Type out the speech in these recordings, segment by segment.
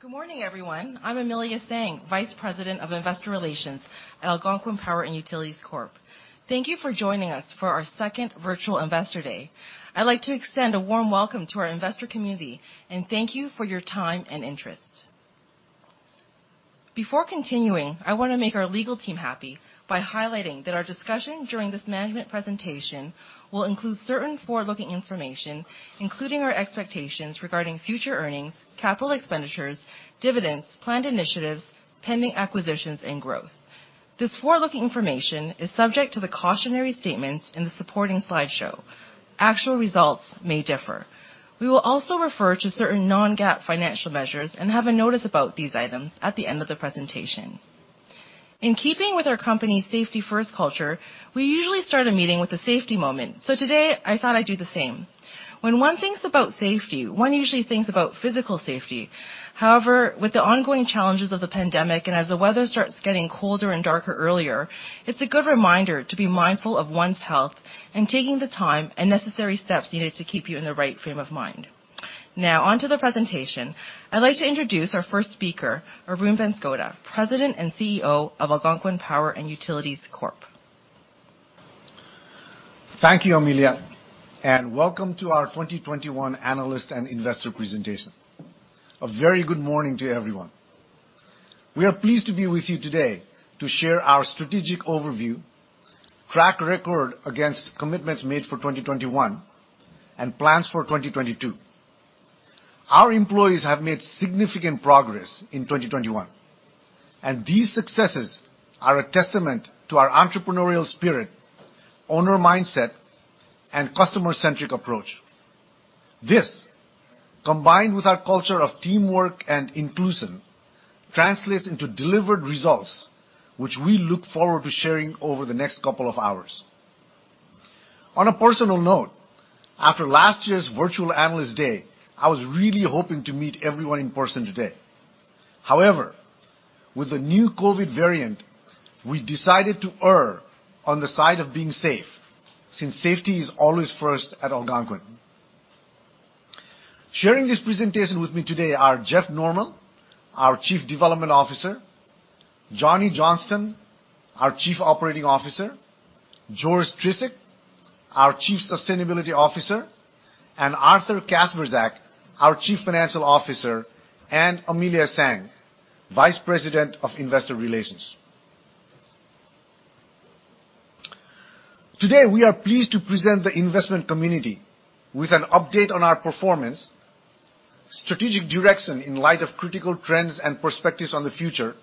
Good morning, everyone. I'm Amelia Tsang, Vice President of Investor Relations at Algonquin Power & Utilities Corp. Thank you for joining us for our second virtual Investor Day. I'd like to extend a warm welcome to our investor community, and thank you for your time and interest. Before continuing, I wanna make our legal team happy by highlighting that our discussion during this management presentation will include certain forward-looking information, including our expectations regarding future earnings, capital expenditures, dividends, planned initiatives, pending acquisitions, and growth. This forward-looking information is subject to the cautionary statements in the supporting slideshow. Actual results may differ. We will also refer to certain non-GAAP financial measures and have a notice about these items at the end of the presentation. In keeping with our company's safety-first culture, we usually start a meeting with a safety moment. Today, I thought I'd do the same. When one thinks about safety, one usually thinks about physical safety. However, with the ongoing challenges of the pandemic and as the weather starts getting colder and darker earlier, it's a good reminder to be mindful of one's health and taking the time and necessary steps needed to keep you in the right frame of mind. Now on to the presentation. I'd like to introduce our first speaker, Arun Banskota, President and CEO of Algonquin Power & Utilities Corp. Thank you, Amelia, and welcome to our 2021 analyst and investor presentation. A very good morning to everyone. We are pleased to be with you today to share our strategic overview, track record against commitments made for 2021, and plans for 2022. Our employees have made significant progress in 2021, and these successes are a testament to our entrepreneurial spirit, owner mindset, and customer-centric approach. This, combined with our culture of teamwork and inclusion, translates into delivered results which we look forward to sharing over the next couple of hours. On a personal note, after last year's virtual analyst day, I was really hoping to meet everyone in person today. However, with the new COVID variant, we decided to err on the side of being safe since safety is always first at Algonquin. Sharing this presentation with me today are Jeff Norman, our Chief Development Officer, Johnny Johnston, our Chief Operating Officer, George Trisic, our Chief Sustainability Officer, and Arthur Kacprzak, our Chief Financial Officer, and Amelia Tsang, Vice President of Investor Relations. Today, we are pleased to present the investment community with an update on our performance, strategic direction in light of critical trends and perspectives on the future,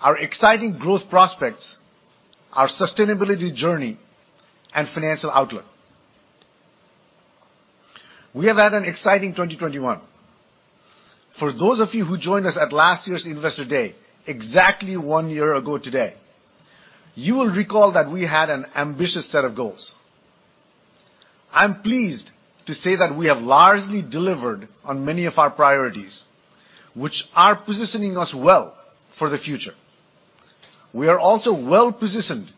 our exciting growth prospects, our sustainability journey, and financial outlook. We have had an exciting 2021. For those of you who joined us at last year's investor day, exactly one year ago today, you will recall that we had an ambitious set of goals. I'm pleased to say that we have largely delivered on many of our priorities, which are positioning us well for the future. We are also well-positioned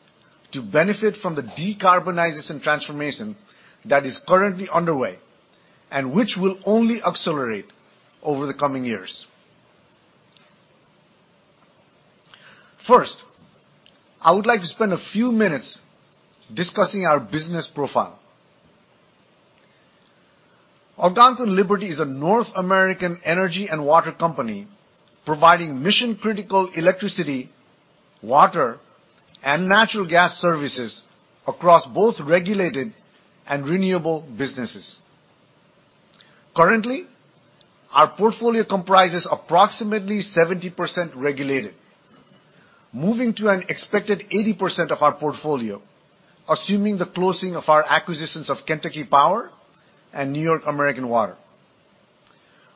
to benefit from the decarbonization transformation that is currently underway and which will only accelerate over the coming years. First, I would like to spend a few minutes discussing our business profile. Algonquin Liberty is a North American energy and water company providing mission-critical electricity, water, and natural gas services across both regulated and renewable businesses. Currently, our portfolio comprises approximately 70% regulated, moving to an expected 80% of our portfolio, assuming the closing of our acquisitions of Kentucky Power and New York American Water.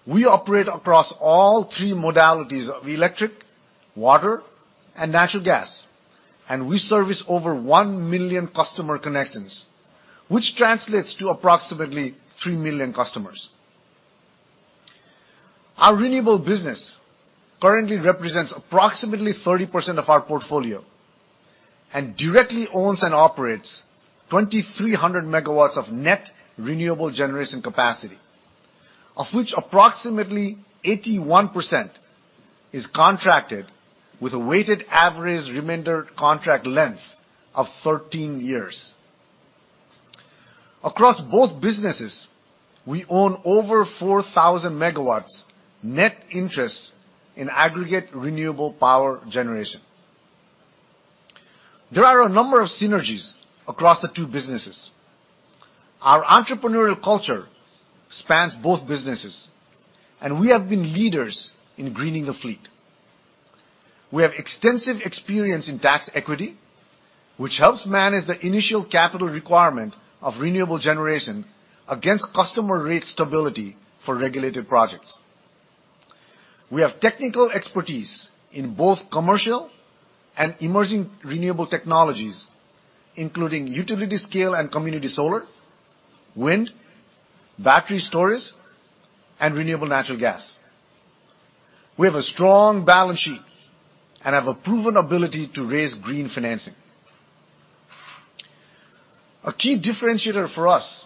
We operate across all three modalities of electric, water, and natural gas, and we service over 1 million customer connections, which translates to approximately 3 million customers. Our renewable business currently represents approximately 30% of our portfolio and directly owns and operates 2,300 MW of net renewable generation capacity, of which approximately 81% is contracted with a weighted average remainder contract length of 13 years. Across both businesses, we own over 4,000 MW net interest in aggregate renewable power generation. There are a number of synergies across the two businesses. Our entrepreneurial culture spans both businesses, and we have been leaders in greening the fleet. We have extensive experience in tax equity, which helps manage the initial capital requirement of renewable generation against customer rate stability for regulated projects. We have technical expertise in both commercial and emerging renewable technologies, including utility scale and community solar, wind, battery storage, and renewable natural gas. We have a strong balance sheet and have a proven ability to raise green financing. A key differentiator for us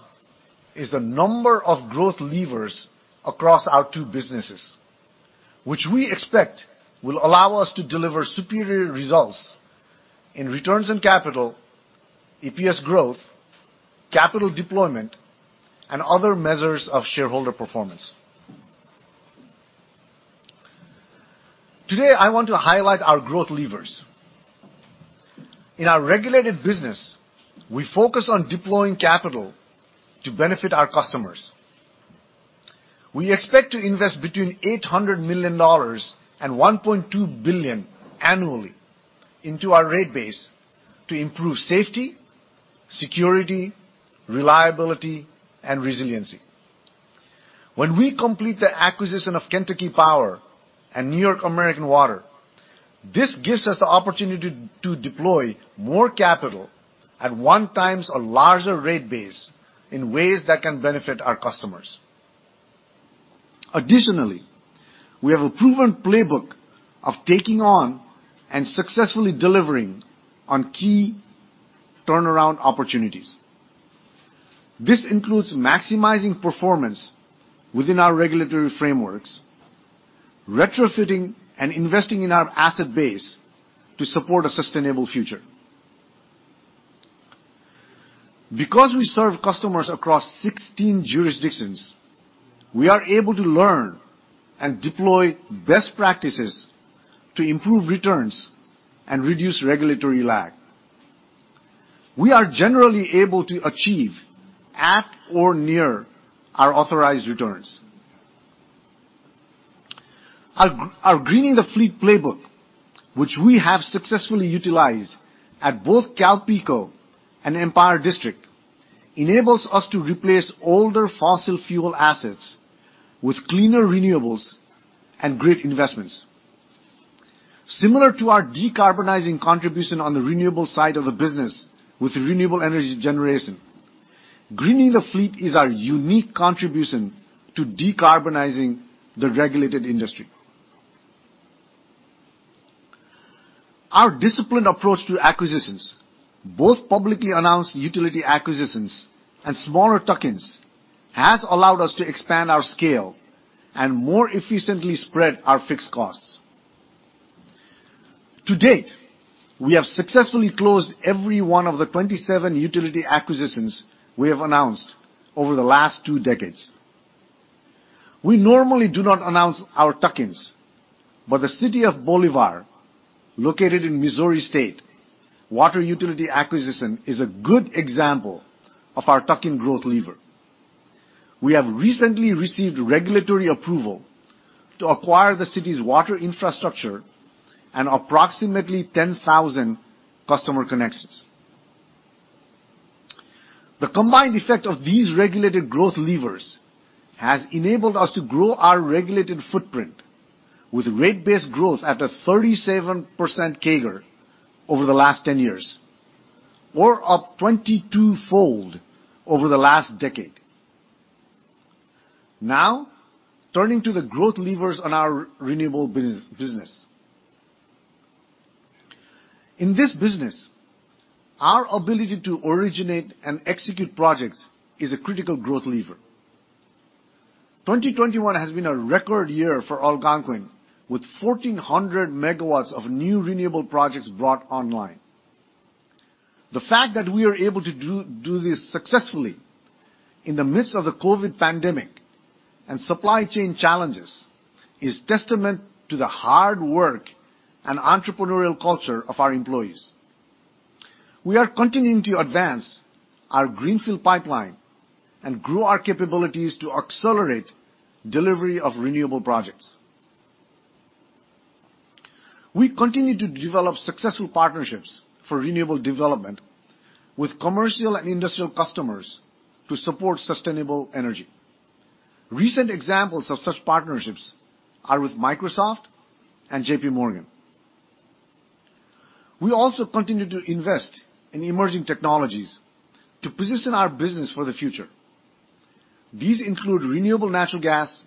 is the number of growth levers across our two businesses, which we expect will allow us to deliver superior results in returns on capital, EPS growth, capital deployment, and other measures of shareholder performance. Today, I want to highlight our growth levers. In our regulated business, we focus on deploying capital to benefit our customers. We expect to invest between $800 million and $1.2 billion annually into our rate base to improve safety, security, reliability, and resiliency. When we complete the acquisition of Kentucky Power and New York American Water, this gives us the opportunity to deploy more capital at one times a larger rate base in ways that can benefit our customers. Additionally, we have a proven playbook of taking on and successfully delivering on key turnaround opportunities. This includes maximizing performance within our regulatory frameworks, retrofitting and investing in our asset base to support a sustainable future. Because we serve customers across 16 jurisdictions, we are able to learn and deploy best practices to improve returns and reduce regulatory lag. We are generally able to achieve at or near our authorized returns. Our Greening the Fleet playbook, which we have successfully utilized at both CalPeco and Empire District, enables us to replace older fossil fuel assets with cleaner renewables and grid investments. Similar to our decarbonizing contribution on the renewable side of the business with renewable energy generation, Greening the Fleet is our unique contribution to decarbonizing the regulated industry. Our disciplined approach to acquisitions, both publicly announced utility acquisitions and smaller tuck-ins, has allowed us to expand our scale and more efficiently spread our fixed costs. To date, we have successfully closed every one of the 27 utility acquisitions we have announced over the last two decades. We normally do not announce our tuck-ins, but the city of Bolivar, located in Missouri, water utility acquisition is a good example of our tuck-in growth lever. We have recently received regulatory approval to acquire the city's water infrastructure and approximately 10,000 customer connections. The combined effect of these regulated growth levers has enabled us to grow our regulated footprint with rate-based growth at a 37% CAGR over the last 10 years, or up 22-fold over the last decade. Now, turning to the growth levers on our renewable business. In this business, our ability to originate and execute projects is a critical growth lever. 2021 has been a record year for Algonquin, with 1,400 MW of new renewable projects brought online. The fact that we are able to do this successfully in the midst of the COVID pandemic and supply chain challenges is testament to the hard work and entrepreneurial culture of our employees. We are continuing to advance our greenfield pipeline and grow our capabilities to accelerate delivery of renewable projects. We continue to develop successful partnerships for renewable development with commercial and industrial customers to support sustainable energy. Recent examples of such partnerships are with Microsoft and JPMorgan. We also continue to invest in emerging technologies to position our business for the future. These include renewable natural gas,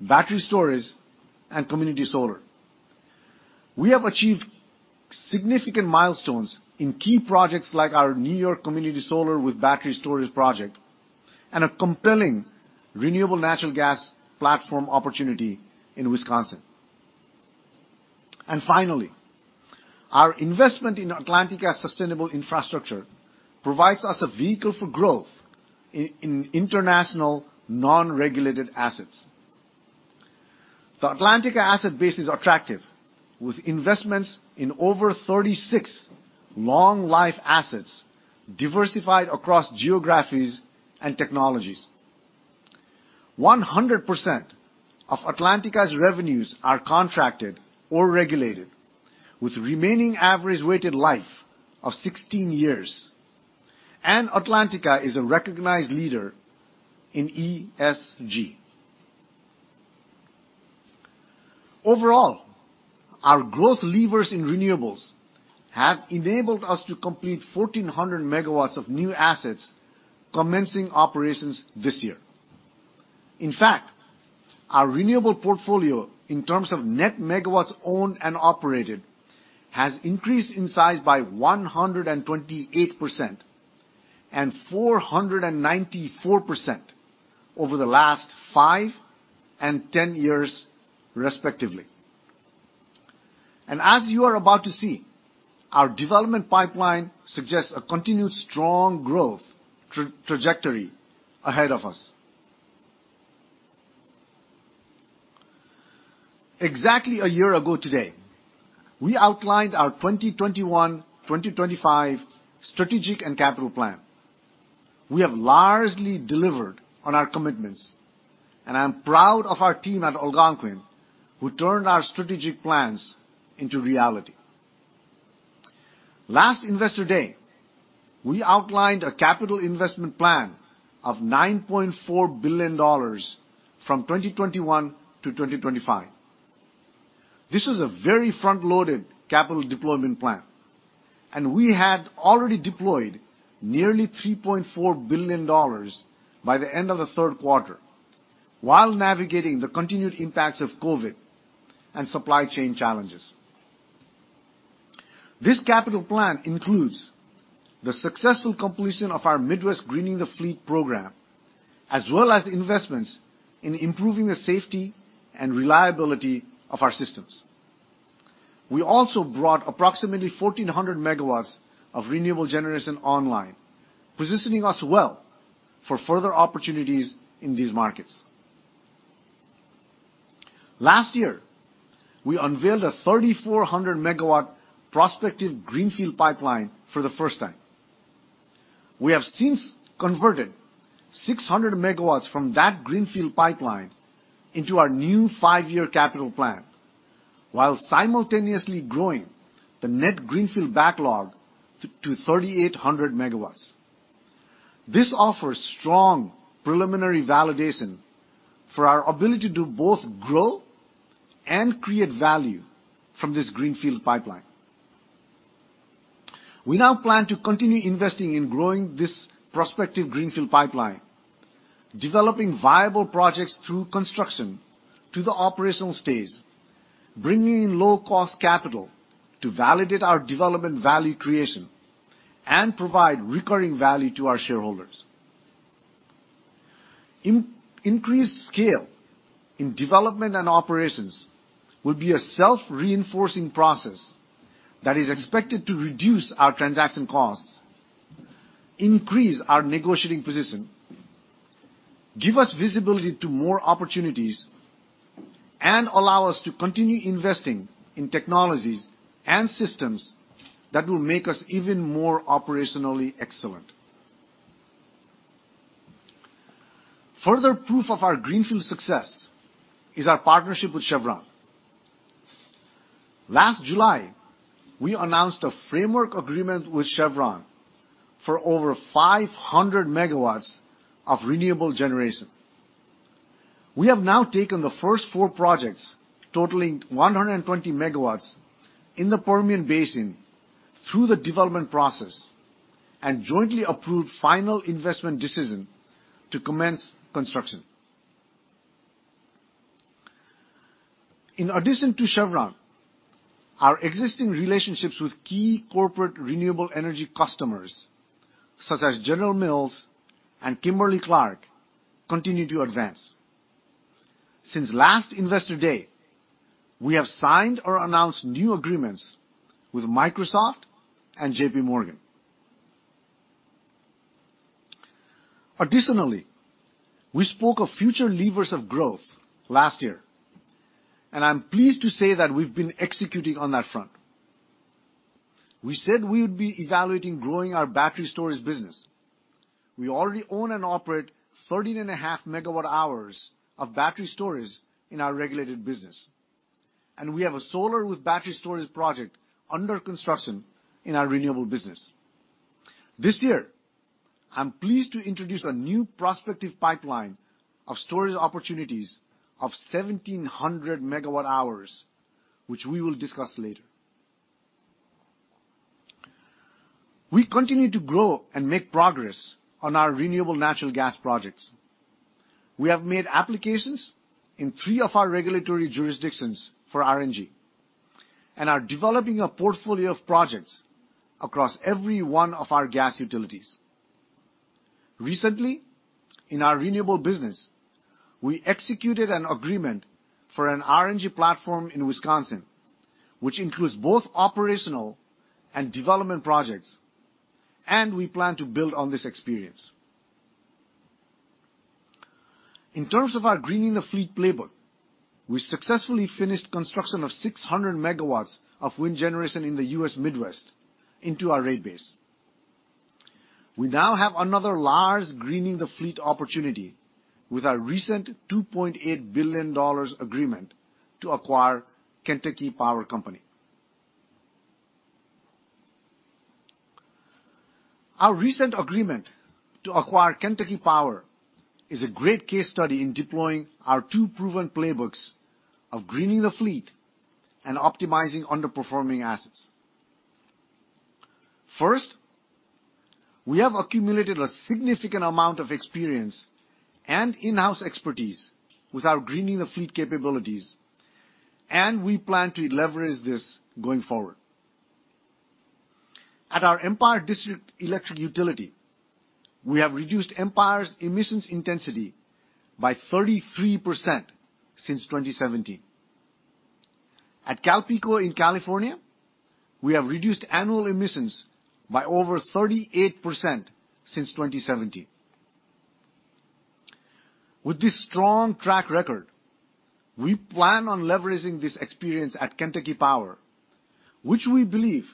battery storages, and community solar. We have achieved significant milestones in key projects like our New York Community Solar with Battery Storage Project and a compelling renewable natural gas platform opportunity in Wisconsin. Finally, our investment in Atlantica Sustainable Infrastructure provides us a vehicle for growth in international non-regulated assets. The Atlantica asset base is attractive, with investments in over 36 long life assets diversified across geographies and technologies. 100% of Atlantica's revenues are contracted or regulated, with remaining average weighted life of 16 years. Atlantica is a recognized leader in ESG. Overall, our growth levers in renewables have enabled us to complete 1,400 MW of new assets commencing operations this year. In fact, our renewable portfolio in terms of net megawatts owned and operated has increased in size by 128% and 494% over the last 5 and 10 years, respectively. As you are about to see, our development pipeline suggests a continued strong growth trajectory ahead of us. Exactly a year ago today, we outlined our 2021-2025 strategic and capital plan. We have largely delivered on our commitments, and I'm proud of our team at Algonquin who turned our strategic plans into reality. Last Investor Day, we outlined a capital investment plan of $9.4 billion from 2021 to 2025. This was a very front-loaded capital deployment plan, and we had already deployed nearly $3.4 billion by the end of the third quarter while navigating the continued impacts of COVID and supply chain challenges. This capital plan includes the successful completion of our Midwest Greening the Fleet program, as well as investments in improving the safety and reliability of our systems. We also brought approximately 1,400 MW of renewable generation online, positioning us well for further opportunities in these markets. Last year, we unveiled a 3,400-MW prospective greenfield pipeline for the first time. We have since converted 600 MW from that greenfield pipeline into our new 5-year capital plan, while simultaneously growing the net greenfield backlog to 3,800 MW. This offers strong preliminary validation for our ability to both grow and create value from this greenfield pipeline. We now plan to continue investing in growing this prospective greenfield pipeline, developing viable projects through construction to the operational stage, bringing in low-cost capital to validate our development value creation and provide recurring value to our shareholders. Increased scale in development and operations will be a self-reinforcing process that is expected to reduce our transaction costs, increase our negotiating position, give us visibility to more opportunities, and allow us to continue investing in technologies and systems that will make us even more operationally excellent. Further proof of our greenfield success is our partnership with Chevron. Last July, we announced a framework agreement with Chevron for over 500 MW of renewable generation. We have now taken the first four projects, totaling 120 MW in the Permian Basin, through the development process and jointly approved final investment decision to commence construction. In addition to Chevron, our existing relationships with key corporate renewable energy customers, such as General Mills and Kimberly-Clark, continue to advance. Since last Investor Day, we have signed or announced new agreements with Microsoft and JPMorgan. Additionally, we spoke of future levers of growth last year, and I'm pleased to say that we've been executing on that front. We said we would be evaluating growing our battery storage business. We already own and operate 13.5 MWh of battery storage in our regulated business, and we have a solar with battery storage project under construction in our renewable business. This year, I'm pleased to introduce a new prospective pipeline of storage opportunities of 1,700 MWh, which we will discuss later. We continue to grow and make progress on our renewable natural gas projects. We have made applications in three of our regulatory jurisdictions for RNG and are developing a portfolio of projects across every one of our gas utilities. Recently, in our renewable business, we executed an agreement for an RNG platform in Wisconsin, which includes both operational and development projects, and we plan to build on this experience. In terms of our Greening the Fleet playbook, we successfully finished construction of 600 MW of wind generation in the U.S. Midwest into our rate base. We now have another large Greening the Fleet opportunity with our recent $2.8 billion agreement to acquire Kentucky Power Company. Our recent agreement to acquire Kentucky Power is a great case study in deploying our two proven playbooks of Greening the Fleet and optimizing underperforming assets. First, we have accumulated a significant amount of experience and in-house expertise with our greening the fleet capabilities, and we plan to leverage this going forward. At our Empire District Electric utility, we have reduced Empire's emissions intensity by 33% since 2017. At CalPeco in California, we have reduced annual emissions by over 38% since 2017. With this strong track record, we plan on leveraging this experience at Kentucky Power, which we believe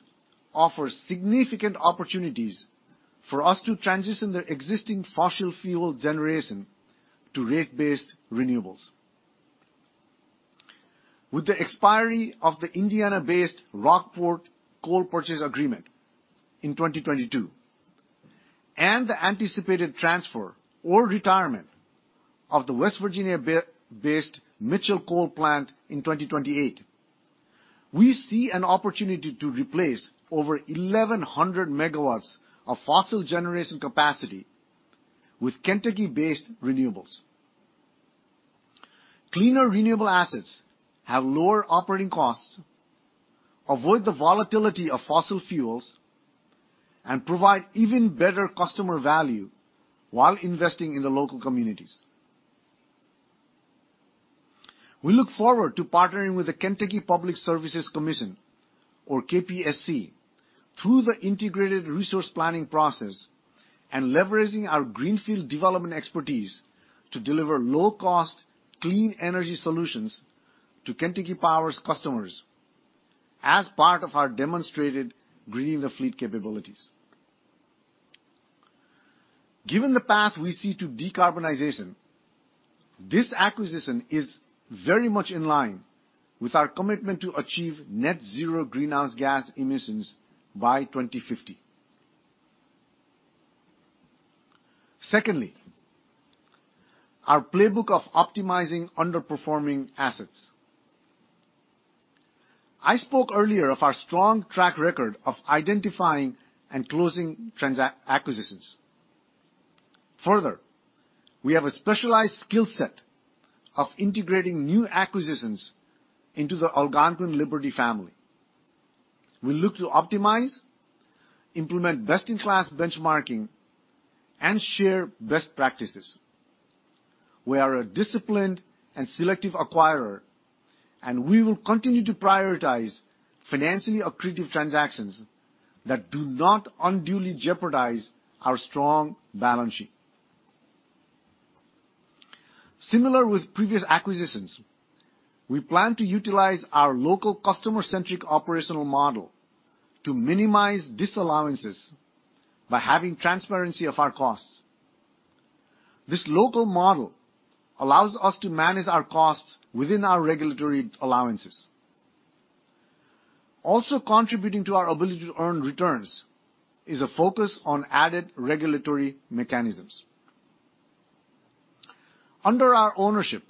offers significant opportunities for us to transition the existing fossil fuel generation to rate-based renewables. With the expiry of the Indiana-based Rockport coal purchase agreement in 2022, and the anticipated transfer or retirement of the West Virginia-based Mitchell Plant in 2028, we see an opportunity to replace over 1,100 MW of fossil generation capacity with Kentucky-based renewables. Cleaner renewable assets have lower operating costs, avoid the volatility of fossil fuels, and provide even better customer value while investing in the local communities. We look forward to partnering with the Kentucky Public Service Commission, or KPSC, through the integrated resource planning process and leveraging our greenfield development expertise to deliver low-cost, clean energy solutions to Kentucky Power's customers as part of our demonstrated greening the fleet capabilities. Given the path we see to decarbonization, this acquisition is very much in line with our commitment to achieve net zero greenhouse gas emissions by 2050. Secondly, our playbook of optimizing underperforming assets. I spoke earlier of our strong track record of identifying and closing acquisitions. Further, we have a specialized skill set of integrating new acquisitions into the Algonquin Liberty family. We look to optimize, implement best-in-class benchmarking, and share best practices. We are a disciplined and selective acquirer, and we will continue to prioritize financially accretive transactions that do not unduly jeopardize our strong balance sheet. Similar with previous acquisitions, we plan to utilize our local customer-centric operational model to minimize disallowances by having transparency of our costs. This local model allows us to manage our costs within our regulatory allowances. Also contributing to our ability to earn returns is a focus on added regulatory mechanisms. Under our ownership,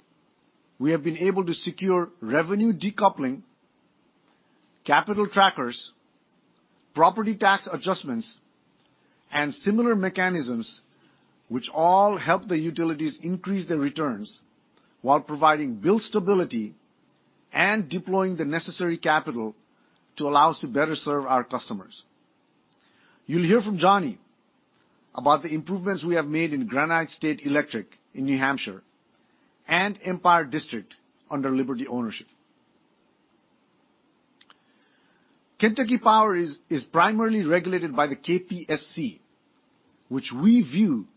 we have been able to secure revenue decoupling, capital trackers, property tax adjustments, and similar mechanisms, which all help the utilities increase their returns while providing bill stability and deploying the necessary capital to allow us to better serve our customers. You'll hear from Johnny about the improvements we have made in Granite State Electric in New Hampshire and Empire District under Liberty ownership. Kentucky Power is primarily regulated by the KPSC, which we view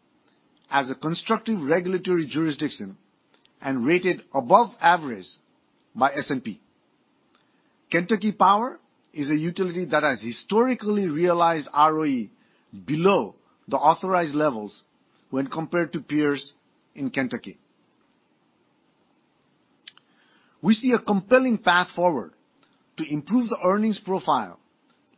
as a constructive regulatory jurisdiction and rated above average by S&P. Kentucky Power is a utility that has historically realized ROE below the authorized levels when compared to peers in Kentucky. We see a compelling path forward to improve the earnings profile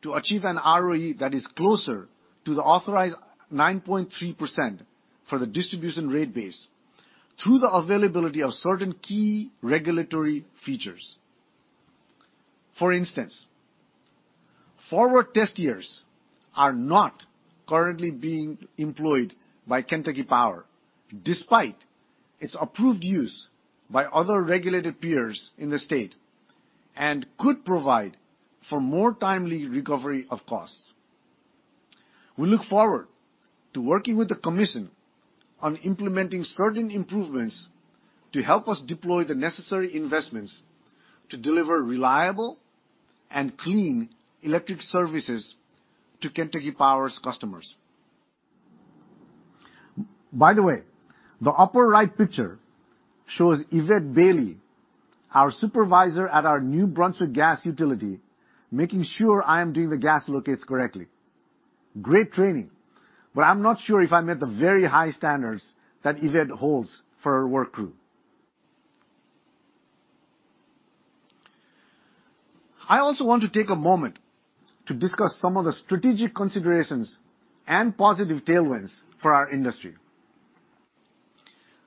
to achieve an ROE that is closer to the authorized 9.3% for the distribution rate base through the availability of certain key regulatory features. For instance, forward test years are not currently being employed by Kentucky Power despite its approved use by other regulated peers in the state and could provide for more timely recovery of costs. We look forward to working with the Commission on implementing certain improvements to help us deploy the necessary investments to deliver reliable and clean electric services to Kentucky Power's customers. By the way, the upper-right picture shows Yvette Bailey, our Supervisor at our New Brunswick Gas utility, making sure I am doing the gas locates correctly. Great training, but I'm not sure if I met the very high standards that Yvette holds for her work crew. I also want to take a moment to discuss some of the strategic considerations and positive tailwinds for our industry.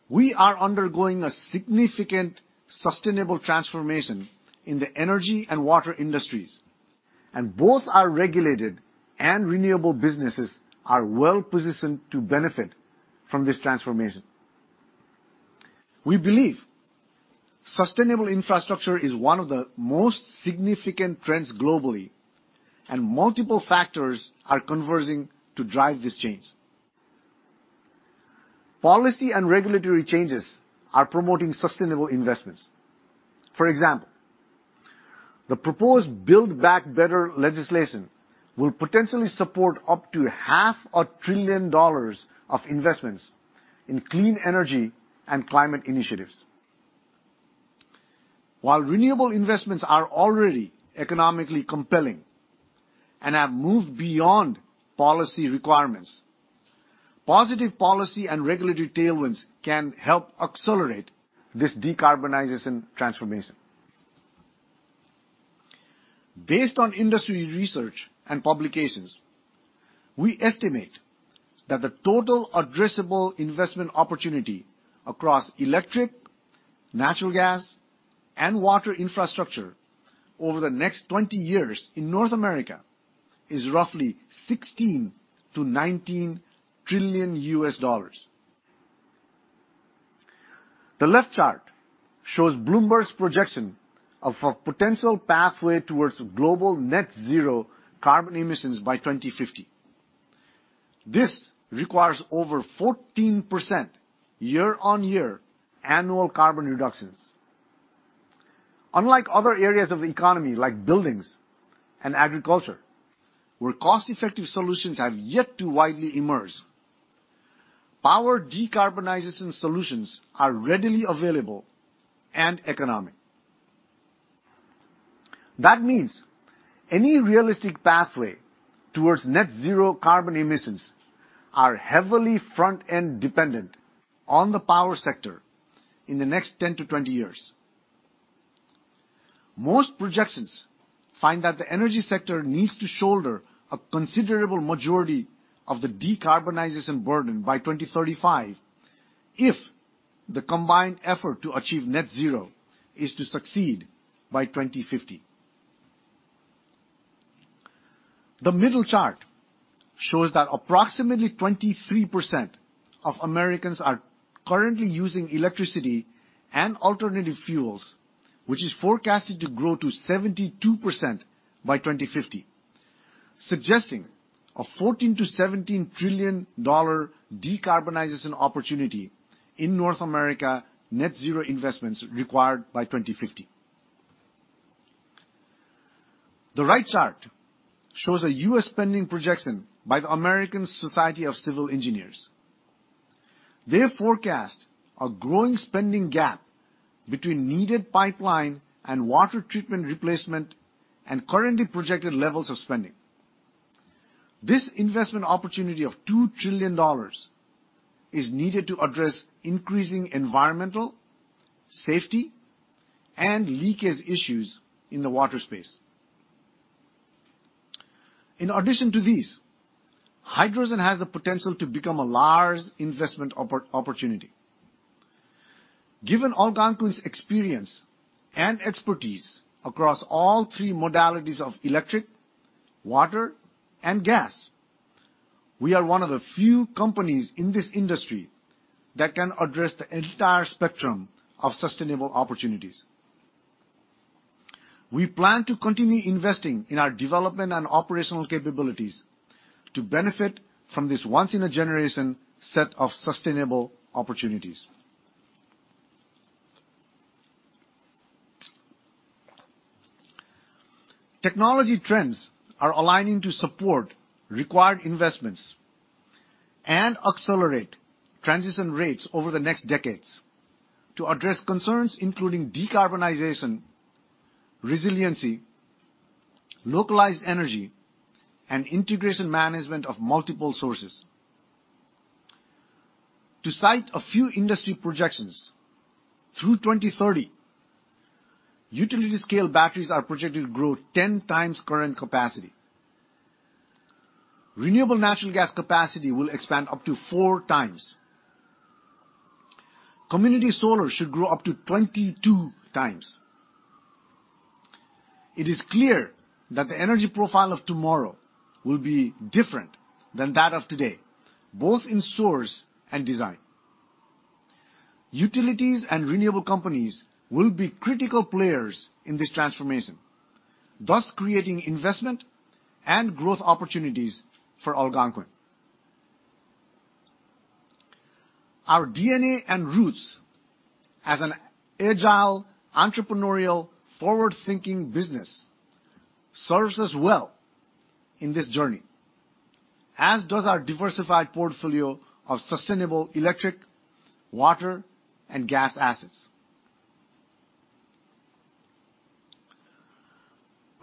We are undergoing a significant sustainable transformation in the energy and water industries, and both our regulated and renewable businesses are well-positioned to benefit from this transformation. We believe sustainable infrastructure is one of the most significant trends globally, and multiple factors are converging to drive this change. Policy and regulatory changes are promoting sustainable investments. For example, the proposed Build Back Better legislation will potentially support up to half a trillion dollars of investments in clean energy and climate initiatives. While renewable investments are already economically compelling and have moved beyond policy requirements, positive policy and regulatory tailwinds can help accelerate this decarbonization transformation. Based on industry research and publications, we estimate that the total addressable investment opportunity across electric, natural gas, and water infrastructure over the next 20 years in North America is roughly $16 trillion-$19 trillion. The left chart shows Bloomberg's projection of a potential pathway towards global net zero carbon emissions by 2050. This requires over 14% year-on-year annual carbon reductions. Unlike other areas of the economy, like buildings and agriculture, where cost-effective solutions have yet to widely emerge, power decarbonization solutions are readily available and economic. That means any realistic pathway towards net zero carbon emissions are heavily front-end dependent on the power sector in the next 10-20 years. Most projections find that the energy sector needs to shoulder a considerable majority of the decarbonization burden by 2035 if the combined effort to achieve net zero is to succeed by 2050. The middle chart shows that approximately 23% of Americans are currently using electricity and alternative fuels, which is forecasted to grow to 72% by 2050, suggesting a $14 trillion-$17 trillion decarbonization opportunity in North America net zero investments required by 2050. The right chart shows a U.S. spending projection by the American Society of Civil Engineers. They forecast a growing spending gap between needed pipeline and water treatment replacement and currently projected levels of spending. This investment opportunity of $2 trillion is needed to address increasing environmental, safety, and leakage issues in the water space. In addition to these, hydrogen has the potential to become a large investment opportunity. Given Algonquin's experience and expertise across all three modalities of electric, water, and gas, we are one of the few companies in this industry that can address the entire spectrum of sustainable opportunities. We plan to continue investing in our development and operational capabilities to benefit from this once-in-a-generation set of sustainable opportunities. Technology trends are aligning to support required investments and accelerate transition rates over the next decades to address concerns including decarbonization, resiliency, localized energy, and integration management of multiple sources. To cite a few industry projections, through 2030, utility-scale batteries are projected to grow 10x current capacity. Renewable natural gas capacity will expand up to 4x. Community solar should grow up to 22x. It is clear that the energy profile of tomorrow will be different than that of today, both in source and design. Utilities and renewable companies will be critical players in this transformation, thus creating investment and growth opportunities for Algonquin. Our DNA and roots as an agile, entrepreneurial, forward-thinking business serves us well in this journey, as does our diversified portfolio of sustainable electric, water, and gas assets.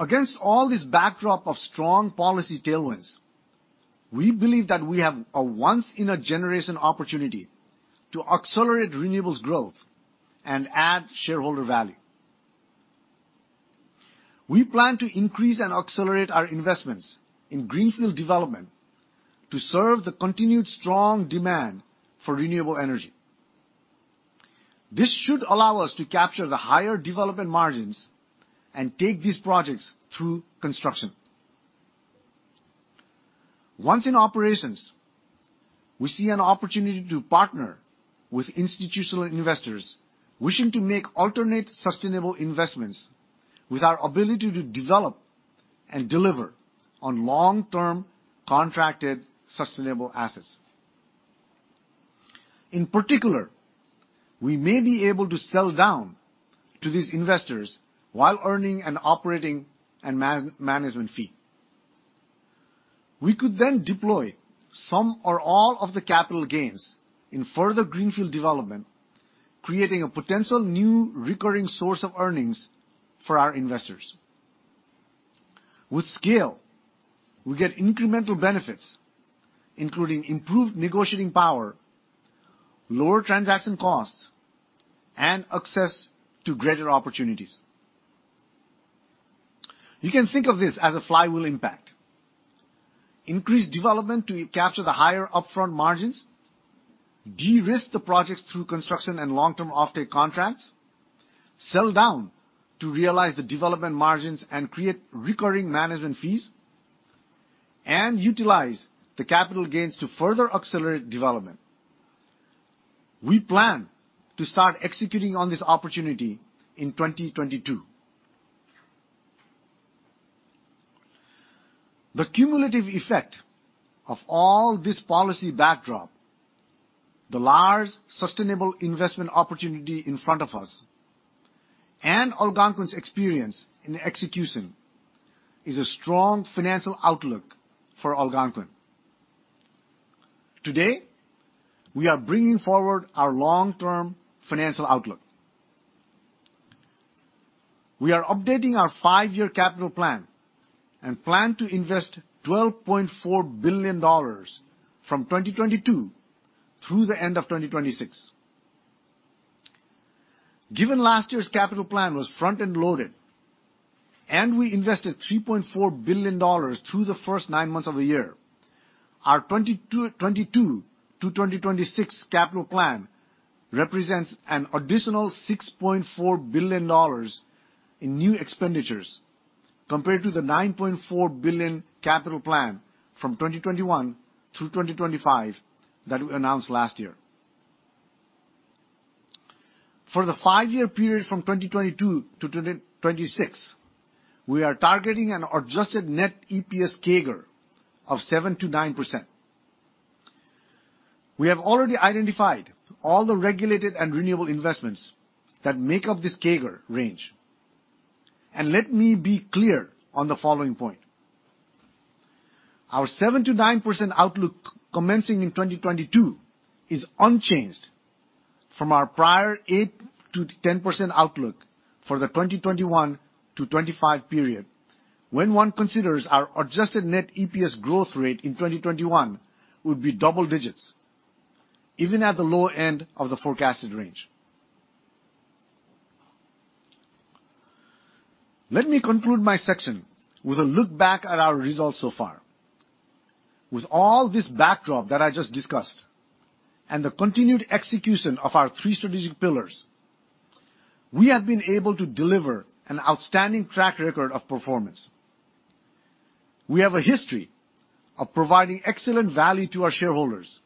Against all this backdrop of strong policy tailwinds, we believe that we have a once-in-a-generation opportunity to accelerate renewables growth and add shareholder value. We plan to increase and accelerate our investments in greenfield development to serve the continued strong demand for renewable energy. This should allow us to capture the higher development margins and take these projects through construction. Once in operations, we see an opportunity to partner with institutional investors wishing to make alternate sustainable investments with our ability to develop and deliver on long-term contracted sustainable assets. In particular, we may be able to sell down to these investors while earning an operating and man-management fee. We could then deploy some or all of the capital gains in further greenfield development, creating a potential new recurring source of earnings for our investors. With scale, we get incremental benefits, including improved negotiating power, lower transaction costs, and access to greater opportunities. You can think of this as a flywheel impact. Increase development to capture the higher upfront margins, de-risk the projects through construction and long-term offtake contracts, sell down to realize the development margins and create recurring management fees, and utilize the capital gains to further accelerate development. We plan to start executing on this opportunity in 2022. The cumulative effect of all this policy backdrop, the large sustainable investment opportunity in front of us, and Algonquin's experience in execution, is a strong financial outlook for Algonquin. Today, we are bringing forward our long-term financial outlook. We are updating our 5-year capital plan and plan to invest $12.4 billion from 2022 through the end of 2026. Given last year's capital plan was front-end loaded, we invested $3.4 billion through the first 9 months of the year. Our 2022-2026 capital plan represents an additional $6.4 billion in new expenditures compared to the $9.4 billion capital plan from 2021 through 2025 that we announced last year. For the 5-year period from 2022 to 2026, we are targeting an adjusted net EPS CAGR of 7%-9%. We have already identified all the regulated and renewable investments that make up this CAGR range. Let me be clear on the following point. Our 7%-9% outlook commencing in 2022 is unchanged from our prior 8%-10% outlook for the 2021-2025 period when one considers our adjusted net EPS growth rate in 2021 would be double digits, even at the low end of the forecasted range. Let me conclude my section with a look back at our results so far. With all this backdrop that I just discussed and the continued execution of our three strategic pillars, we have been able to deliver an outstanding track record of performance. We have a history of providing excellent value to our shareholders,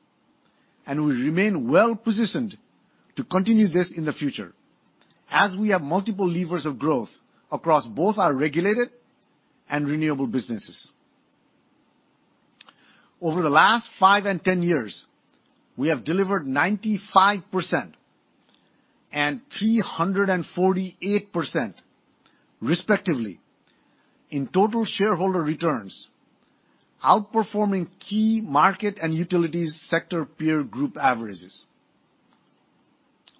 and we remain well-positioned to continue this in the future as we have multiple levers of growth across both our regulated and renewable businesses. Over the last 5 and 10 years, we have delivered 95% and 348% respectively in total shareholder returns, outperforming key market and utilities sector peer group averages.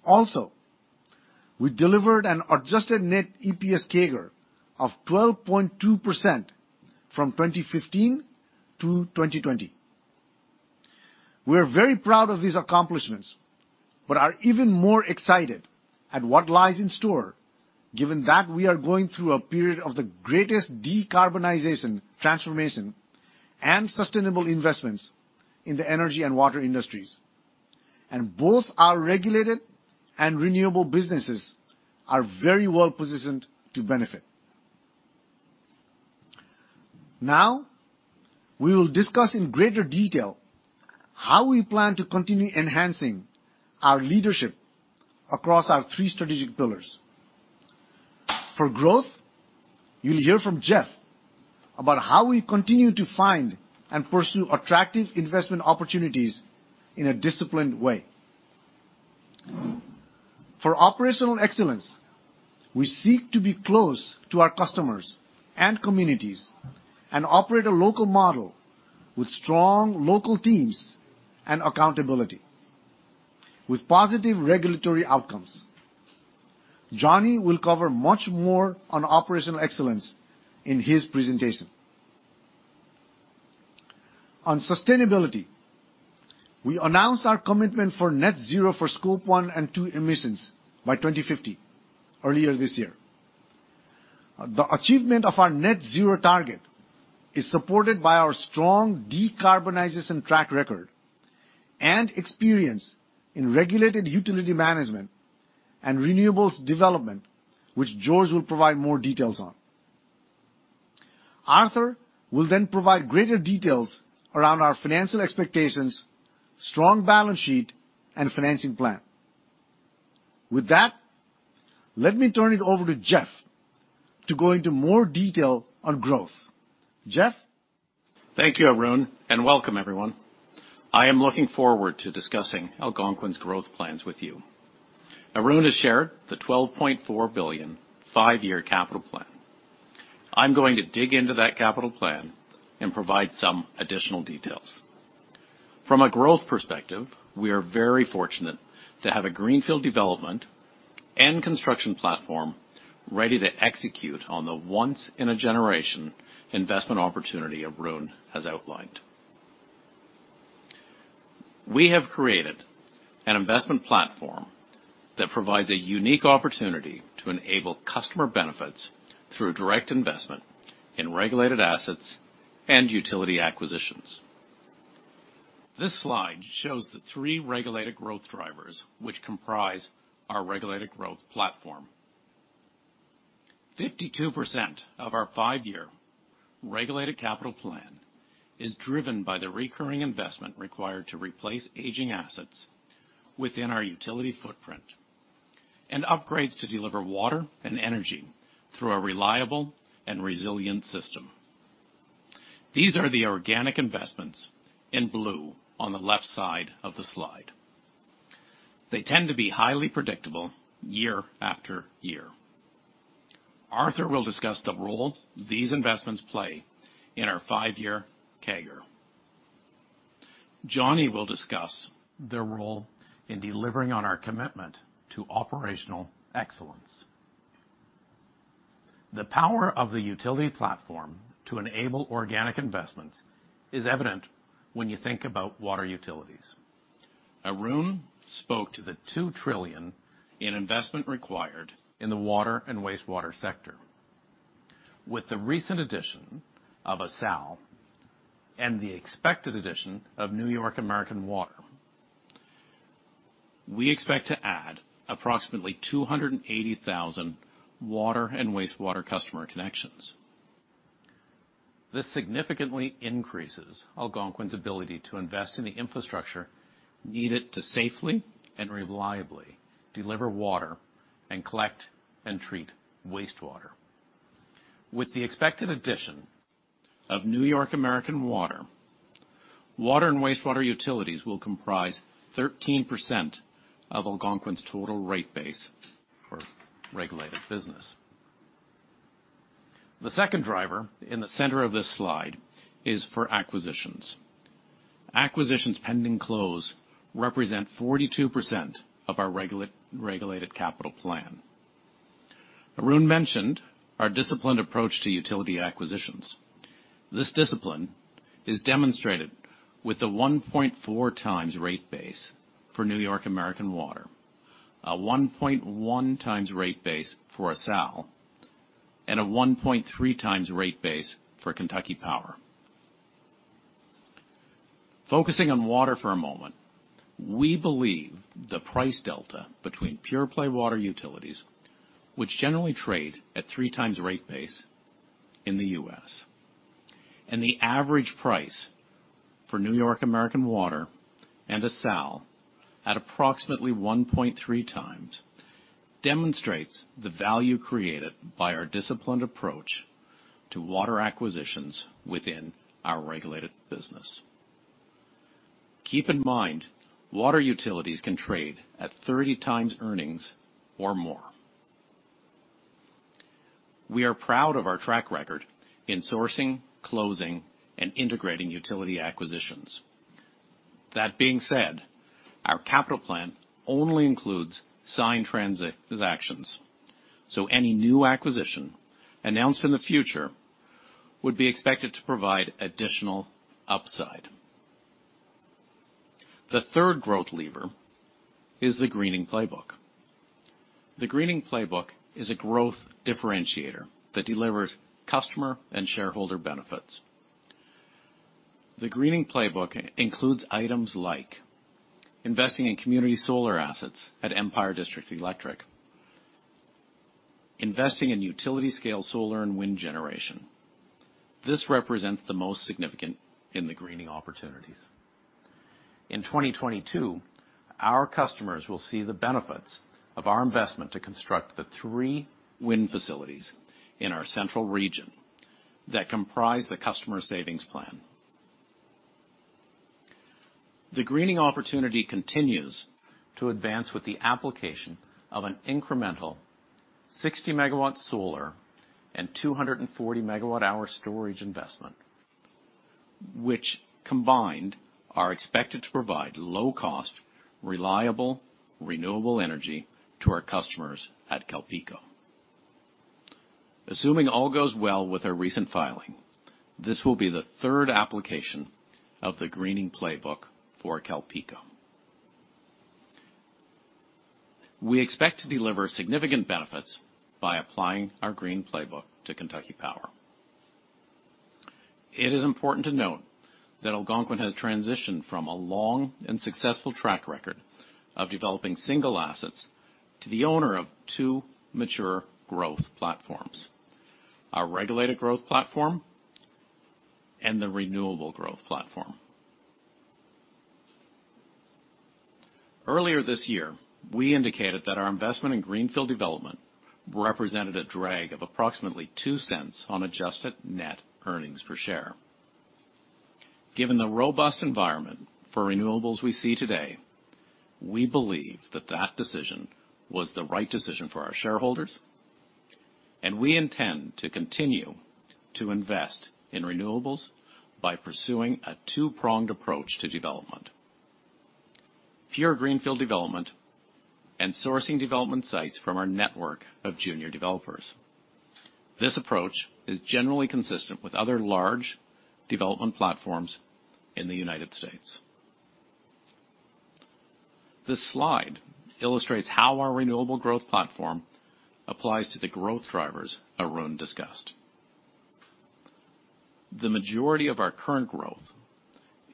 Also, we delivered an adjusted net EPS CAGR of 12.2% from 2015-2020. We are very proud of these accomplishments, but are even more excited at what lies in store given that we are going through a period of the greatest decarbonization transformation and sustainable investments in the energy and water industries. Both our regulated and renewable businesses are very well-positioned to benefit. Now, we will discuss in greater detail how we plan to continue enhancing our leadership across our three strategic pillars. For growth, you'll hear from Jeff about how we continue to find and pursue attractive investment opportunities in a disciplined way. For operational excellence, we seek to be close to our customers and communities and operate a local model with strong local teams and accountability with positive regulatory outcomes. Johnny will cover much more on operational excellence in his presentation. On sustainability, we announced our commitment for net zero for scope one and two emissions by 2050 earlier this year. The achievement of our net zero target is supported by our strong decarbonization track record and experience in regulated utility management and renewables development, which George will provide more details on. Arthur will then provide greater details around our financial expectations, strong balance sheet, and financing plan. With that, let me turn it over to Jeff to go into more detail on growth. Jeff? Thank you, Arun, and welcome everyone. I am looking forward to discussing Algonquin's growth plans with you. Arun has shared the $12.4 billion 5-year capital plan. I'm going to dig into that capital plan and provide some additional details. From a growth perspective, we are very fortunate to have a greenfield development and construction platform ready to execute on the once-in-a-generation investment opportunity Arun has outlined. We have created an investment platform that provides a unique opportunity to enable customer benefits through direct investment in regulated assets and utility acquisitions. This slide shows the three regulated growth drivers which comprise our regulated growth platform. 52% of our 5-year regulated capital plan is driven by the recurring investment required to replace aging assets within our utility footprint and upgrades to deliver water and energy through a reliable and resilient system. These are the organic investments in blue on the left side of the slide. They tend to be highly predictable year after year. Arthur will discuss the role these investments play in our 5-year CAGR. Johnny will discuss their role in delivering on our commitment to operational excellence. The power of the utility platform to enable organic investments is evident when you think about water utilities. Arun spoke to the $2 trillion in investment required in the water and wastewater sector. With the recent addition of ESSAL and the expected addition of New York American Water, we expect to add approximately 280,000 water and wastewater customer connections. This significantly increases Algonquin's ability to invest in the infrastructure needed to safely and reliably deliver water and collect and treat wastewater. With the expected addition of New York American Water, water and wastewater utilities will comprise 13% of Algonquin's total rate base for regulated business. The second driver in the center of this slide is for acquisitions. Acquisitions pending close represent 42% of our regulated capital plan. Arun mentioned our disciplined approach to utility acquisitions. This discipline is demonstrated with the 1.4x rate base for New York American Water, a 1.1x rate base for ESSAL, and a 1.3x rate base for Kentucky Power. Focusing on water for a moment, we believe the price delta between pure play water utilities, which generally trade at 3x rate base in the U.S., and the average price for New York American Water and ESSAL at approximately 1.3x demonstrates the value created by our disciplined approach to water acquisitions within our regulated business. Keep in mind, water utilities can trade at 30x earnings or more. We are proud of our track record in sourcing, closing, and integrating utility acquisitions. That being said, our capital plan only includes signed transactions, so any new acquisition announced in the future would be expected to provide additional upside. The third growth lever is the Greening Playbook. The Greening Playbook is a growth differentiator that delivers customer and shareholder benefits. The Greening Playbook includes items like investing in community solar assets at Empire District Electric, investing in utility-scale solar and wind generation. This represents the most significant in the greening opportunities. In 2022, our customers will see the benefits of our investment to construct the three wind facilities in our central region that comprise the customer savings plan. The greening opportunity continues to advance with the application of an incremental 60-MW solar and 240 MWh storage investment, which combined are expected to provide low-cost, reliable, renewable energy to our customers at CalPeco. Assuming all goes well with our recent filing, this will be the third application of the greening playbook for CalPeco. We expect to deliver significant benefits by applying our green playbook to Kentucky Power. It is important to note that Algonquin has transitioned from a long and successful track record of developing single assets to the owner of two mature growth platforms, our regulated growth platform and the renewable growth platform. Earlier this year, we indicated that our investment in greenfield development represented a drag of approximately $0.02 on adjusted net earnings per share. Given the robust environment for renewables we see today, we believe that that decision was the right decision for our shareholders, and we intend to continue to invest in renewables by pursuing a two-pronged approach to development, pure greenfield development and sourcing development sites from our network of junior developers. This approach is generally consistent with other large development platforms in the United States. This slide illustrates how our renewable growth platform applies to the growth drivers Arun discussed. The majority of our current growth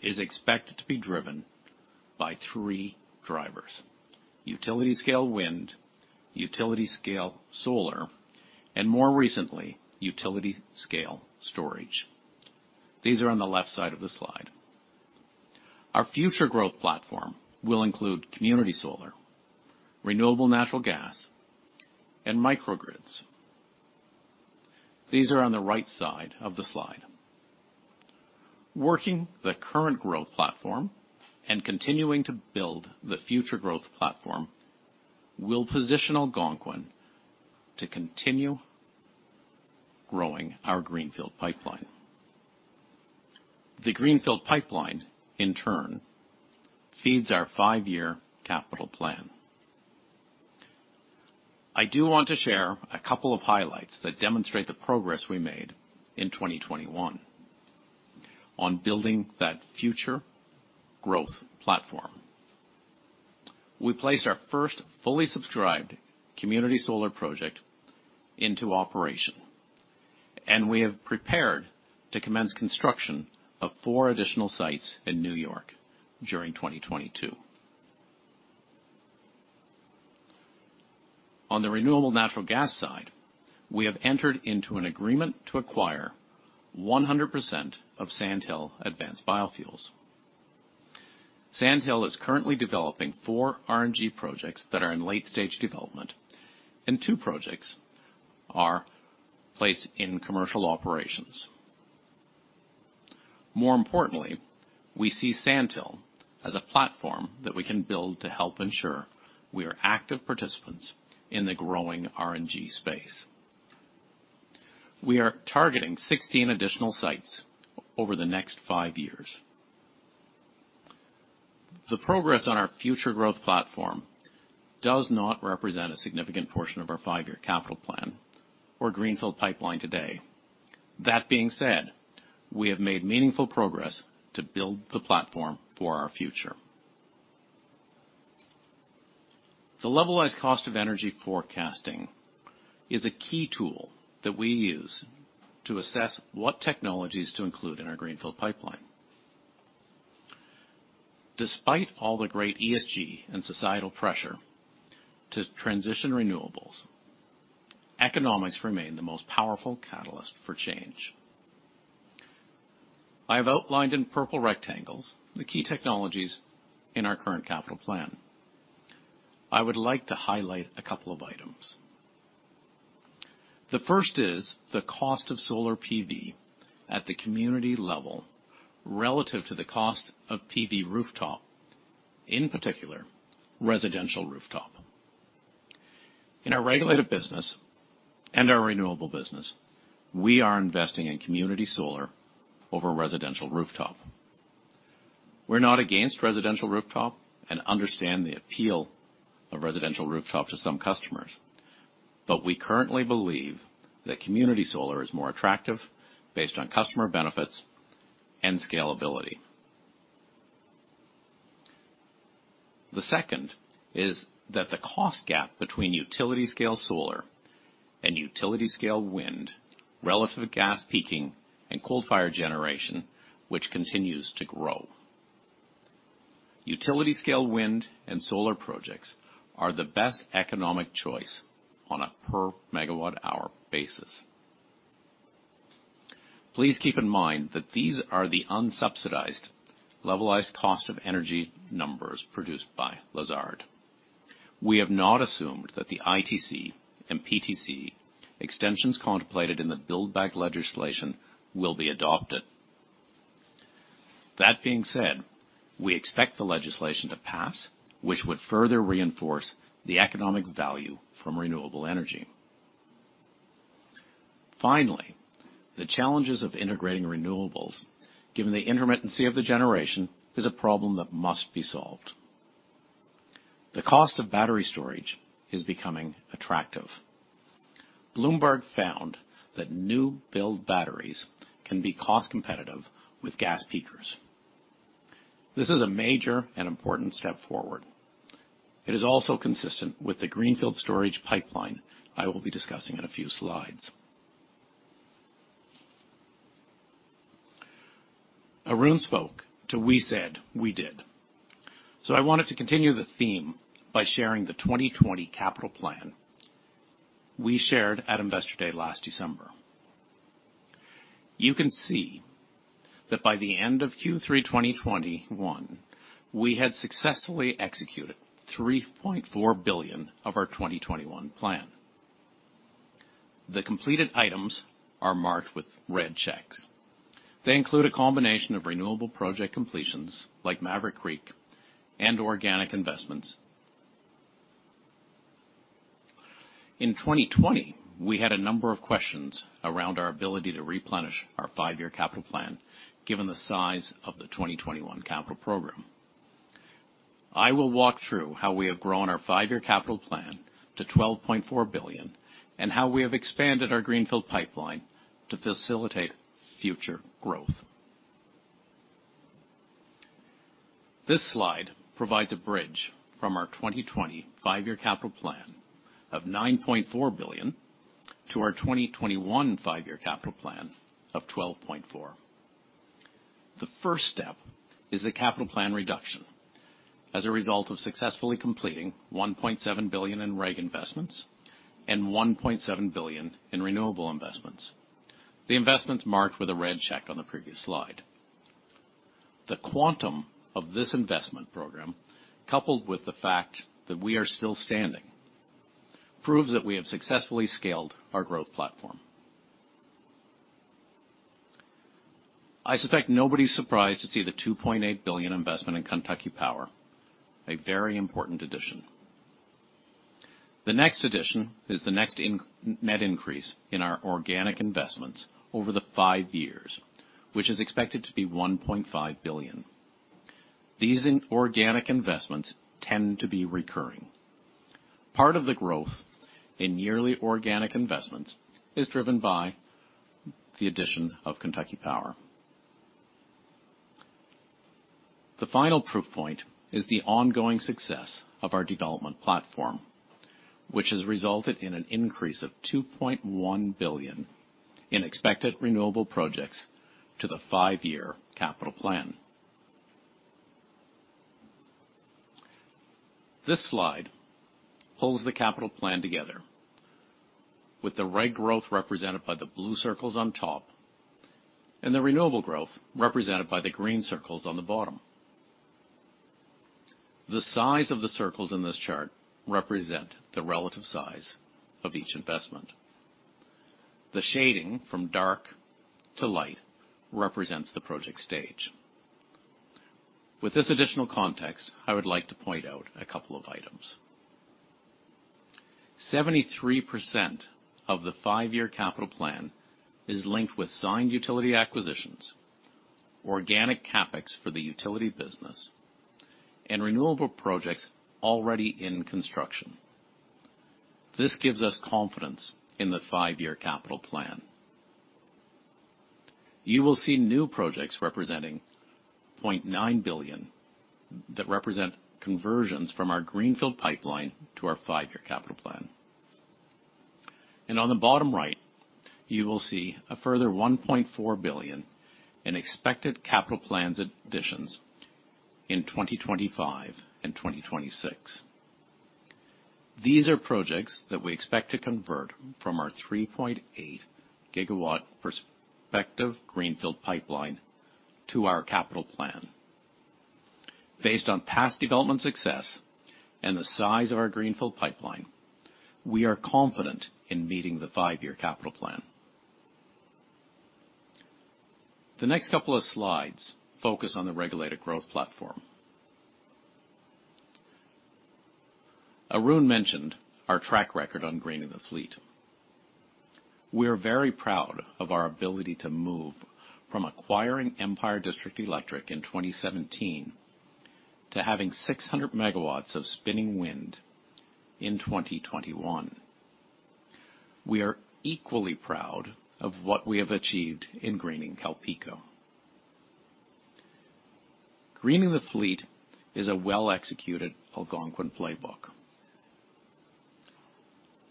is expected to be driven by three drivers, utility scale wind, utility scale solar, and more recently, utility scale storage. These are on the left side of the slide. Our future growth platform will include community solar, renewable natural gas, and microgrids. These are on the right side of the slide. Working the current growth platform and continuing to build the future growth platform will position Algonquin to continue growing our greenfield pipeline. The greenfield pipeline, in turn, feeds our 5-year capital plan. I do want to share a couple of highlights that demonstrate the progress we made in 2021 on building that future growth platform. We placed our first fully subscribed community solar project into operation, and we have prepared to commence construction of four additional sites in New York during 2022. On the renewable natural gas side, we have entered into an agreement to acquire 100% of Sandhill Advanced Biofuels. Sandhill is currently developing four RNG projects that are in late-stage development and two projects are placed in commercial operations. More importantly, we see Sandhill as a platform that we can build to help ensure we are active participants in the growing RNG space. We are targeting 16 additional sites over the next 5 years. The progress on our future growth platform does not represent a significant portion of our 5-year capital plan or greenfield pipeline today. That being said, we have made meaningful progress to build the platform for our future. The levelized cost of energy forecasting is a key tool that we use to assess what technologies to include in our greenfield pipeline. Despite all the great ESG and societal pressure to transition renewables, economics remain the most powerful catalyst for change. I have outlined in purple rectangles the key technologies in our current capital plan. I would like to highlight a couple of items. The first is the cost of solar PV at the community level relative to the cost of PV rooftop, in particular, residential rooftop. In our regulated business and our renewable business, we are investing in community solar over residential rooftop. We're not against residential rooftop and understand the appeal of residential rooftop to some customers, but we currently believe that community solar is more attractive based on customer benefits and scalability. The second is that the cost gap between utility-scale solar and utility-scale wind relative to gas peaking and coal-fired generation, which continues to grow. Utility-scale wind and solar projects are the best economic choice on a per megawatt-hour basis. Please keep in mind that these are the unsubsidized levelized cost of energy numbers produced by Lazard. We have not assumed that the ITC and PTC extensions contemplated in the Build Back Better legislation will be adopted. That being said, we expect the legislation to pass, which would further reinforce the economic value from renewable energy. Finally, the challenges of integrating renewables, given the intermittency of the generation, is a problem that must be solved. The cost of battery storage is becoming attractive. Bloomberg found that new build batteries can be cost competitive with gas peakers. This is a major and important step forward. It is also consistent with the greenfield storage pipeline I will be discussing in a few slides. Arun spoke to what we said we did. I wanted to continue the theme by sharing the 2020 capital plan we shared at Investor Day last December. You can see that by the end of Q3 2021, we had successfully executed $3.4 billion of our 2021 plan. The completed items are marked with red checks. They include a combination of renewable project completions like Maverick Creek and organic investments. In 2020, we had a number of questions around our ability to replenish our 5-year capital plan given the size of the 2021 capital program. I will walk through how we have grown our 5-year capital plan to $12.4 billion and how we have expanded our greenfield pipeline to facilitate future growth. This slide provides a bridge from our 2020 5-year capital plan of $9.4 billion to our 2021 5-year capital plan of $12.4 billion. The first step is the capital plan reduction as a result of successfully completing $1.7 billion in REG investments and $1.7 billion in renewable investments, the investments marked with a red check on the previous slide. The quantum of this investment program, coupled with the fact that we are still standing, proves that we have successfully scaled our growth platform. I suspect nobody's surprised to see the $2.8 billion investment in Kentucky Power, a very important addition. The next addition is the next net increase in our organic investments over the 5 years, which is expected to be $1.5 billion. These organic investments tend to be recurring. Part of the growth in yearly organic investments is driven by the addition of Kentucky Power. The final proof point is the ongoing success of our development platform, which has resulted in an increase of $2.1 billion in expected renewable projects to the 5-year capital plan. This slide pulls the capital plan together with the REG growth represented by the blue circles on top and the renewable growth represented by the green circles on the bottom. The size of the circles in this chart represent the relative size of each investment. The shading from dark to light represents the project stage. With this additional context, I would like to point out a couple of items. 73% of the 5-year capital plan is linked with signed utility acquisitions, organic CapEx for the utility business and renewable projects already in construction. This gives us confidence in the 5-year capital plan. You will see new projects representing $0.9 billion that represent conversions from our greenfield pipeline to our 5-year capital plan. On the bottom right, you will see a further $1.4 billion in expected capital plans additions in 2025 and 2026. These are projects that we expect to convert from our 3.8-GW prospective greenfield pipeline to our capital plan. Based on past development success and the size of our greenfield pipeline, we are confident in meeting the 5-year capital plan. The next couple of slides focus on the regulated growth platform. Arun mentioned our track record on greening the fleet. We are very proud of our ability to move from acquiring Empire District Electric in 2017 to having 600 MW of spinning wind in 2021. We are equally proud of what we have achieved in greening CalPeco. Greening the fleet is a well-executed Algonquin playbook.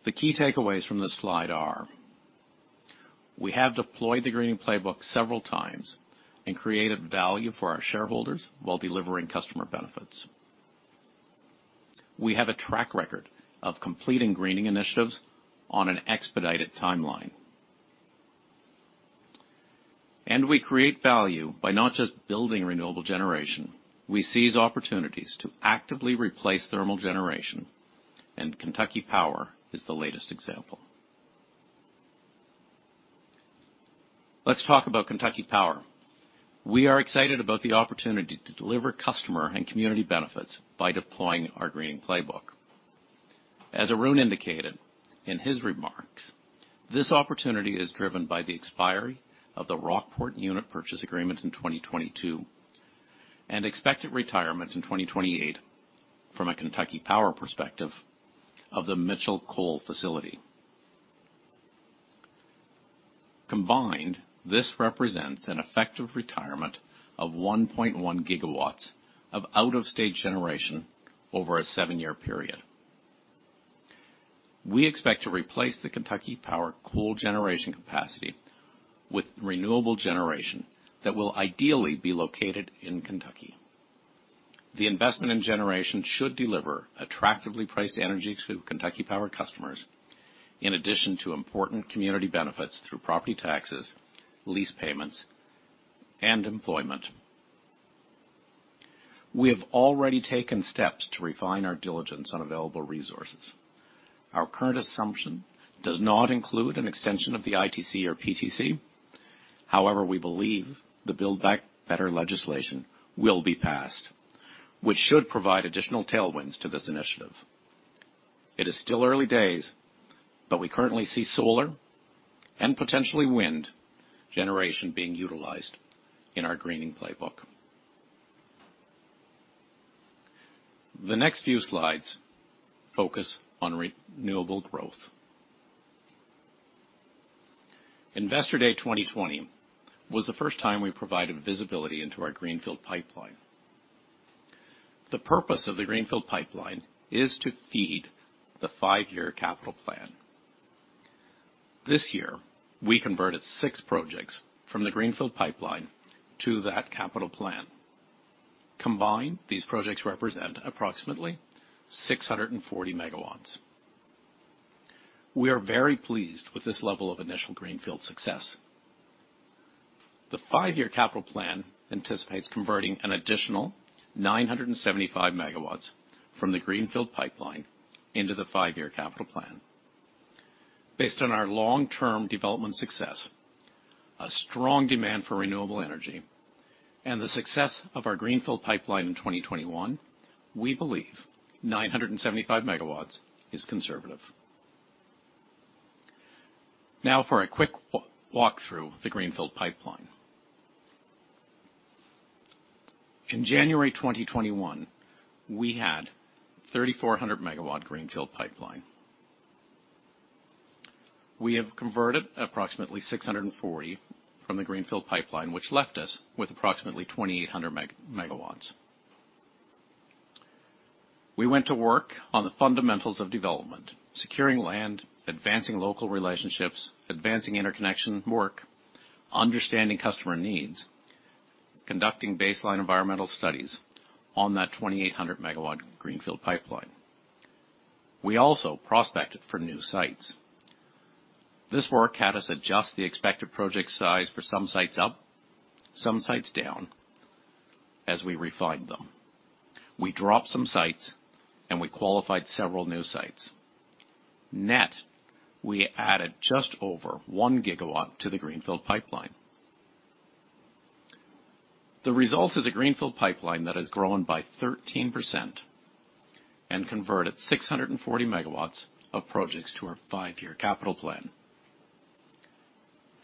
The key takeaways from this slide are. We have deployed the greening playbook several times and created value for our shareholders while delivering customer benefits. We have a track record of completing greening initiatives on an expedited timeline. We create value by not just building renewable generation. We seize opportunities to actively replace thermal generation, and Kentucky Power is the latest example. Let's talk about Kentucky Power. We are excited about the opportunity to deliver customer and community benefits by deploying our greening playbook. As Arun indicated in his remarks, this opportunity is driven by the expiry of the Rockport unit purchase agreement in 2022 and expected retirement in 2028 from a Kentucky Power perspective of the Mitchell Plant. Combined, this represents an effective retirement of 1.1 GW of out-of-state generation over a 7-year period. We expect to replace the Kentucky Power coal generation capacity with renewable generation that will ideally be located in Kentucky. The investment in generation should deliver attractively priced energy to Kentucky Power customers, in addition to important community benefits through property taxes, lease payments, and employment. We have already taken steps to refine our diligence on available resources. Our current assumption does not include an extension of the ITC or PTC. However, we believe the Build Back Better legislation will be passed, which should provide additional tailwinds to this initiative. It is still early days, but we currently see solar and potentially wind generation being utilized in our greening playbook. The next few slides focus on renewable growth. Investor Day 2020 was the first time we provided visibility into our greenfield pipeline. The purpose of the greenfield pipeline is to feed the 5-year capital plan. This year, we converted six projects from the greenfield pipeline to that capital plan. Combined, these projects represent approximately 640 MW. We are very pleased with this level of initial greenfield success. The 5-year capital plan anticipates converting an additional 975 MW from the greenfield pipeline into the 5-year capital plan. Based on our long-term development success, a strong demand for renewable energy, and the success of our greenfield pipeline in 2021, we believe 975 MW is conservative. Now for a quick walk through the greenfield pipeline. In January 2021, we had 3,400 MW greenfield pipeline. We have converted approximately 640 from the greenfield pipeline, which left us with approximately 2,800 MW. We went to work on the fundamentals of development, securing land, advancing local relationships, advancing interconnection work, understanding customer needs, conducting baseline environmental studies on that 2,800 MW greenfield pipeline. We also prospected for new sites. This work had us adjust the expected project size for some sites up, some sites down as we refined them. We dropped some sites, and we qualified several new sites. Net, we added just over 1 GW to the greenfield pipeline. The result is a greenfield pipeline that has grown by 13% and converted 640 MW of projects to our 5-year capital plan.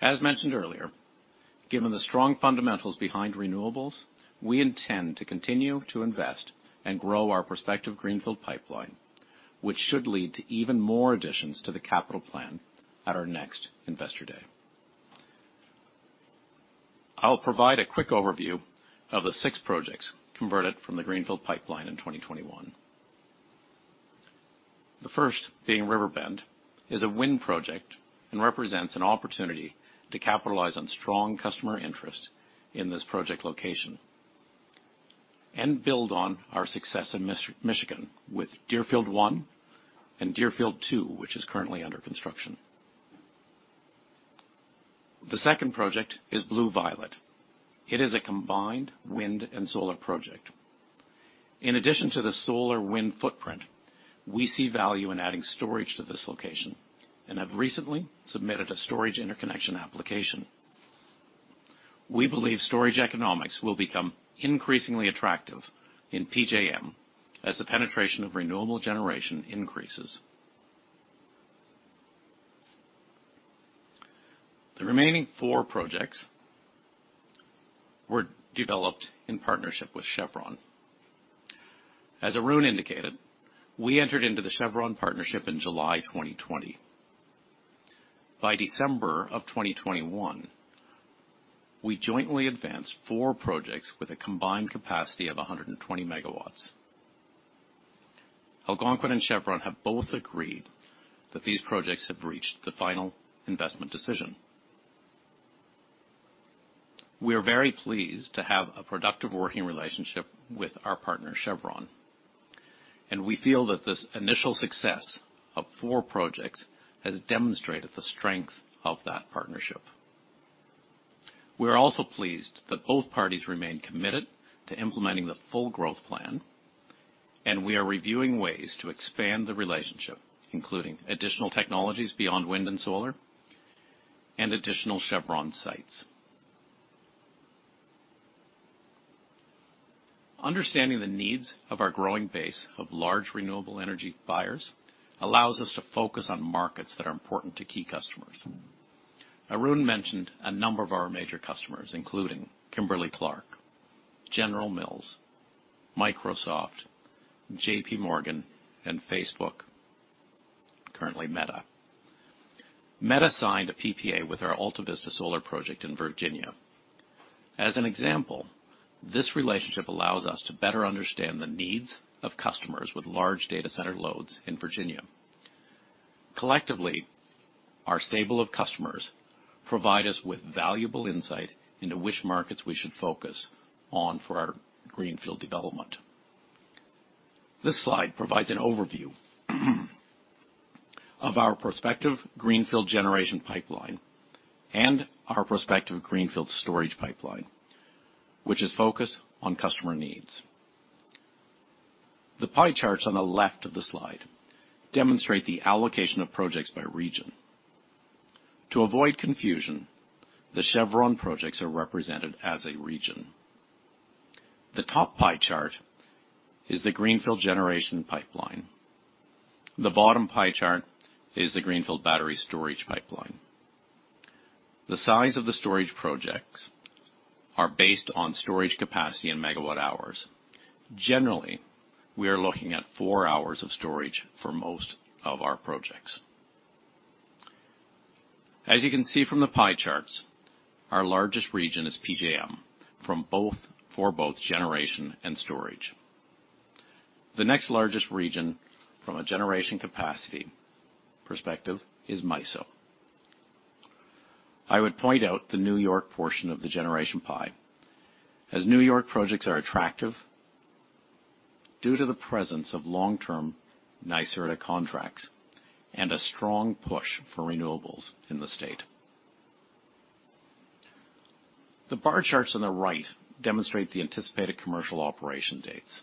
As mentioned earlier, given the strong fundamentals behind renewables, we intend to continue to invest and grow our prospective greenfield pipeline, which should lead to even more additions to the capital plan at our next Investor Day. I'll provide a quick overview of the six projects converted from the greenfield pipeline in 2021. The first, Riverbend, is a wind project and represents an opportunity to capitalize on strong customer interest in this project location and build on our success in mid-Michigan with Deerfield I and Deerfield II, which is currently under construction. The second project is Blue Violet. It is a combined wind and solar project. In addition to the solar and wind footprint, we see value in adding storage to this location and have recently submitted a storage interconnection application. We believe storage economics will become increasingly attractive in PJM as the penetration of renewable generation increases. The remaining four projects were developed in partnership with Chevron. As Arun indicated, we entered into the Chevron partnership in July 2020. By December 2021, we jointly advanced four projects with a combined capacity of 120 MW. Algonquin and Chevron have both agreed that these projects have reached the final investment decision. We are very pleased to have a productive working relationship with our partner, Chevron, and we feel that this initial success of four projects has demonstrated the strength of that partnership. We are also pleased that both parties remain committed to implementing the full growth plan, and we are reviewing ways to expand the relationship, including additional technologies beyond wind and solar and additional Chevron sites. Understanding the needs of our growing base of large renewable energy buyers allows us to focus on markets that are important to key customers. Arun mentioned a number of our major customers, including Kimberly-Clark, General Mills, Microsoft, JPMorgan, and Facebook, currently Meta. Meta signed a PPA with our Altavista Solar project in Virginia. As an example, this relationship allows us to better understand the needs of customers with large data center loads in Virginia. Collectively, our stable of customers provide us with valuable insight into which markets we should focus on for our greenfield development. This slide provides an overview of our prospective greenfield generation pipeline and our prospective greenfield storage pipeline, which is focused on customer needs. The pie charts on the left of the slide demonstrate the allocation of projects by region. To avoid confusion, the Chevron projects are represented as a region. The top pie chart is the greenfield generation pipeline. The bottom pie chart is the greenfield battery storage pipeline. The size of the storage projects are based on storage capacity and megawatt-hours. Generally, we are looking at 4 hours of storage for most of our projects. As you can see from the pie charts, our largest region is PJM for both generation and storage. The next largest region from a generation capacity perspective is MISO. I would point out the New York portion of the generation pie, as New York projects are attractive due to the presence of long-term NYSERDA contracts and a strong push for renewables in the state. The bar charts on the right demonstrate the anticipated commercial operation dates.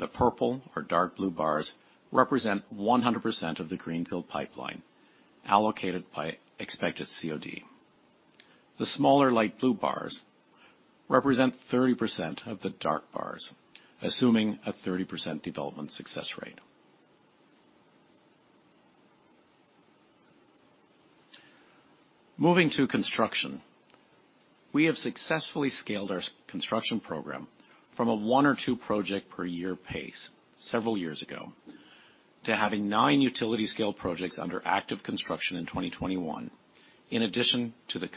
The purple or dark blue bars represent 100% of the greenfield pipeline allocated by expected COD. The smaller light blue bars represent 30% of the dark bars, assuming a 30% development success rate. Moving to construction. We have successfully scaled our construction program from a one or two project per year pace several years ago to having nine utility-scale projects under active construction in 2021, in addition to the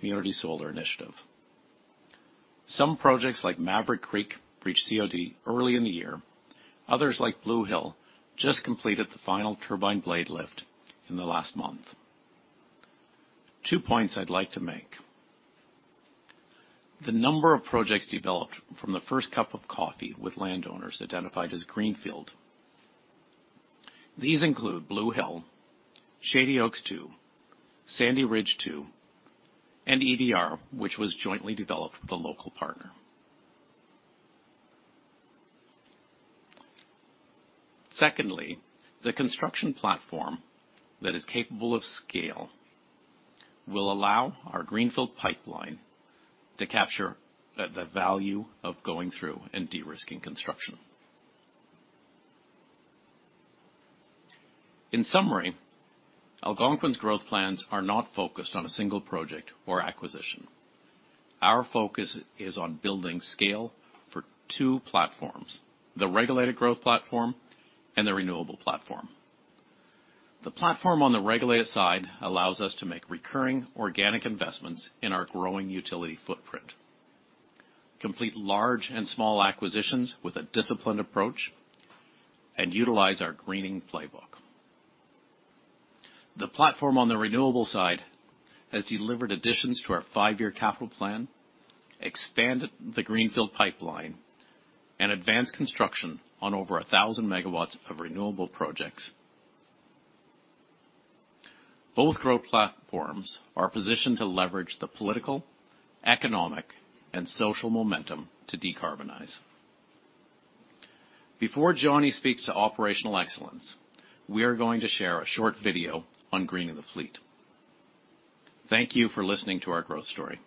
community solar initiative. Some projects like Maverick Creek reached COD early in the year. Others, like Blue Hill, just completed the final turbine blade lift in the last month. Two points I'd like to make. The number of projects developed from the first cup of coffee with landowners identified as greenfield. These include Blue Hill, Shady Oaks II, Sandy Ridge 2, and EDR, which was jointly developed with a local partner. Secondly, the construction platform that is capable of scale will allow our greenfield pipeline to capture the value of going through and de-risking construction. In summary, Algonquin's growth plans are not focused on a single project or acquisition. Our focus is on building scale for two platforms, the regulated growth platform and the renewable platform. The platform on the regulated side allows us to make recurring organic investments in our growing utility footprint, complete large and small acquisitions with a disciplined approach, and utilize our greening playbook. The platform on the renewable side has delivered additions to our 5-year capital plan, expanded the greenfield pipeline, and advanced construction on over 1,000 MW of renewable projects. Both growth platforms are positioned to leverage the political, economic, and social momentum to decarbonize. Before Johnny speaks to operational excellence, we are going to share a short video on Greening the Fleet. Thank you for listening to our growth story.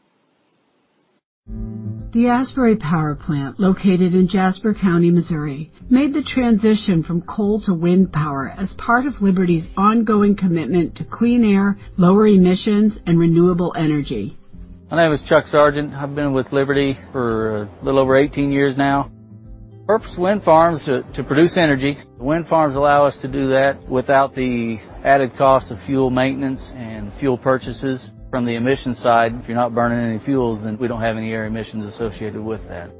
The Asbury Power Plant, located in Jasper County, Missouri, made the transition from coal to wind power as part of Liberty's ongoing commitment to clean air, lower emissions, and renewable energy. My name is Chuck Sargent. I've been with Liberty for a little over 18 years now. The purpose of wind farms is to produce energy. The wind farms allow us to do that without the added cost of fuel maintenance and fuel purchases. From the emission side, if you're not burning any fuels, then we don't have any air emissions associated with that.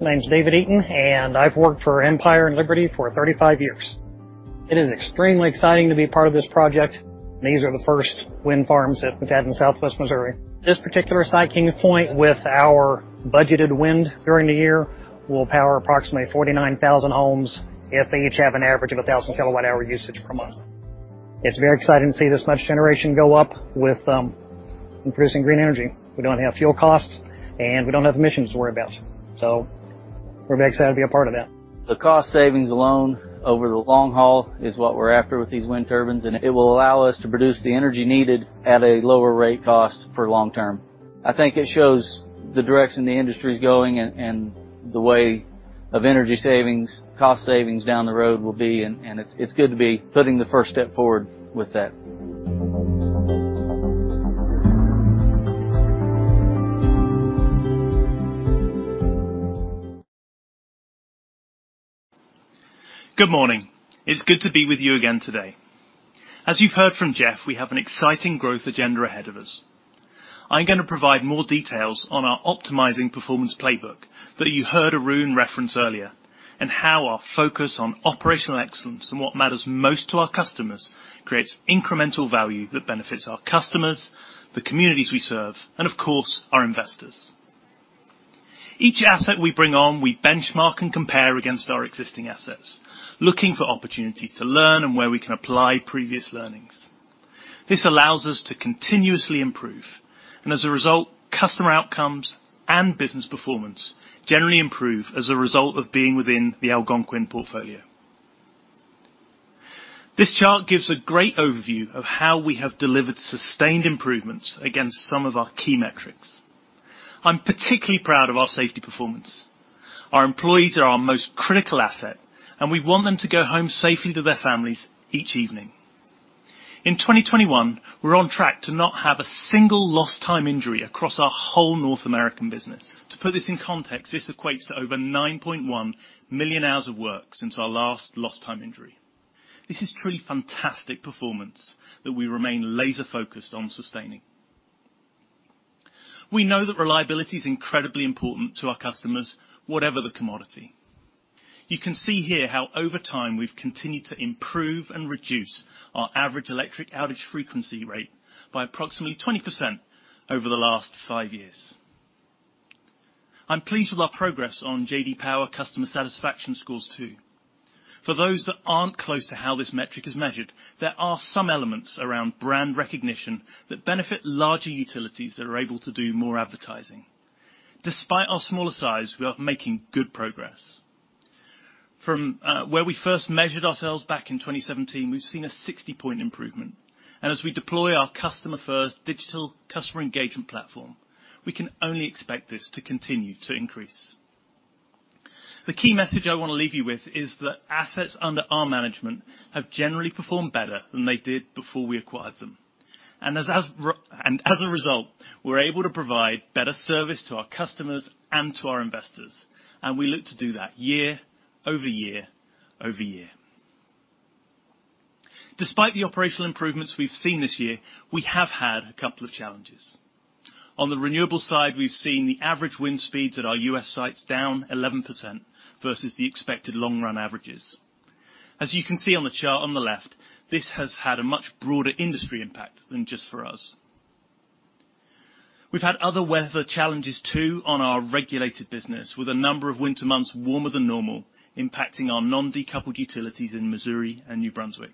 My name's David Eaton, and I've worked for Empire and Liberty for 35 years. It is extremely exciting to be part of this project. These are the first wind farms that we've had in southwest Missouri. This particular site, Kings Point, with our budgeted wind during the year, will power approximately 49,000 homes if they each have an average of 1,000 kWh usage per month. It's very exciting to see this much generation go up with increasing green energy. We don't have fuel costs, and we don't have emissions to worry about. We're excited to be a part of that. The cost savings alone over the long haul is what we're after with these wind turbines, and it will allow us to produce the energy needed at a lower rate cost for long term. I think it shows the direction the industry is going and the way of energy savings, cost savings down the road will be, and it's good to be putting the first step forward with that. Good morning. It's good to be with you again today. As you've heard from Jeff, we have an exciting growth agenda ahead of us. I'm gonna provide more details on our optimizing performance playbook that you heard Arun reference earlier, and how our focus on operational excellence and what matters most to our customers creates incremental value that benefits our customers, the communities we serve, and of course, our investors. Each asset we bring on, we benchmark and compare against our existing assets, looking for opportunities to learn and where we can apply previous learnings. This allows us to continuously improve, and as a result, customer outcomes and business performance generally improve as a result of being within the Algonquin portfolio. This chart gives a great overview of how we have delivered sustained improvements against some of our key metrics. I'm particularly proud of our safety performance. Our employees are our most critical asset, and we want them to go home safely to their families each evening. In 2021, we're on track to not have a single lost time injury across our whole North American business. To put this in context, this equates to over 9.1 million hours of work since our last lost time injury. This is truly fantastic performance that we remain laser-focused on sustaining. We know that reliability is incredibly important to our customers, whatever the commodity. You can see here how over time we've continued to improve and reduce our average electric outage frequency rate by approximately 20% over the last 5 years. I'm pleased with our progress on J.D. Power customer satisfaction scores too. For those that aren't close to how this metric is measured, there are some elements around brand recognition that benefit larger utilities that are able to do more advertising. Despite our smaller size, we are making good progress. From where we first measured ourselves back in 2017, we've seen a 60-point improvement. As we deploy our customer first digital customer engagement platform, we can only expect this to continue to increase. The key message I wanna leave you with is that assets under our management have generally performed better than they did before we acquired them. As a result, we're able to provide better service to our customers and to our investors, and we look to do that year over year over year. Despite the operational improvements we've seen this year, we have had a couple of challenges. On the renewable side, we've seen the average wind speeds at our U.S. sites down 11% versus the expected long run averages. As you can see on the chart on the left, this has had a much broader industry impact than just for us. We've had other weather challenges too on our regulated business with a number of winter months warmer than normal, impacting our non-decoupled utilities in Missouri and New Brunswick.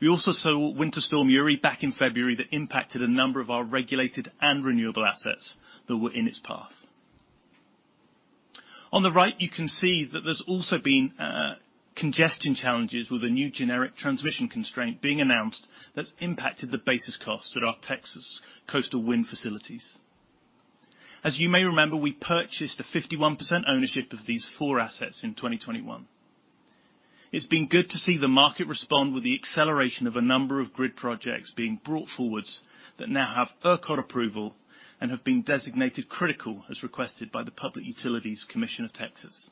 We also saw Winter Storm Uri back in February that impacted a number of our regulated and renewable assets that were in its path. On the right, you can see that there's also been congestion challenges with a new generic transmission constraint being announced that's impacted the basis costs at our Texas coastal wind facilities. As you may remember, we purchased a 51% ownership of these four assets in 2021. It's been good to see the market respond with the acceleration of a number of grid projects being brought forwards that now have ERCOT approval and have been designated critical as requested by the Public Utility Commission of Texas.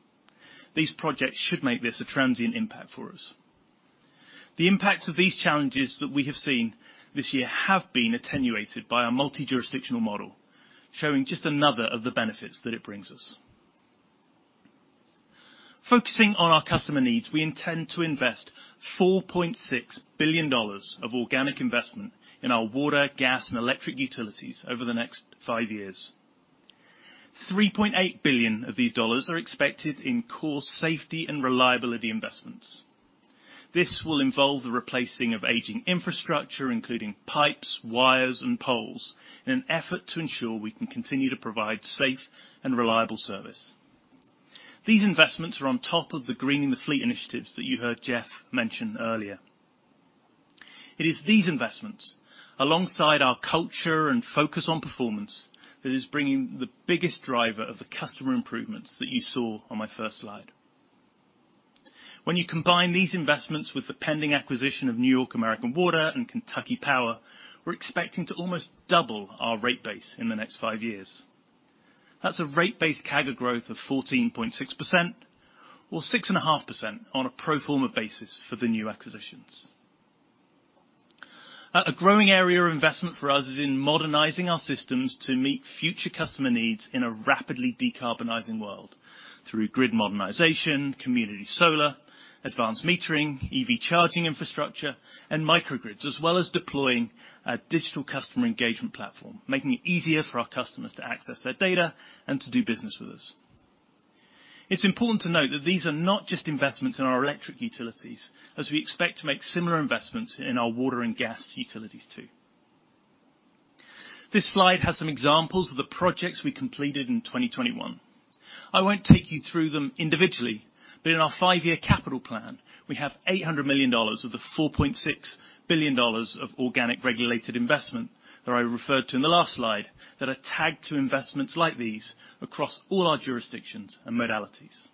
These projects should make this a transient impact for us. The impacts of these challenges that we have seen this year have been attenuated by our multi-jurisdictional model, showing just another of the benefits that it brings us. Focusing on our customer needs, we intend to invest $4.6 billion of organic investment in our water, gas, and electric utilities over the next 5 years. $3.8 billion of these dollars are expected in core safety and reliability investments. This will involve the replacing of aging infrastructure, including pipes, wires, and poles, in an effort to ensure we can continue to provide safe and reliable service. These investments are on top of the greening the fleet initiatives that you heard Jeff mention earlier. It is these investments, alongside our culture and focus on performance, that is bringing the biggest driver of the customer improvements that you saw on my first slide. When you combine these investments with the pending acquisition of New York American Water and Kentucky Power, we're expecting to almost double our rate base in the next 5 years. That's a rate-based CAGR growth of 14.6% or 6.5% on a pro forma basis for the new acquisitions. A growing area of investment for us is in modernizing our systems to meet future customer needs in a rapidly decarbonizing world through grid modernization, community solar, advanced metering, EV charging infrastructure, and microgrids, as well as deploying a digital customer engagement platform, making it easier for our customers to access their data and to do business with us. It's important to note that these are not just investments in our electric utilities, as we expect to make similar investments in our water and gas utilities too. This slide has some examples of the projects we completed in 2021. I won't take you through them individually, but in our 5-year capital plan, we have $800 million of the $4.6 billion of organic regulated investment that I referred to in the last slide, that are tagged to investments like these across all our jurisdictions and modalities.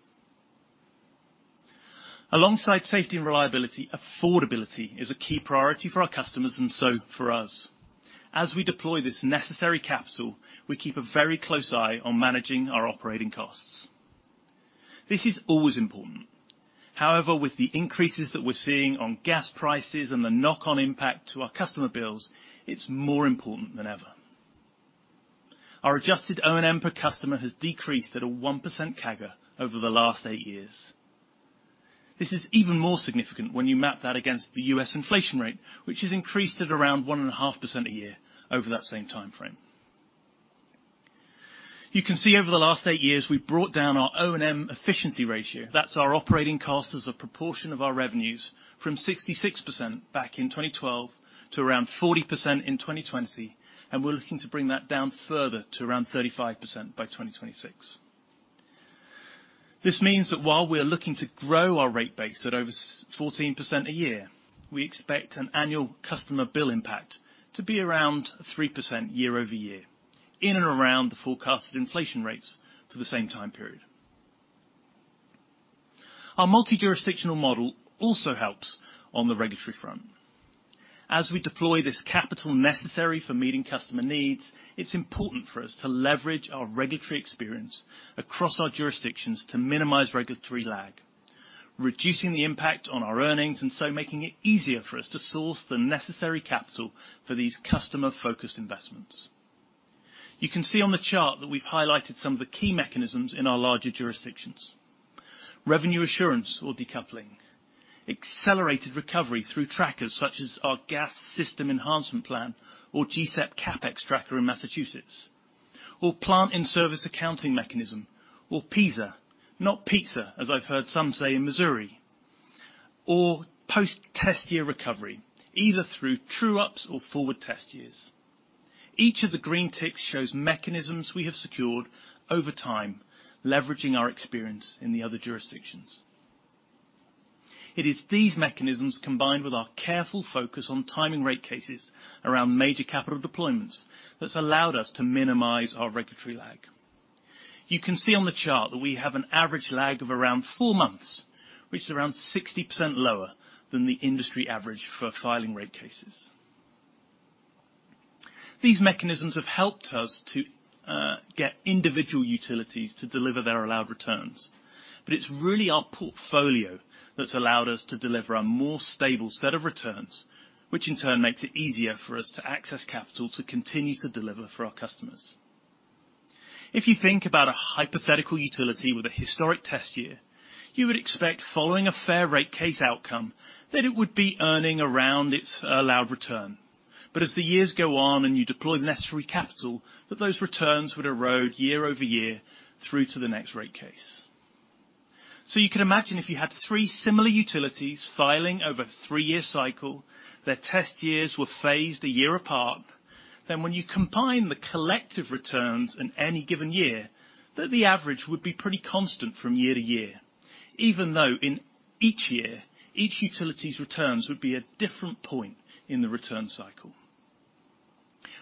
Alongside safety and reliability, affordability is a key priority for our customers, and so for us. As we deploy this necessary capital, we keep a very close eye on managing our operating costs. This is always important. However, with the increases that we're seeing on gas prices and the knock-on impact to our customer bills, it's more important than ever. Our adjusted O&M per customer has decreased at a 1% CAGR over the last 8 years. This is even more significant when you map that against the U.S. inflation rate, which has increased at around 1.5% a year over that same timeframe. You can see over the last 8 years, we've brought down our O&M efficiency ratio. That's our operating cost as a proportion of our revenues from 66% back in 2012 to around 40% in 2020, and we're looking to bring that down further to around 35% by 2026. This means that while we are looking to grow our rate base at over 14% a year, we expect an annual customer bill impact to be around 3% year-over-year in and around the forecasted inflation rates for the same time period. Our multi-jurisdictional model also helps on the regulatory front. As we deploy this capital necessary for meeting customer needs, it's important for us to leverage our regulatory experience across our jurisdictions to minimize regulatory lag, reducing the impact on our earnings, and so making it easier for us to source the necessary capital for these customer-focused investments. You can see on the chart that we've highlighted some of the key mechanisms in our larger jurisdictions. Revenue assurance or decoupling, accelerated recovery through trackers such as our Gas System Enhancement Plan, or GSEP, CapEx tracker in Massachusetts, or plant in-service accounting mechanism, or PSAs, not pizza, as I've heard some say in Missouri, or post-test year recovery, either through true-ups or forward test years. Each of the green ticks shows mechanisms we have secured over time, leveraging our experience in the other jurisdictions. It is these mechanisms, combined with our careful focus on timing rate cases around major capital deployments, that's allowed us to minimize our regulatory lag. You can see on the chart that we have an average lag of around 4 months, which is around 60% lower than the industry average for filing rate cases. These mechanisms have helped us to get individual utilities to deliver their allowed returns, but it's really our portfolio that's allowed us to deliver a more stable set of returns, which in turn makes it easier for us to access capital to continue to deliver for our customers. If you think about a hypothetical utility with a historic test year, you would expect following a fair rate case outcome, that it would be earning around its allowed return. As the years go on and you deploy the necessary capital, that those returns would erode year over year through to the next rate case. You can imagine if you had three similar utilities filing over a 3-year cycle, their test years were phased a year apart, then when you combine the collective returns in any given year, that the average would be pretty constant from year to year, even though in each year, each utility's returns would be a different point in the return cycle.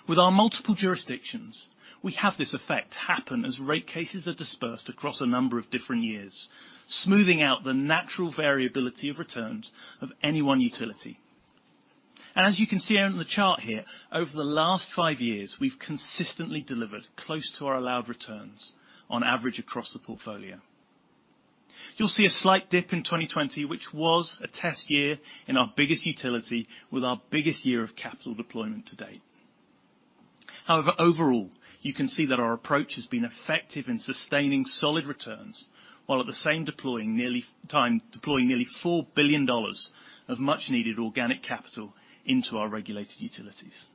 With our multiple jurisdictions, we have this effect happen as rate cases are dispersed across a number of different years, smoothing out the natural variability of returns of any one utility. As you can see on the chart here, over the last 5 years, we've consistently delivered close to our allowed returns on average across the portfolio. You'll see a slight dip in 2020, which was a test year in our biggest utility with our biggest year of capital deployment to date. However, overall, you can see that our approach has been effective in sustaining solid returns while at the same time deploying nearly $4 billion of much-needed organic capital into our regulated utilities.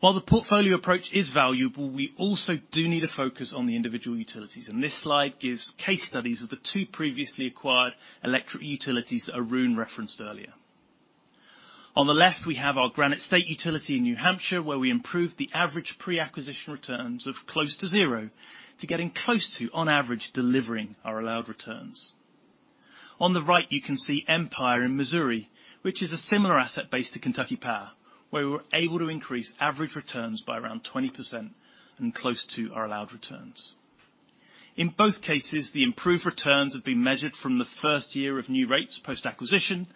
While the portfolio approach is valuable, we also do need to focus on the individual utilities, and this slide gives case studies of the two previously acquired electric utilities Arun referenced earlier. On the left, we have our Granite State utility in New Hampshire, where we improved the average pre-acquisition returns of close to zero to getting close to on average, delivering our allowed returns. On the right, you can see Empire in Missouri, which is a similar asset base to Kentucky Power, where we were able to increase average returns by around 20% and close to our allowed returns. In both cases, the improved returns have been measured from the first year of new rates post-acquisition.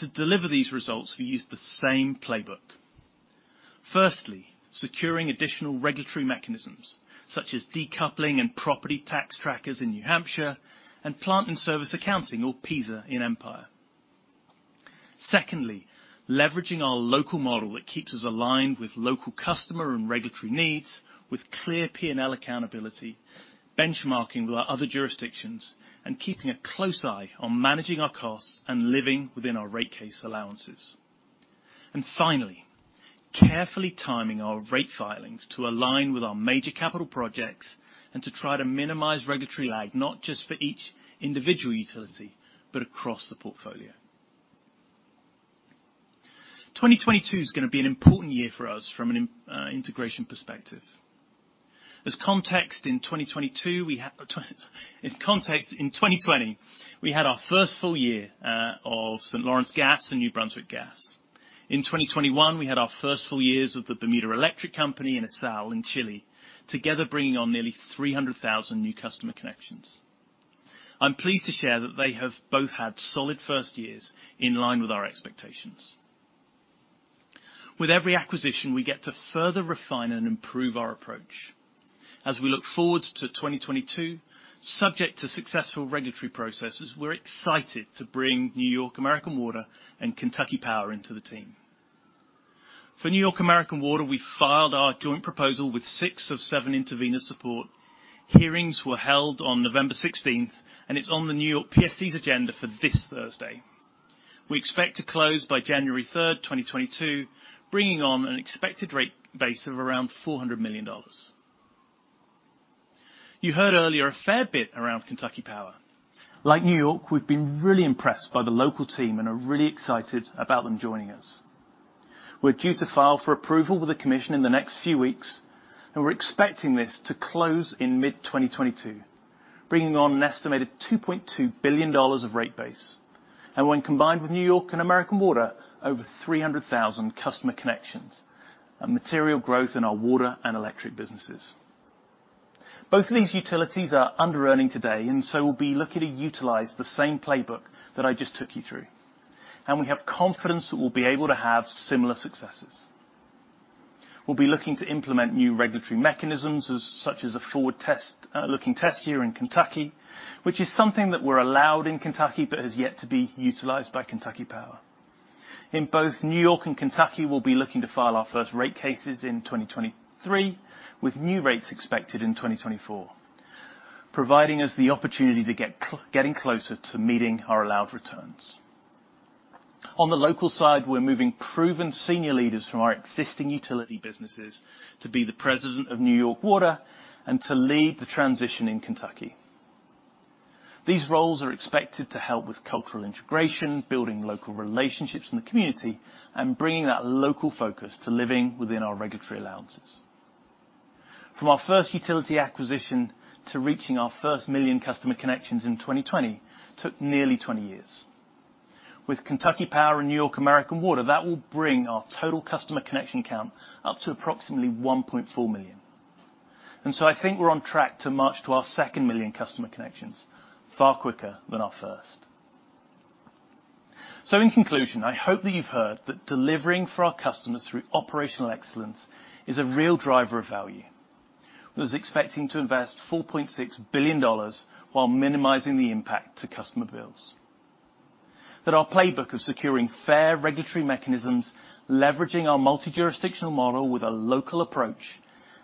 To deliver these results, we used the same playbook. Firstly, securing additional regulatory mechanisms such as decoupling and property tax trackers in New Hampshire and plant and service accounting or PSA in Empire. Secondly, leveraging our local model that keeps us aligned with local customer and regulatory needs with clear P&L accountability, benchmarking with our other jurisdictions, and keeping a close eye on managing our costs and living within our rate case allowances. Finally, carefully timing our rate filings to align with our major capital projects and to try to minimize regulatory lag, not just for each individual utility, but across the portfolio. 2022 is gonna be an important year for us from an integration perspective. As context, in 2020 we had our first full year of St. Lawrence Gas and New Brunswick Gas. In 2021, we had our first full years with the Bermuda Electric Light Company and Essal in Chile, together bringing on nearly 300,000 new customer connections. I'm pleased to share that they have both had solid first years in line with our expectations. With every acquisition, we get to further refine and improve our approach. As we look forward to 2022, subject to successful regulatory processes, we're excited to bring New York American Water and Kentucky Power into the team. For New York American Water, we filed our joint proposal with 6 of 7 intervenor support. Hearings were held on November 16, and it's on the New York PSC's agenda for this Thursday. We expect to close by January 3rd, 2022, bringing on an expected rate base of around $400 million. You heard earlier a fair bit around Kentucky Power. Like New York, we've been really impressed by the local team and are really excited about them joining us. We're due to file for approval with the commission in the next few weeks, and we're expecting this to close in mid-2022, bringing on an estimated $2.2 billion of rate base. When combined with New York American Water, over 300,000 customer connections and material growth in our water and electric businesses. Both of these utilities are underearning today, and so we'll be looking to utilize the same playbook that I just took you through, and we have confidence that we'll be able to have similar successes. We'll be looking to implement new regulatory mechanisms such as a forward-looking test here in Kentucky, which is something that we're allowed in Kentucky but has yet to be utilized by Kentucky Power. In both New York and Kentucky, we'll be looking to file our first rate cases in 2023, with new rates expected in 2024, providing us the opportunity to get getting closer to meeting our allowed returns. On the local side, we're moving proven senior leaders from our existing utility businesses to be the president of New York American Water and to lead the transition in Kentucky. These roles are expected to help with cultural integration, building local relationships in the community, and bringing that local focus to living within our regulatory allowances. From our first utility acquisition to reaching our first million customer connections in 2020 took nearly 20 years. With Kentucky Power and New York American Water, that will bring our total customer connection count up to approximately 1.4 million. I think we're on track to march to our second million customer connections far quicker than our first. In conclusion, I hope that you've heard that delivering for our customers through operational excellence is a real driver of value. We were expecting to invest $4.6 billion while minimizing the impact to customer bills that our playbook of securing fair regulatory mechanisms, leveraging our multi-jurisdictional model with a local approach,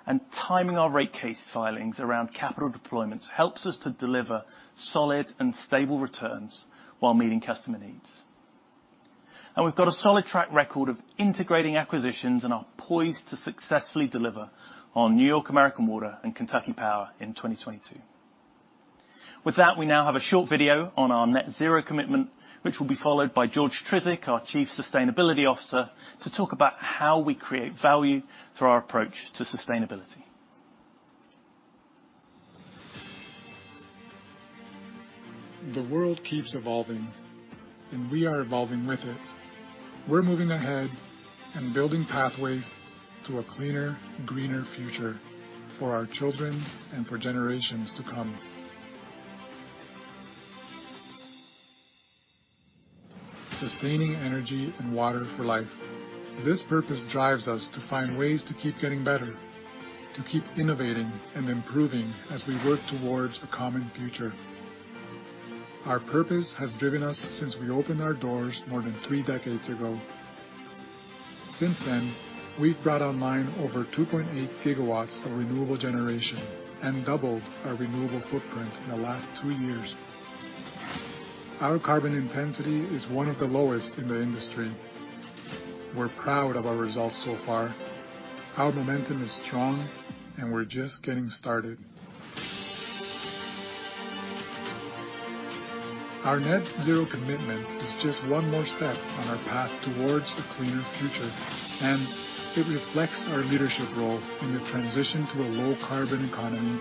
and timing our rate case filings around capital deployments helps us to deliver solid and stable returns while meeting customer needs. We've got a solid track record of integrating acquisitions and are poised to successfully deliver on New York American Water and Kentucky Power in 2022. With that, we now have a short video on our net zero commitment, which will be followed by George Trisic, our Chief Sustainability Officer, to talk about how we create value through our approach to sustainability. The world keeps evolving, and we are evolving with it. We're moving ahead and building pathways to a cleaner, greener future for our children and for generations to come. Sustaining energy and water for life, this purpose drives us to find ways to keep getting better, to keep innovating and improving as we work towards a common future. Our purpose has driven us since we opened our doors more than three decades ago. Since then, we've brought online over 2.8 GW of renewable generation and doubled our renewable footprint in the last 2 years. Our carbon intensity is one of the lowest in the industry. We're proud of our results so far. Our momentum is strong, and we're just getting started. Our net zero commitment is just one more step on our path toward a cleaner future, and it reflects our leadership role in the transition to a low carbon economy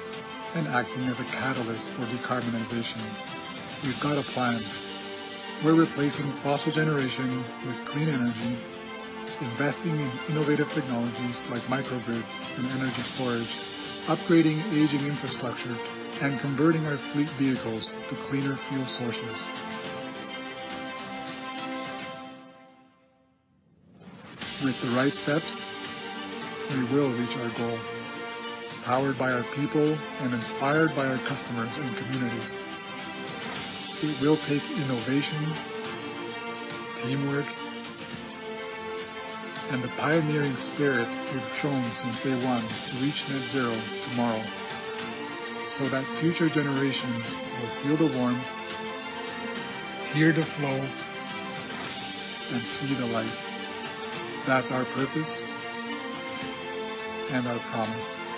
and acting as a catalyst for decarbonization. We've got a plan. We're replacing fossil generation with clean energy, investing in innovative technologies like microgrids and energy storage, upgrading aging infrastructure, and converting our fleet vehicles to cleaner fuel sources. With the right steps, we will reach our goal, powered by our people and inspired by our customers and communities. It will take innovation, teamwork, and the pioneering spirit we've shown since day one to reach net zero tomorrow so that future generations will feel the warmth, hear the flow, and see the light. That's our purpose and our promise.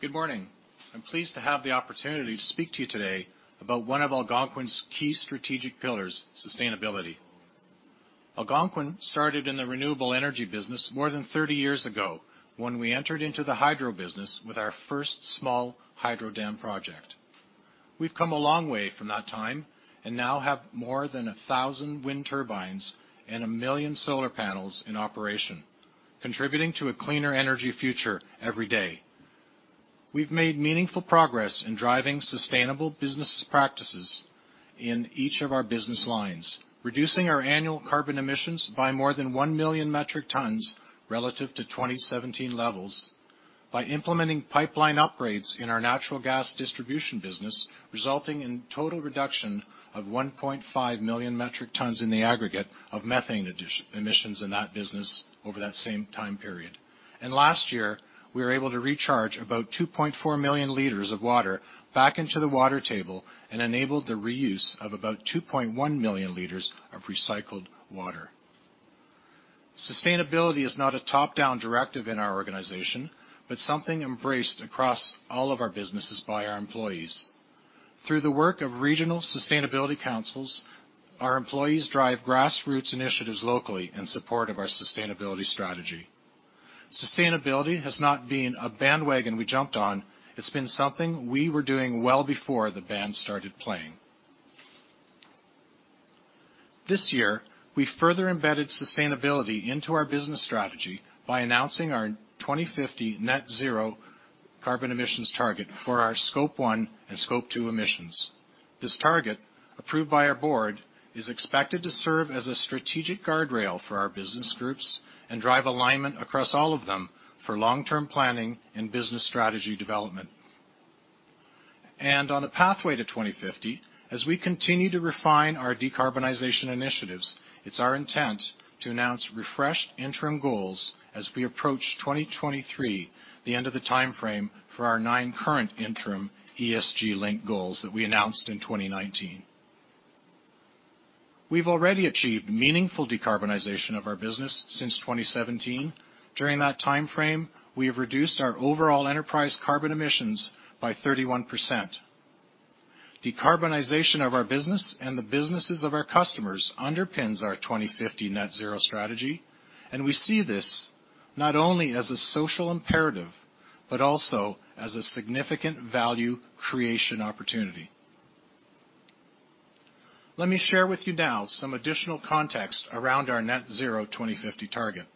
Good morning. I'm pleased to have the opportunity to speak to you today about one of Algonquin's key strategic pillars, sustainability. Algonquin started in the renewable energy business more than 30 years ago when we entered into the hydro business with our first small hydro dam project. We've come a long way from that time and now have more than 1,000 wind turbines and 1 million solar panels in operation, contributing to a cleaner energy future every day. We've made meaningful progress in driving sustainable business practices in each of our business lines, reducing our annual carbon emissions by more than 1 million metric tons relative to 2017 levels by implementing pipeline upgrades in our natural gas distribution business, resulting in total reduction of 1.5 million metric tons in the aggregate of methane emissions in that business over that same time period. Last year, we were able to recharge about 2.4 million liters of water back into the water table and enabled the reuse of about 2.1 million liters of recycled water. Sustainability is not a top-down directive in our organization, but something embraced across all of our businesses by our employees. Through the work of regional sustainability councils, our employees drive grassroots initiatives locally in support of our sustainability strategy. Sustainability has not been a bandwagon we jumped on. It's been something we were doing well before the band started playing. This year, we further embedded sustainability into our business strategy by announcing our 2050 net zero carbon emissions target for our scope one and scope two emissions. This target, approved by our board, is expected to serve as a strategic guardrail for our business groups and drive alignment across all of them for long-term planning and business strategy development. On a pathway to 2050, as we continue to refine our decarbonization initiatives, it's our intent to announce refreshed interim goals as we approach 2023, the end of the timeframe for our nine current interim ESG-linked goals that we announced in 2019. We've already achieved meaningful decarbonization of our business since 2017. During that timeframe, we have reduced our overall enterprise carbon emissions by 31%. Decarbonization of our business and the businesses of our customers underpins our 2050 net zero strategy, and we see this not only as a social imperative, but also as a significant value creation opportunity. Let me share with you now some additional context around our net zero 2050 target.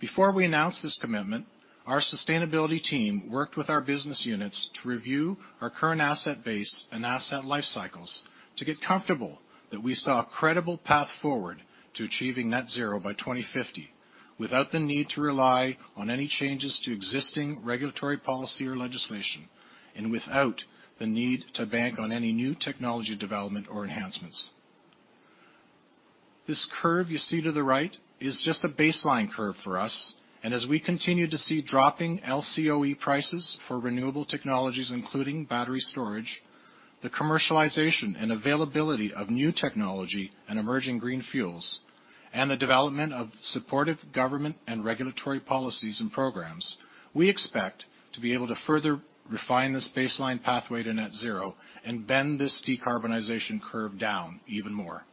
Before we announced this commitment, our sustainability team worked with our business units to review our current asset base and asset life cycles to get comfortable that we saw a credible path forward to achieving net zero by 2050 without the need to rely on any changes to existing regulatory policy or legislation, and without the need to bank on any new technology development or enhancements. This curve you see to the right is just a baseline curve for us. As we continue to see dropping LCOE prices for renewable technologies, including battery storage, the commercialization and availability of new technology and emerging green fuels, and the development of supportive government and regulatory policies and programs, we expect to be able to further refine this baseline pathway to net zero and bend this decarbonization curve down even more.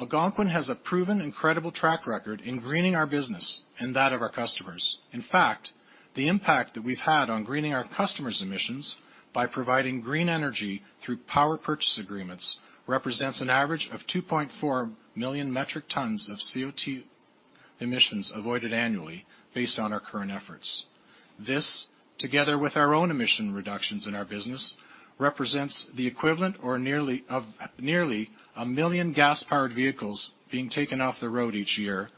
Algonquin has a proven and credible track record in greening our business and that of our customers. In fact, the impact that we've had on greening our customers' emissions by providing green energy through power purchase agreements represents an average of 2.4 million metric tons of CO2 emissions avoided annually based on our current efforts. This, together with our own emission reductions in our business, represents the equivalent or nearly a million gas-powered vehicles being taken off the road each year,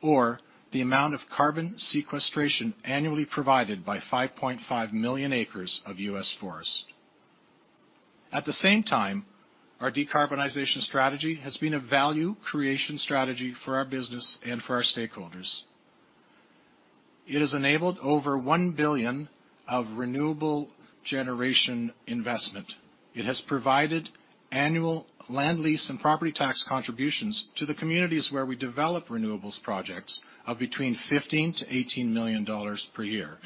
or the amount of carbon sequestration annually provided by 5.5 million acres of U.S. forest. At the same time, our decarbonization strategy has been a value creation strategy for our business and for our stakeholders. It has enabled over $1 billion of renewable generation investment. It has provided annual land lease and property tax contributions to the communities where we develop renewables projects of between $15 million-$18 million per year.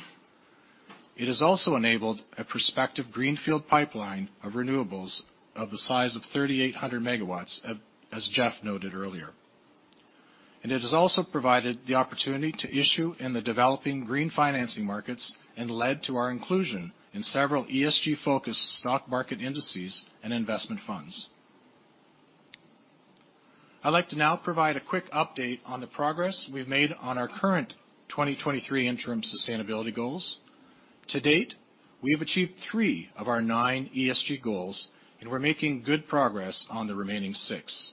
It has also enabled a prospective greenfield pipeline of renewables of the size of 3,800 MW, as Jeff noted earlier. It has also provided the opportunity to issue in the developing green financing markets and led to our inclusion in several ESG-focused stock market indices and investment funds. I'd like to now provide a quick update on the progress we've made on our current 2023 interim sustainability goals. To date, we have achieved three of our nine ESG goals, and we're making good progress on the remaining six.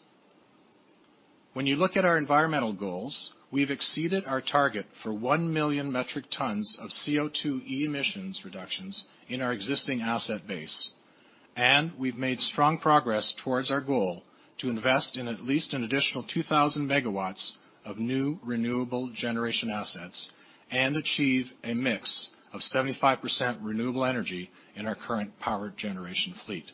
When you look at our environmental goals, we've exceeded our target for 1 million metric tons of CO2e emissions reductions in our existing asset base. We've made strong progress towards our goal to invest in at least an additional 2,000 MW of new renewable generation assets and achieve a mix of 75% renewable energy in our current power generation fleet.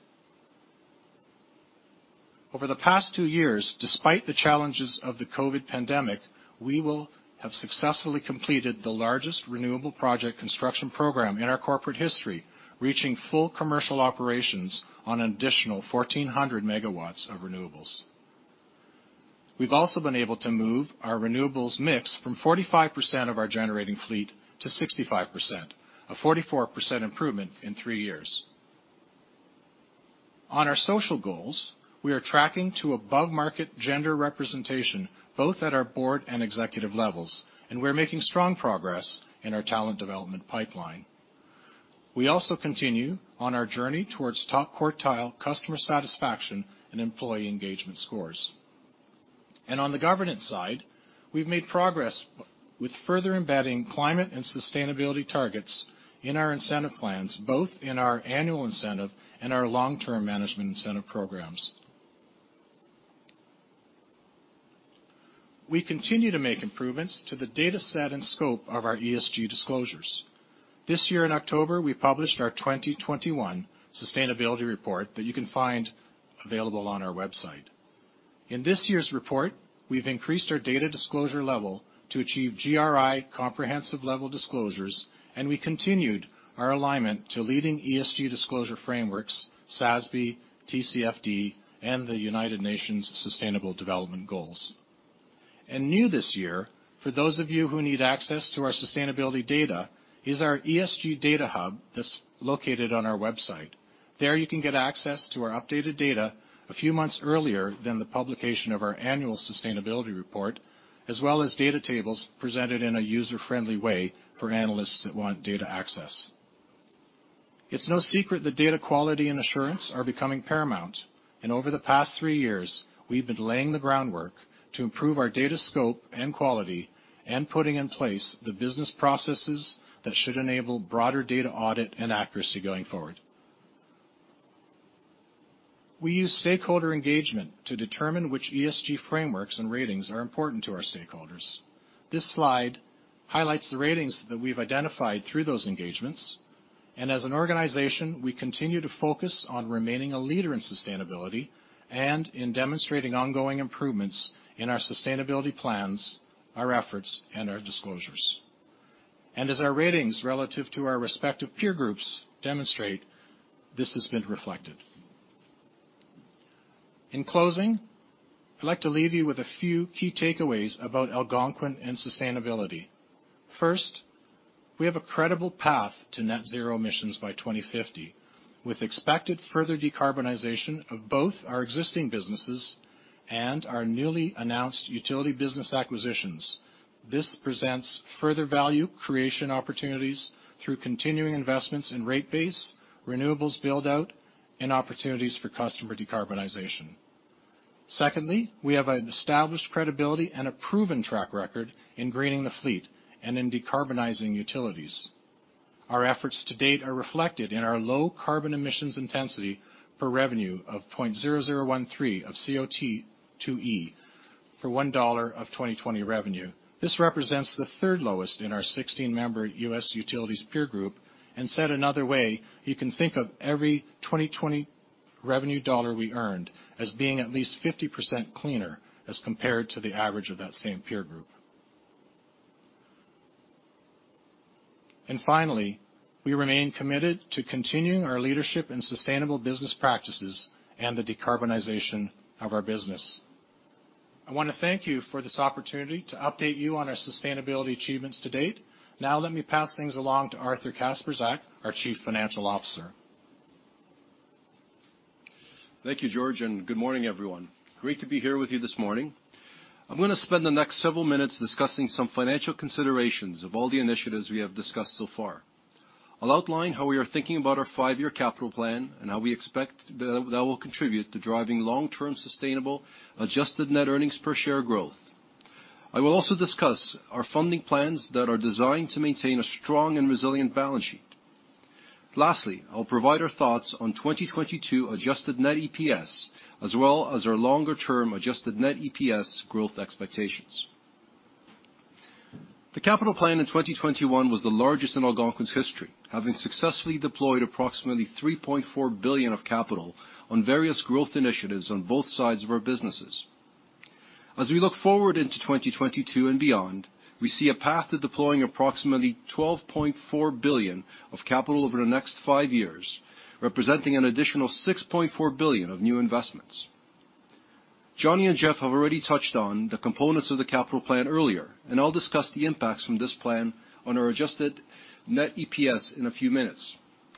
Over the past two years, despite the challenges of the COVID pandemic, we will have successfully completed the largest renewable project construction program in our corporate history, reaching full commercial operations on an additional 1,400 MW of renewables. We've also been able to move our renewables mix from 45% of our generating fleet to 65%, a 44% improvement in three years. On our social goals, we are tracking to above market gender representation, both at our board and executive levels, and we're making strong progress in our talent development pipeline. We also continue on our journey towards top-quartile customer satisfaction and employee engagement scores. On the governance side, we've made progress with further embedding climate and sustainability targets in our incentive plans, both in our annual incentive and our long-term management incentive programs. We continue to make improvements to the data set and scope of our ESG disclosures. This year in October, we published our 2021 sustainability report that you can find available on our website. In this year's report, we've increased our data disclosure level to achieve GRI comprehensive level disclosures, and we continued our alignment to leading ESG disclosure frameworks, SASB, TCFD, and the United Nations Sustainable Development Goals. New this year, for those of you who need access to our sustainability data, is our ESG data hub that's located on our website. There you can get access to our updated data a few months earlier than the publication of our annual sustainability report, as well as data tables presented in a user-friendly way for analysts that want data access. It's no secret that data quality and assurance are becoming paramount, and over the past three years, we've been laying the groundwork to improve our data scope and quality and putting in place the business processes that should enable broader data audit and accuracy going forward. We use stakeholder engagement to determine which ESG frameworks and ratings are important to our stakeholders. This slide highlights the ratings that we've identified through those engagements. As an organization, we continue to focus on remaining a leader in sustainability and in demonstrating ongoing improvements in our sustainability plans, our efforts, and our disclosures. As our ratings relative to our respective peer groups demonstrate, this has been reflected. In closing, I'd like to leave you with a few key takeaways about Algonquin and sustainability. First, we have a credible path to net zero emissions by 2050, with expected further decarbonization of both our existing businesses and our newly announced utility business acquisitions. This presents further value creation opportunities through continuing investments in rate base, renewables build-out, and opportunities for customer decarbonization. Secondly, we have an established credibility and a proven track record in greening the fleet and in decarbonizing utilities. Our efforts to date are reflected in our low carbon emissions intensity per revenue of 0.0013 of CO₂e for $1 of 2020 revenue. This represents the third lowest in our 16-member U.S. utilities peer group and said another way, you can think of every 2020 revenue dollar we earned as being at least 50% cleaner as compared to the average of that same peer group. Finally, we remain committed to continuing our leadership in sustainable business practices and the decarbonization of our business. I want to thank you for this opportunity to update you on our sustainability achievements to date. Now, let me pass things along to Arthur Kacprzak, our Chief Financial Officer. Thank you, George, and good morning, everyone. Great to be here with you this morning. I'm gonna spend the next several minutes discussing some financial considerations of all the initiatives we have discussed so far. I'll outline how we are thinking about our 5-year capital plan and how we expect that will contribute to driving long-term sustainable adjusted net earnings per share growth. I will also discuss our funding plans that are designed to maintain a strong and resilient balance sheet. Lastly, I'll provide our thoughts on 2022 adjusted net EPS, as well as our longer-term adjusted net EPS growth expectations. The capital plan in 2021 was the largest in Algonquin's history, having successfully deployed approximately $3.4 billion of capital on various growth initiatives on both sides of our businesses. As we look forward into 2022 and beyond, we see a path to deploying approximately $12.4 billion of capital over the next 5 years, representing an additional $6.4 billion of new investments. Johnny and Jeff have already touched on the components of the capital plan earlier, and I'll discuss the impacts from this plan on our adjusted net EPS in a few minutes.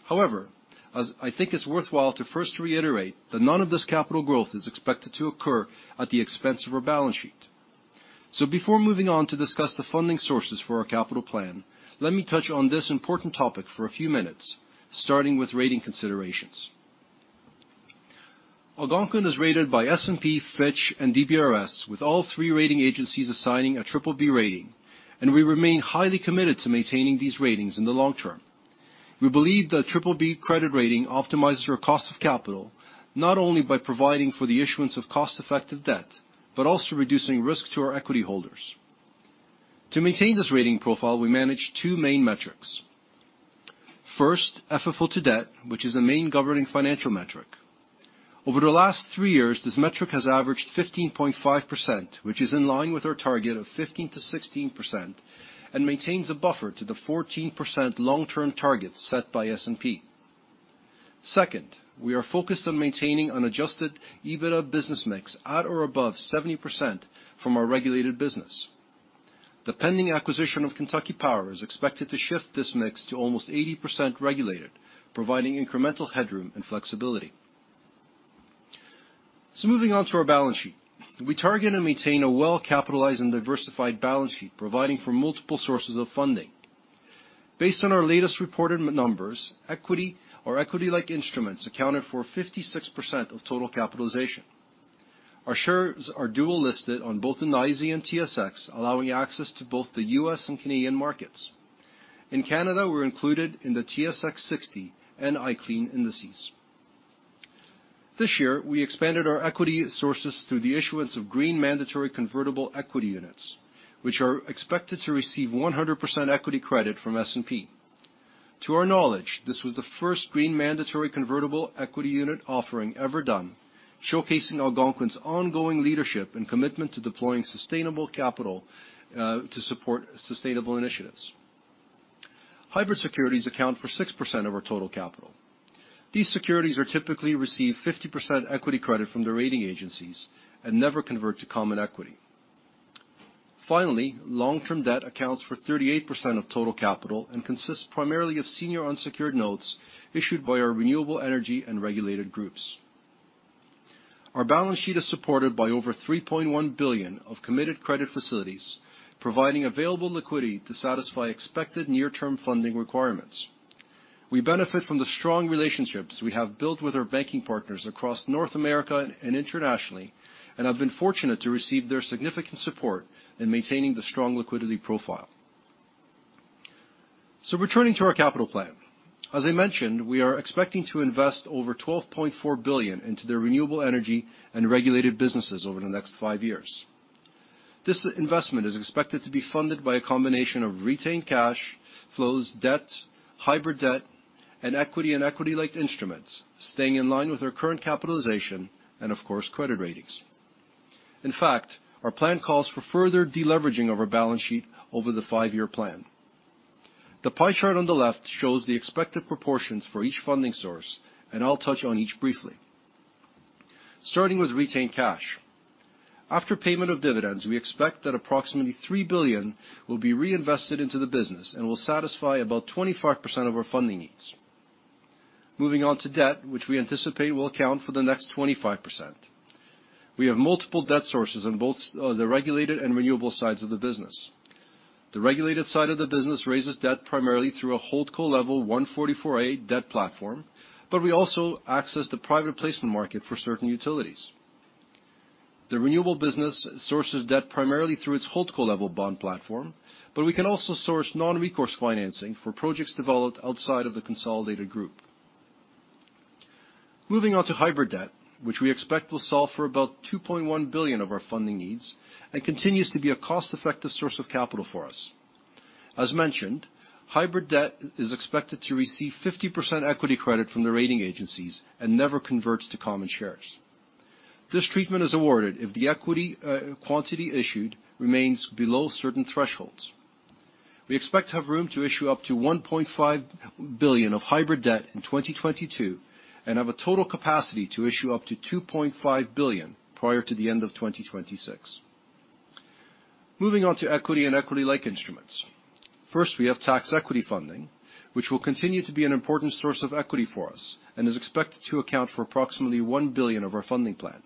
However, as I think it's worthwhile to first reiterate that none of this capital growth is expected to occur at the expense of our balance sheet. Before moving on to discuss the funding sources for our capital plan, let me touch on this important topic for a few minutes, starting with rating considerations. Algonquin is rated by S&P, Fitch, and DBRS, with all three rating agencies assigning a BBB rating, and we remain highly committed to maintaining these ratings in the long term. We believe that triple B credit rating optimizes our cost of capital, not only by providing for the issuance of cost-effective debt, but also reducing risk to our equity holders. To maintain this rating profile, we manage two main metrics. First, FFO to debt, which is the main governing financial metric. Over the last 3 years, this metric has averaged 15.5%, which is in line with our target of 15%-16% and maintains a buffer to the 14% long-term target set by S&P. Second, we are focused on maintaining unadjusted EBITDA business mix at or above 70% from our regulated business. The pending acquisition of Kentucky Power is expected to shift this mix to almost 80% regulated, providing incremental headroom and flexibility. Moving on to our balance sheet. We target and maintain a well-capitalized and diversified balance sheet, providing for multiple sources of funding. Based on our latest reported numbers, equity or equity-like instruments accounted for 56% of total capitalization. Our shares are dual-listed on both the NYSE and TSX, allowing access to both the U.S. and Canadian markets. In Canada, we're included in the TSX 60 and S&P/TSX Clean Technology Index indices. This year, we expanded our equity sources through the issuance of green mandatory convertible equity units, which are expected to receive 100% equity credit from S&P. To our knowledge, this was the first green mandatory convertible equity unit offering ever done, showcasing Algonquin's ongoing leadership and commitment to deploying sustainable capital to support sustainable initiatives. Hybrid securities account for 6% of our total capital. These securities typically receive 50% equity credit from the rating agencies and never convert to common equity. Finally, long-term debt accounts for 38% of total capital and consists primarily of senior unsecured notes issued by our renewable energy and regulated groups. Our balance sheet is supported by over $3.1 billion of committed credit facilities, providing available liquidity to satisfy expected near-term funding requirements. We benefit from the strong relationships we have built with our banking partners across North America and internationally, and have been fortunate to receive their significant support in maintaining the strong liquidity profile. Returning to our capital plan. As I mentioned, we are expecting to invest over $12.4 billion into the renewable energy and regulated businesses over the next 5 years. This investment is expected to be funded by a combination of retained cash flows, debt, hybrid debt, and equity and equity-like instruments, staying in line with our current capitalization and, of course, credit ratings. In fact, our plan calls for further deleveraging of our balance sheet over the 5-year plan. The pie chart on the left shows the expected proportions for each funding source, and I'll touch on each briefly. Starting with retained cash. After payment of dividends, we expect that approximately $3 billion will be reinvested into the business and will satisfy about 25% of our funding needs. Moving on to debt, which we anticipate will account for the next 25%. We have multiple debt sources on both the regulated and renewable sides of the business. The regulated side of the business raises debt primarily through a Holdco-level 144A debt platform, but we also access the private placement market for certain utilities. The renewable business sources debt primarily through its Holdco-level bond platform, but we can also source non-recourse financing for projects developed outside of the consolidated group. Moving on to hybrid debt, which we expect will solve for about $2.1 billion of our funding needs and continues to be a cost-effective source of capital for us. As mentioned, hybrid debt is expected to receive 50% equity credit from the rating agencies and never converts to common shares. This treatment is awarded if the equity quantity issued remains below certain thresholds. We expect to have room to issue up to $1.5 billion of hybrid debt in 2022 and have a total capacity to issue up to $2.5 billion prior to the end of 2026. Moving on to equity and equity-like instruments. First, we have tax equity funding, which will continue to be an important source of equity for us and is expected to account for approximately $1 billion of our funding plan.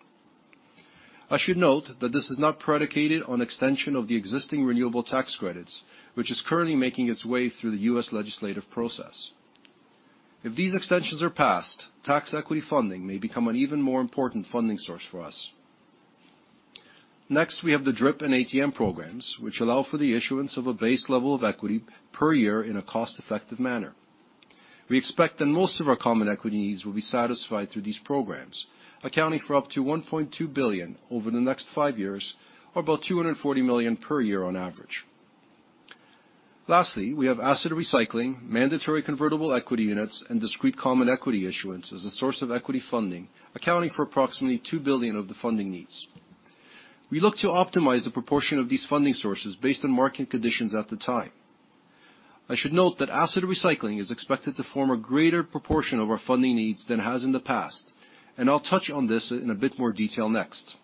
I should note that this is not predicated on extension of the existing renewable tax credits, which is currently making its way through the U.S. legislative process. If these extensions are passed, tax equity funding may become an even more important funding source for us. Next, we have the DRIP and ATM programs, which allow for the issuance of a base level of equity per year in a cost-effective manner. We expect that most of our common equity needs will be satisfied through these programs, accounting for up to $1.2 billion over the next 5 years or about $240 million per year on average. Lastly, we have asset recycling, mandatory convertible equity units, and discrete common equity issuance as a source of equity funding, accounting for approximately $2 billion of the funding needs. We look to optimize the proportion of these funding sources based on market conditions at the time. I should note that asset recycling is expected to form a greater proportion of our funding needs than has in the past, and I'll touch on this in a bit more detail next.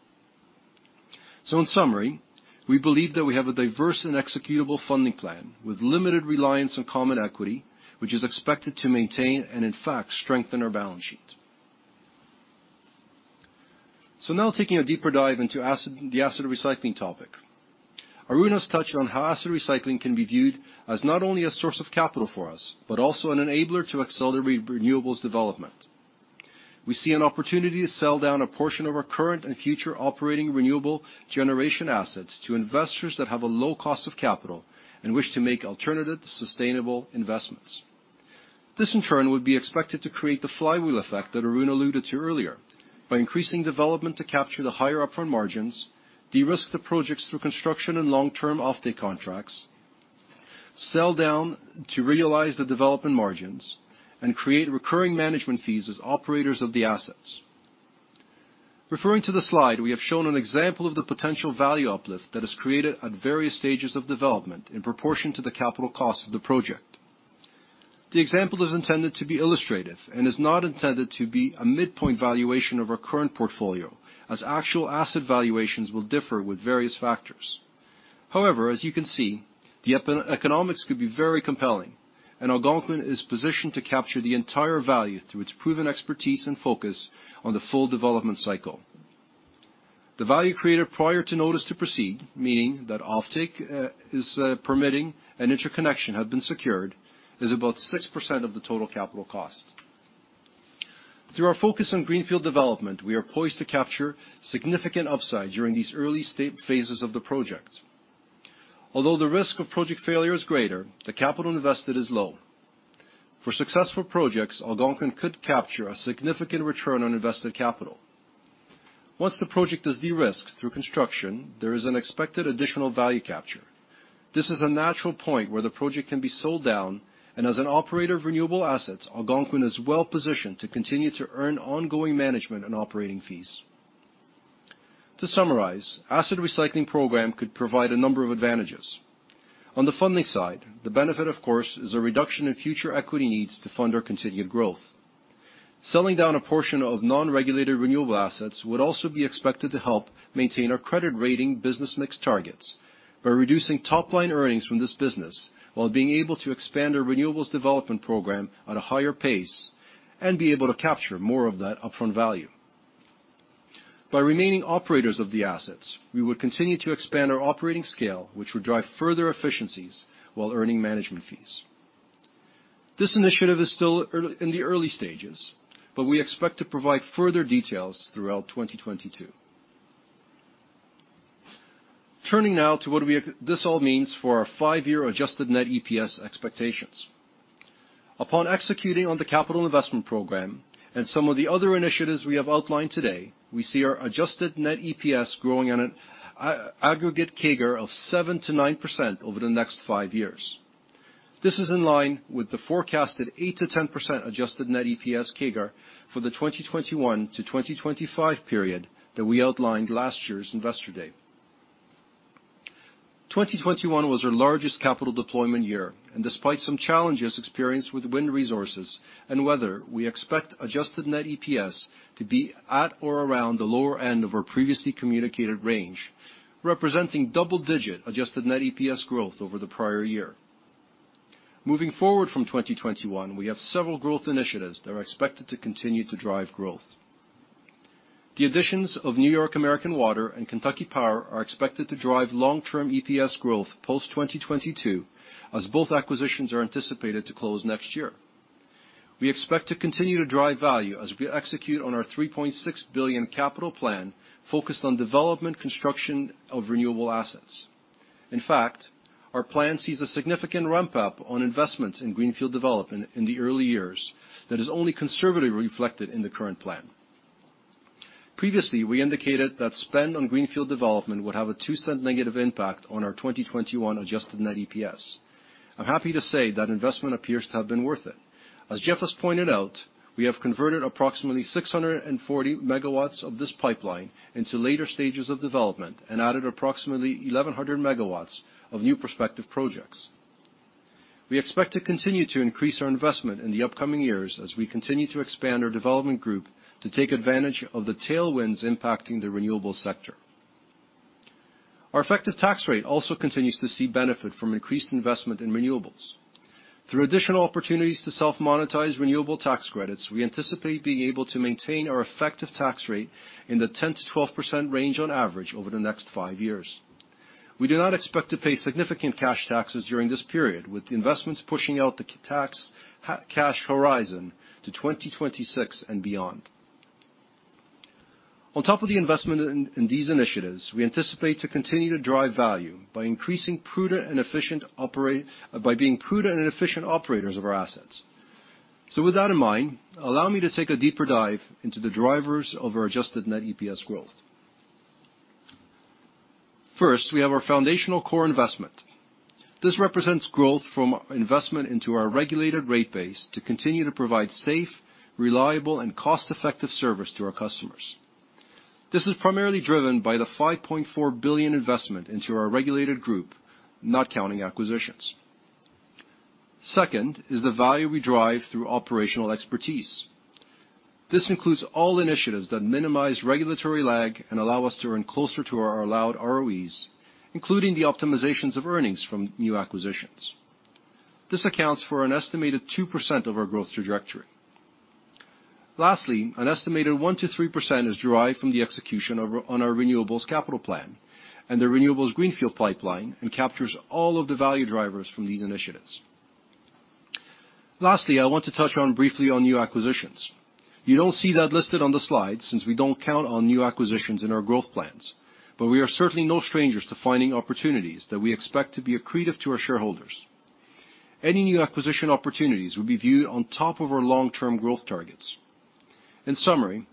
In summary, we believe that we have a diverse and executable funding plan with limited reliance on common equity, which is expected to maintain and in fact strengthen our balance sheet. now taking a deeper dive into the asset recycling topic. Arun has touched on how asset recycling can be viewed as not only a source of capital for us, but also an enabler to accelerate renewables development. We see an opportunity to sell down a portion of our current and future operating renewable generation assets to investors that have a low cost of capital and wish to make alternative sustainable investments. This in turn, would be expected to create the flywheel effect that Arun alluded to earlier, by increasing development to capture the higher upfront margins, de-risk the projects through construction and long-term offtake contracts, sell down to realize the development margins and create recurring management fees as operators of the assets. Referring to the slide, we have shown an example of the potential value uplift that is created at various stages of development in proportion to the capital cost of the project. The example is intended to be illustrative and is not intended to be a midpoint valuation of our current portfolio as actual asset valuations will differ with various factors. However, as you can see, the eco-economics could be very compelling, and Algonquin is positioned to capture the entire value through its proven expertise and focus on the full development cycle. The value created prior to notice to proceed, meaning that offtake, permitting and interconnection have been secured, is about 6% of the total capital cost. Through our focus on greenfield development, we are poised to capture significant upside during these early phases of the project. Although the risk of project failure is greater, the capital invested is low. For successful projects, Algonquin could capture a significant return on invested capital. Once the project is de-risked through construction, there is an expected additional value capture. This is a natural point where the project can be sold down, and as an operator of renewable assets, Algonquin is well-positioned to continue to earn ongoing management and operating fees. To summarize, asset recycling program could provide a number of advantages. On the funding side, the benefit, of course, is a reduction in future equity needs to fund our continued growth. Selling down a portion of non-regulated renewable assets would also be expected to help maintain our credit rating business mix targets by reducing top-line earnings from this business while being able to expand our renewables development program at a higher pace and be able to capture more of that upfront value. By remaining operators of the assets, we would continue to expand our operating scale, which would drive further efficiencies while earning management fees. This initiative is still in the early stages, but we expect to provide further details throughout 2022. Turning now to what this all means for our 5-year adjusted net EPS expectations. Upon executing on the capital investment program and some of the other initiatives we have outlined today, we see our adjusted net EPS growing at an aggregate CAGR of 7%-9% over the next 5 years. This is in line with the forecasted 8%-10% adjusted net EPS CAGR for the 2021-2025 period that we outlined last year's Investor Day. 2021 was our largest capital deployment year, and despite some challenges experienced with wind resources and weather, we expect adjusted net EPS to be at or around the lower end of our previously communicated range, representing double-digit adjusted net EPS growth over the prior year. Moving forward from 2021, we have several growth initiatives that are expected to continue to drive growth. The additions of New York American Water and Kentucky Power are expected to drive long-term EPS growth post-2022 as both acquisitions are anticipated to close next year. We expect to continue to drive value as we execute on our $3.6 billion capital plan focused on development, construction of renewable assets. In fact, our plan sees a significant ramp-up on investments in greenfield development in the early years that is only conservatively reflected in the current plan. Previously, we indicated that spend on greenfield development would have a -$0.02 impact on our 2021 adjusted net EPS. I'm happy to say that investment appears to have been worth it. As Jeff has pointed out, we have converted approximately 640 MW of this pipeline into later stages of development and added approximately 1,100 MW of new prospective projects. We expect to continue to increase our investment in the upcoming years as we continue to expand our development group to take advantage of the tailwinds impacting the renewable sector. Our effective tax rate also continues to see benefit from increased investment in renewables. Through additional opportunities to self-monetize renewable tax credits, we anticipate being able to maintain our effective tax rate in the 10%-12% range on average over the next 5 years. We do not expect to pay significant cash taxes during this period, with investments pushing out the cash horizon to 2026 and beyond. On top of the investment in these initiatives, we anticipate to continue to drive value by being prudent and efficient operators of our assets. With that in mind, allow me to take a deeper dive into the drivers of our adjusted net EPS growth. First, we have our foundational core investment. This represents growth from investment into our regulated rate base to continue to provide safe, reliable, and cost-effective service to our customers. This is primarily driven by the $5.4 billion investment into our regulated group, not counting acquisitions. Second is the value we drive through operational expertise. This includes all initiatives that minimize regulatory lag and allow us to run closer to our allowed ROEs, including the optimizations of earnings from new acquisitions. This accounts for an estimated 2% of our growth trajectory. Lastly, an estimated 1%-3% is derived from the execution on our renewables capital plan and the renewables greenfield pipeline, and captures all of the value drivers from these initiatives. Lastly, I want to touch briefly on new acquisitions. You don't see that listed on the slide since we don't count on new acquisitions in our growth plans, but we are certainly no strangers to finding opportunities that we expect to be accretive to our shareholders. Any new acquisition opportunities will be viewed on top of our long-term growth targets. In summary,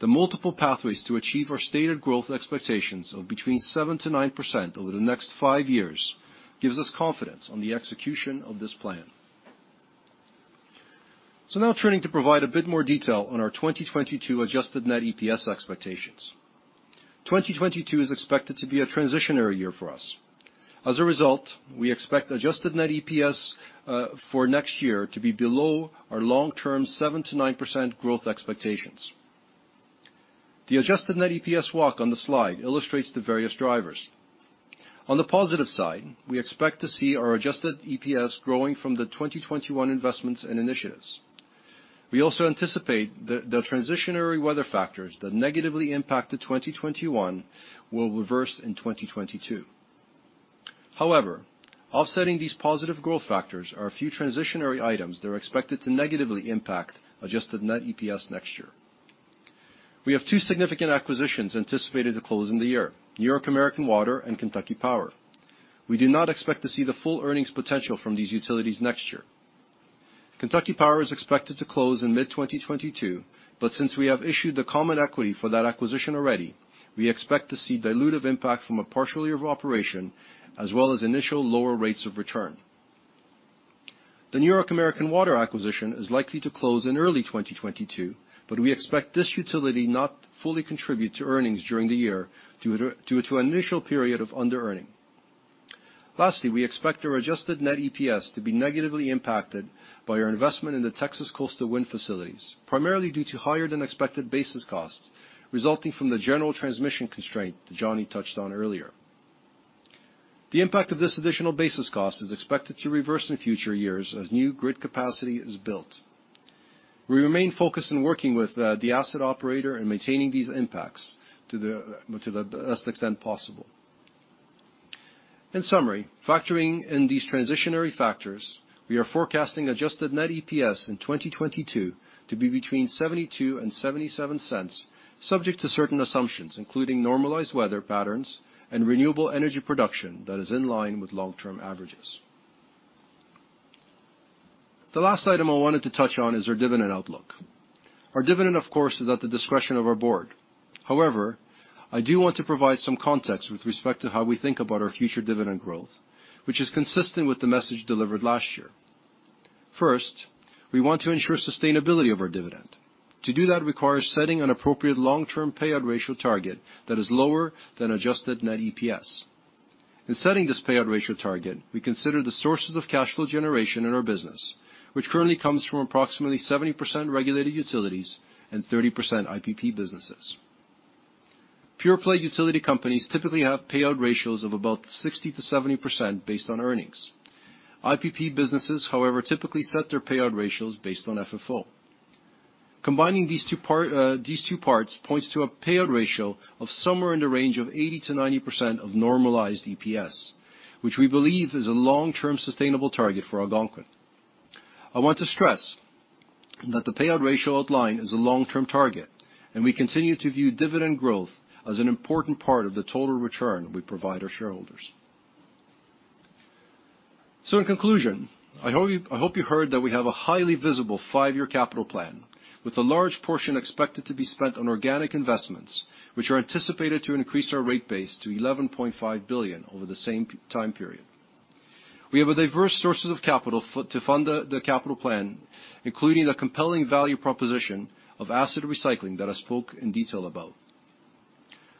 the multiple pathways to achieve our stated growth expectations of between 7%-9% over the next 5 years gives us confidence on the execution of this plan. Now turning to provide a bit more detail on our 2022 adjusted net EPS expectations. 2022 is expected to be a transitional year for us. As a result, we expect adjusted net EPS for next year to be below our long-term 7%-9% growth expectations. The adjusted net EPS walk on the slide illustrates the various drivers. On the positive side, we expect to see our adjusted EPS growing from the 2021 investments and initiatives. We also anticipate the transitional weather factors that negatively impacted 2021 will reverse in 2022. However, offsetting these positive growth factors are a few transitory items that are expected to negatively impact adjusted net EPS next year. We have two significant acquisitions anticipated to close in the year, New York American Water and Kentucky Power. We do not expect to see the full earnings potential from these utilities next year. Kentucky Power is expected to close in mid-2022, but since we have issued the common equity for that acquisition already, we expect to see dilutive impact from a partial year of operation, as well as initial lower rates of return. The New York American Water acquisition is likely to close in early 2022, but we expect this utility not to fully contribute to earnings during the year due to an initial period of underearning. Lastly, we expect our adjusted net EPS to be negatively impacted by our investment in the Texas Coastal Wind facilities, primarily due to higher-than-expected basis costs resulting from the general transmission constraint that Johnny touched on earlier. The impact of this additional basis cost is expected to reverse in future years as new grid capacity is built. We remain focused in working with the asset operator in maintaining these impacts to the best extent possible. In summary, factoring in these transitory factors, we are forecasting adjusted net EPS in 2022 to be between $0.72 and $0.77, subject to certain assumptions, including normalized weather patterns and renewable energy production that is in line with long-term averages. The last item I wanted to touch on is our dividend outlook. Our dividend, of course, is at the discretion of our board. However, I do want to provide some context with respect to how we think about our future dividend growth, which is consistent with the message delivered last year. First, we want to ensure sustainability of our dividend. To do that requires setting an appropriate long-term payout ratio target that is lower than adjusted net EPS. In setting this payout ratio target, we consider the sources of cash flow generation in our business, which currently comes from approximately 70% regulated utilities and 30% IPP businesses. Pure-play utility companies typically have payout ratios of about 60%-70% based on earnings. IPP businesses, however, typically set their payout ratios based on FFO. Combining these two parts points to a payout ratio of somewhere in the range of 80%-90% of normalized EPS, which we believe is a long-term sustainable target for Algonquin. I want to stress that the payout ratio outline is a long-term target, and we continue to view dividend growth as an important part of the total return we provide our shareholders. In conclusion, I hope you heard that we have a highly visible 5-year capital plan with a large portion expected to be spent on organic investments, which are anticipated to increase our rate base to $11.5 billion over the same time period. We have diverse sources of capital to fund the capital plan, including the compelling value proposition of asset recycling that I spoke in detail about.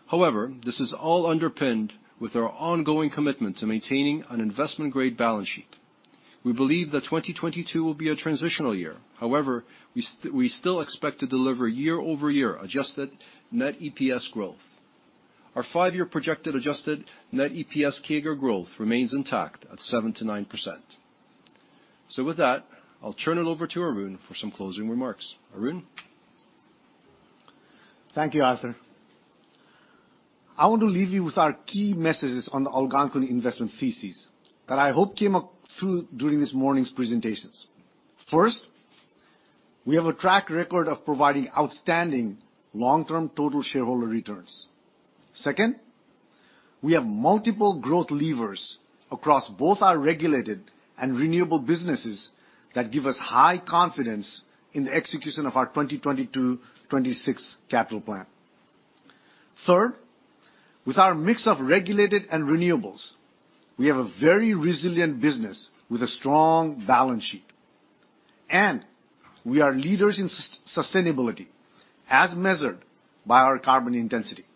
However, this is all underpinned with our ongoing commitment to maintaining an investment-grade balance sheet. We believe that 2022 will be a transitional year. However, we still expect to deliver year-over-year adjusted net EPS growth. Our 5-year projected adjusted net EPS CAGR growth remains intact at 7%-9%. With that, I'll turn it over to Arun for some closing remarks. Arun? Thank you, Arthur. I want to leave you with our key messages on the Algonquin investment thesis that I hope came up through during this morning's presentations. First, we have a track record of providing outstanding long-term total shareholder returns. Second, we have multiple growth levers across both our regulated and renewable businesses that give us high confidence in the execution of our 2022-2026 capital plan. Third, with our mix of regulated and renewables, we have a very resilient business with a strong balance sheet. We are leaders in sustainability as measured by our carbon intensity.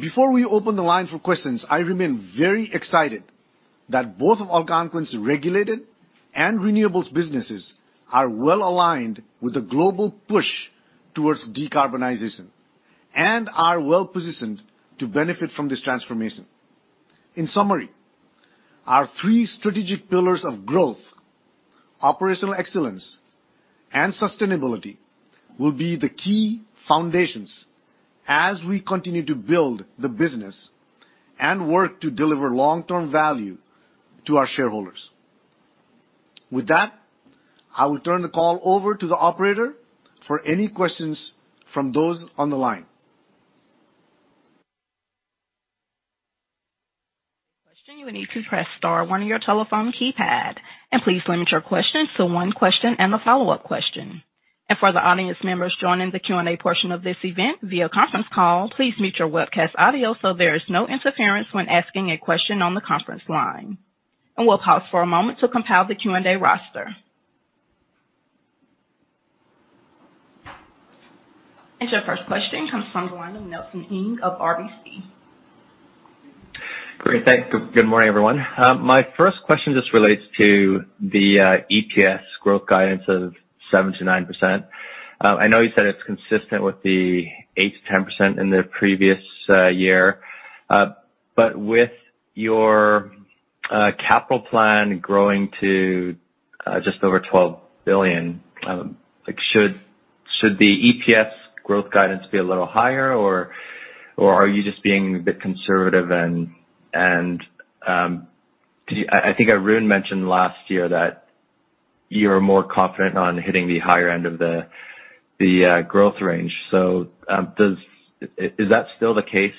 Before we open the line for questions, I remain very excited that both of Algonquin's regulated and renewables businesses are well-aligned with the global push towards decarbonization and are well-positioned to benefit from this transformation. In summary. Our three strategic pillars of growth, operational excellence, and sustainability will be the key foundations as we continue to build the business and work to deliver long-term value to our shareholders. With that, I will turn the call over to the operator for any questions from those on the line. To ask a question, you will need to press star one on your telephone keypad. Please limit your questions to one question and a follow-up question. For the audience members joining the Q&A portion of this event via conference call, please mute your webcast audio so there is no interference when asking a question on the conference line. We'll pause for a moment to compile the Q&A roster. Your first question comes from the line of Nelson Ng of RBC. Great. Thanks. Good morning, everyone. My first question just relates to the EPS growth guidance of 7%-9%. I know you said it's consistent with the 8%-10% in the previous year. But with your capital plan growing to just over $12 billion, like should the EPS growth guidance be a little higher or are you just being a bit conservative and I think Arun mentioned last year that you're more confident on hitting the higher end of the growth range. Is that still the case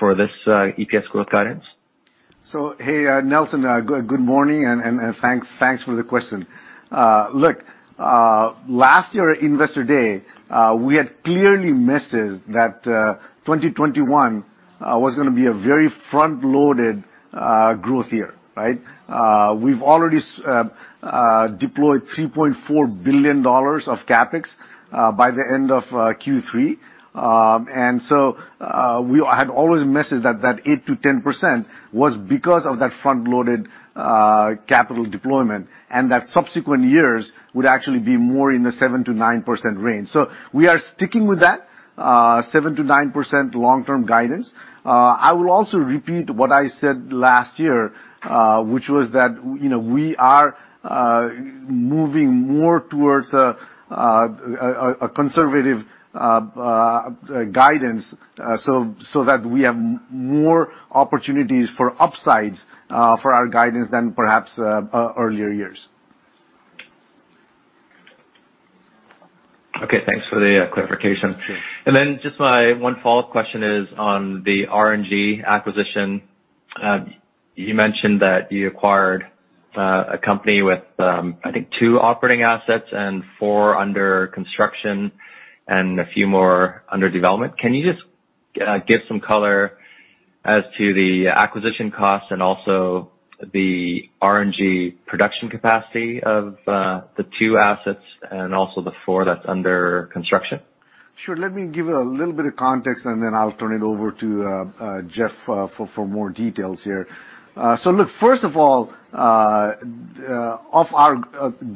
for this EPS growth guidance? Nelson, good morning, and thanks for the question. Look, last year Investor Day, we had clearly missed that 2021 was gonna be a very front-loaded growth year, right? We've already deployed $3.4 billion of CapEx by the end of Q3. We had always messed with that 8%-10% was because of that front-loaded capital deployment, and that subsequent years would actually be more in the 7%-9% range. We are sticking with that 7%-9% long-term guidance. I will also repeat what I said last year, which was that, you know, we are moving more towards a conservative guidance, so that we have more opportunities for upsides for our guidance than perhaps earlier years. Okay, thanks for the clarification. Just my 1 follow-up question is on the RNG acquisition. You mentioned that you acquired a company with, I think, two operating assets and four under construction and a few more under development. Can you just give some color as to the acquisition costs and also the RNG production capacity of the two assets and also the four that's under construction? Sure. Let me give a little bit of context, and then I'll turn it over to Jeff for more details here. Look, first of all, one of our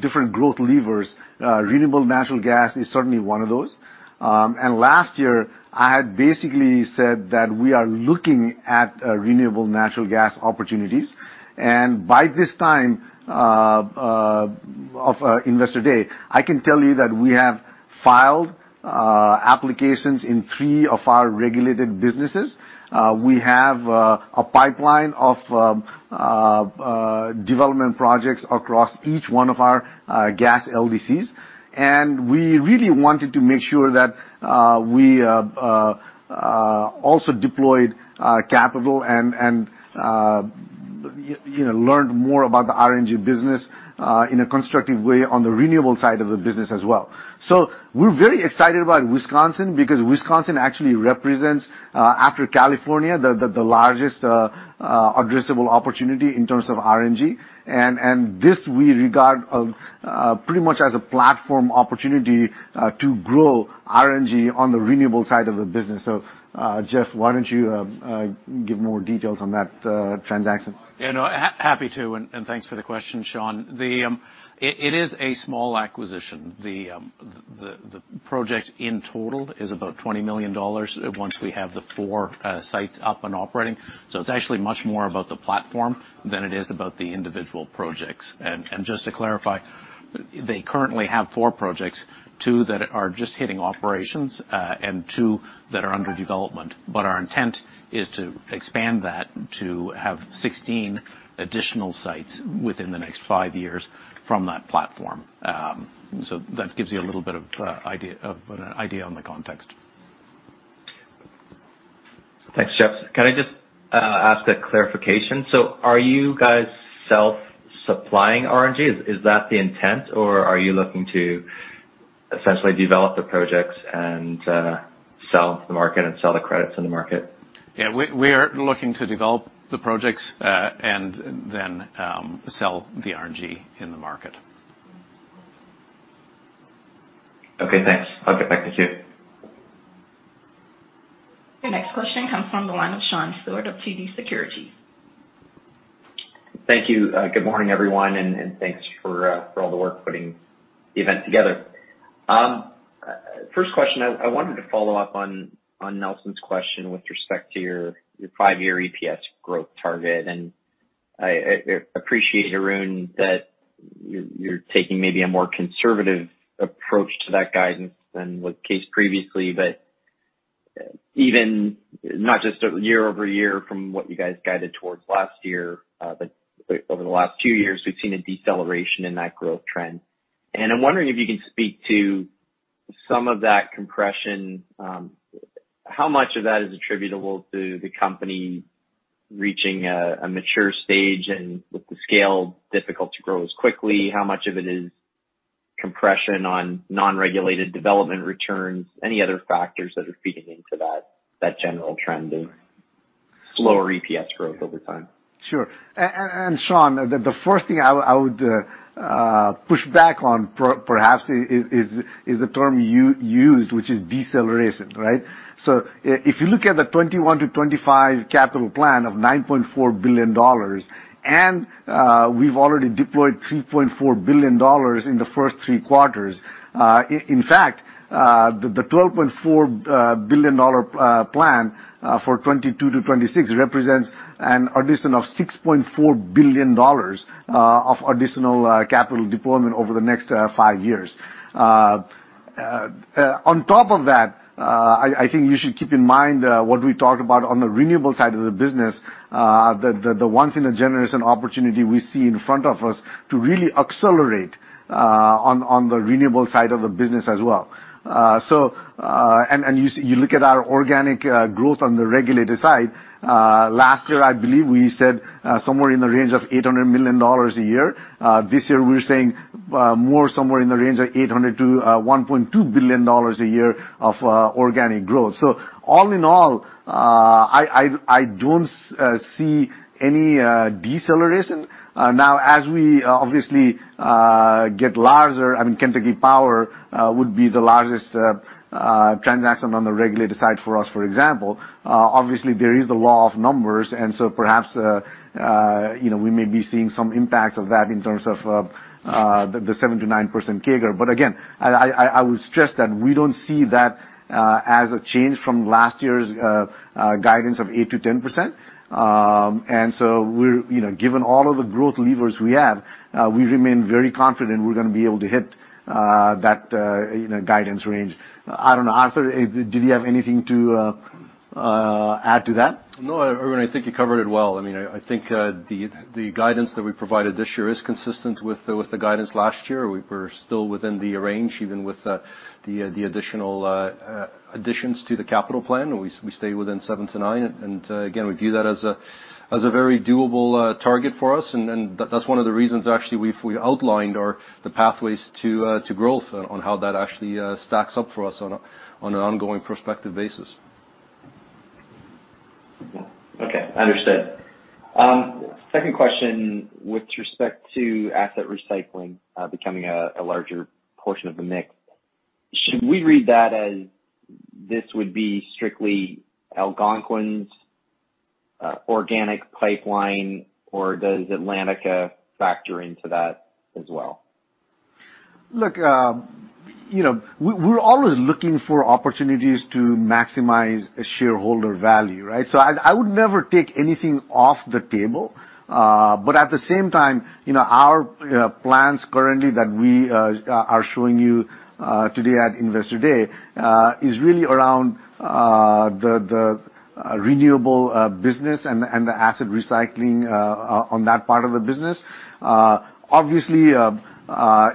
different growth levers, renewable natural gas is certainly one of those. Last year, I had basically said that we are looking at renewable natural gas opportunities. By this time of Investor Day, I can tell you that we have filed applications in three of our regulated businesses. We have a pipeline of development projects across each one of our gas LDCs. We really wanted to make sure that we also deployed capital and you know, learned more about the RNG business in a constructive way on the renewable side of the business as well. We're very excited about Wisconsin because Wisconsin actually represents, after California, the largest addressable opportunity in terms of RNG. This we regard pretty much as a platform opportunity to grow RNG on the renewable side of the business. Jeff, why don't you give more details on that transaction? Yeah, no, happy to, and thanks for the question, Sean. It is a small acquisition. The project in total is about $20 million once we have the four sites up and operating. It's actually much more about the platform than it is about the individual projects. Just to clarify, they currently have four projects, two that are just hitting operations, and two that are under development. Our intent is to expand that to have 16 additional sites within the next 5 years from that platform. That gives you a little bit of an idea on the context. Thanks, Jeff. Can I just ask a clarification? Are you guys self-supplying RNG? Is that the intent or are you looking to essentially develop the projects and sell to the market and sell the credits in the market? Yeah. We are looking to develop the projects, and then sell the RNG in the market. Okay, thanks. I'll get back to que. Your next question comes from the line of Sean Steuart of TD Securities. Thank you. Good morning, everyone, and thanks for all the work putting the event together. First question, I wanted to follow up on Nelson's question with respect to your 5-year EPS growth target. I appreciate, Arun, that you're taking maybe a more conservative approach to that guidance than was the case previously. Even not just year-over-year from what you guys guided towards last year, but over the last 2 years, we've seen a deceleration in that growth trend. I'm wondering if you can speak to some of that compression, how much of that is attributable to the company reaching a mature stage and with the scale difficult to grow as quickly, how much of it is compression on non-regulated development returns, any other factors that are feeding into that general trend of slower EPS growth over time? Sure. Sean, the first thing I would push back on perhaps is the term used, which is deceleration, right? If you look at the 2021-2025 capital plan of $9.4 billion, and we've already deployed $3.4 billion in the first three quarters. In fact, the $12.4 billion plan for 2022-2026 represents an addition of $6.4 billion of additional capital deployment over the next 5 years. On top of that, I think you should keep in mind what we talked about on the renewable side of the business, the once in a generation opportunity we see in front of us to really accelerate on the renewable side of the business as well. You look at our organic growth on the regulated side, last year, I believe we said somewhere in the range of $800 million a year. This year, we're saying more somewhere in the range of $800 million-$1.2 billion a year of organic growth. All in all, I don't see any deceleration. Now, as we obviously get larger, I mean, Kentucky Power would be the largest transaction on the regulated side for us, for example. Obviously, there is the law of numbers, and so perhaps you know, we may be seeing some impacts of that in terms of the 7%-9% CAGR. But again, I will stress that we don't see that as a change from last year's guidance of 8%-10%. We're you know, given all of the growth levers we have, we remain very confident we're gonna be able to hit that you know, guidance range. I don't know, Arthur, did you have anything to add to that? No, Arun, I think you covered it well. I mean, I think the guidance that we provided this year is consistent with the guidance last year. We're still within the range, even with the additional additions to the capital plan. We stay within 7%-9%. Again, we view that as a very doable target for us. Then that's one of the reasons actually we've outlined the pathways to growth on how that actually stacks up for us on an ongoing prospective basis. Okay, understood. Second question, with respect to asset recycling, becoming a larger portion of the mix, should we read that as this would be strictly Algonquin's organic pipeline, or does Atlantica factor into that as well? Look, you know, we're always looking for opportunities to maximize shareholder value, right? I would never take anything off the table. At the same time, you know, our plans currently that we are showing you today at Investor Day is really around the renewable business and the asset recycling on that part of the business. Obviously,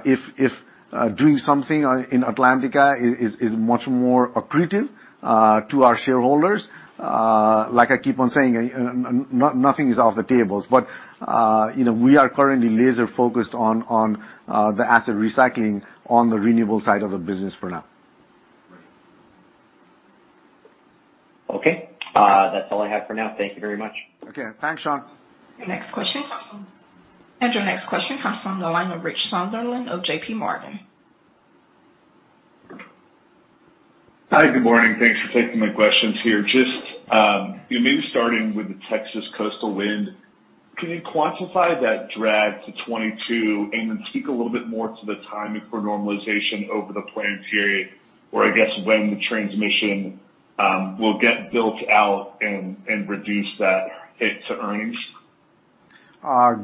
if doing something in Atlantica is much more accretive to our shareholders, like I keep on saying, nothing is off the table, but you know, we are currently laser-focused on the asset recycling on the renewable side of the business for now. Okay. That's all I have for now. Thank you very much. Okay. Thanks, Sean. Next question. Your next question comes from the line of Rich Sunderland of J.P. Morgan. Hi, good morning. Thanks for taking my questions here. Just, you know, maybe starting with the Texas Coastal Wind, can you quantify that drag to 2022 and then speak a little bit more to the timing for normalization over the planned period, or I guess, when the transmission will get built out and reduce that hit to earnings?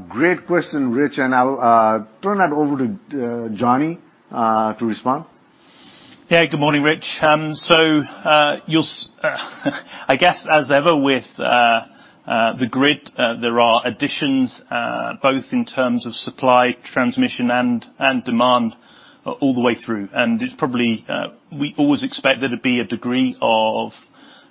Great question, Rich, and I'll turn that over to Johnny to respond. Yeah, good morning, Rich. I guess as ever with the grid, there are additions both in terms of supply, transmission, and demand all the way through. It's probably we always expect there to be a degree of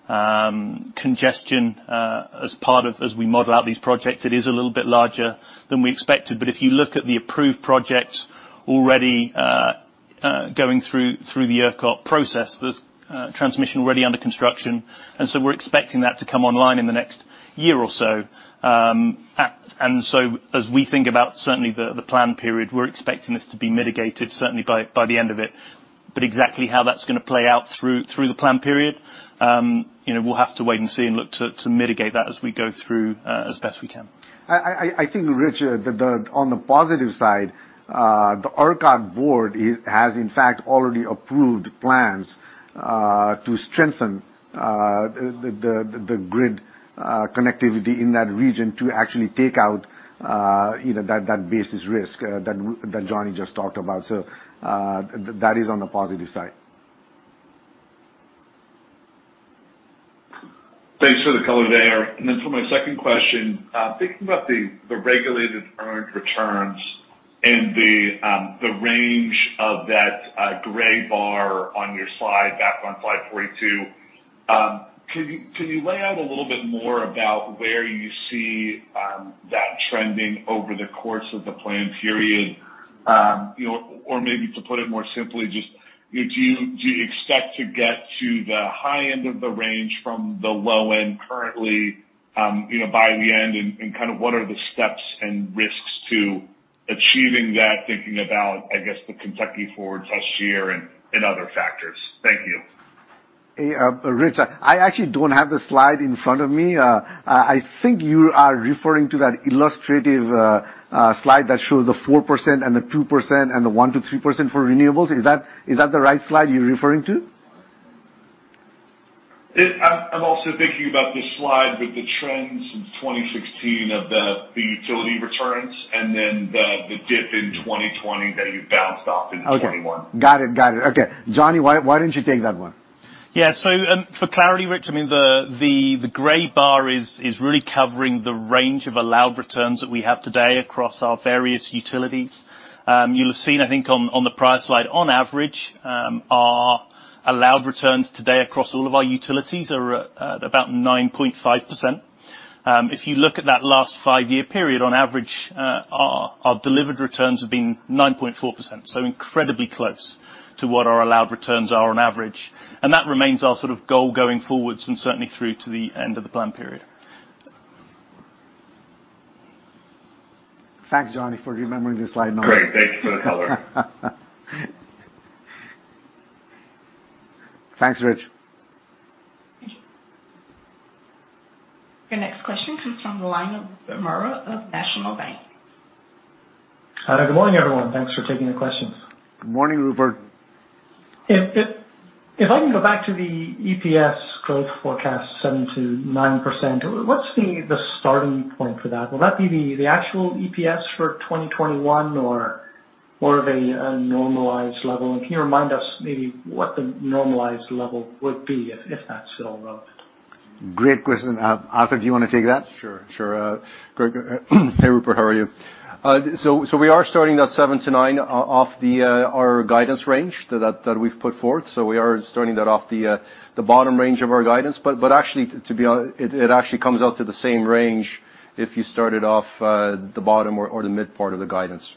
congestion as part of how we model out these projects. It is a little bit larger than we expected. If you look at the approved projects already going through the ERCOT process, there's transmission already under construction, and so we're expecting that to come online in the next year or so. As we think about certainly the plan period, we're expecting this to be mitigated certainly by the end of it. Exactly how that's gonna play out through the plan period, you know, we'll have to wait and see and look to mitigate that as we go through, as best we can. I think, Rich, the, on the positive side, the ERCOT board has in fact already approved plans to strengthen the grid connectivity in that region to actually take out, you know, that basis risk that Johnny just talked about. That is on the positive side. Thanks for the color there. For my second question, thinking about the regulated earned returns and the range of that gray bar on your slide, back on slide 42, can you lay out a little bit more about where you see that trending over the course of the plan period? You know, or maybe to put it more simply, just do you expect to get to the high end of the range from the low end currently, you know, by the end? Kind of what are the steps and risks to achieving that thinking about, I guess, the Kentucky forward test year and other factors? Thank you. Hey, Rich, I actually don't have the slide in front of me. I think you are referring to that illustrative slide that shows the 4% and the 2% and the 1%-3% for renewables. Is that the right slide you're referring to? I'm also thinking about the slide with the trends in 2016 of the utility returns and then the dip in 2020 that you bounced off in 2021. Okay. Got it. Okay. Johnny, why don't you take that one? Yeah. For clarity, Rich, I mean, the gray bar is really covering the range of allowed returns that we have today across our various utilities. You'll have seen, I think, on the prior slide, on average, our allowed returns today across all of our utilities are at about 9.5%. If you look at that last 5-year period, on average, our delivered returns have been 9.4%, so incredibly close to what our allowed returns are on average. That remains our sort of goal going forwards and certainly through to the end of the plan period. Thanks, Johnny, for remembering the slide numbers. Great. Thanks for the color. Thanks, Rich. Your next question comes from the line of Rupert Merer of National Bank. Good morning, everyone. Thanks for taking the questions. Good morning, Rupert. If I can go back to the EPS growth forecast, 7%-9%, what's the starting point for that? Will that be the actual EPS for 2021 or more of a normalized level? Can you remind us maybe what the normalized level would be if that's still relevant? Great question. Arthur, do you wanna take that? Sure. Great. Hey, Rupert, how are you? We are starting that 7%-9% off our guidance range that we've put forth. We are starting that off the bottom range of our guidance. Actually, it actually comes out to the same range if you started off the bottom or the mid part of the guidance.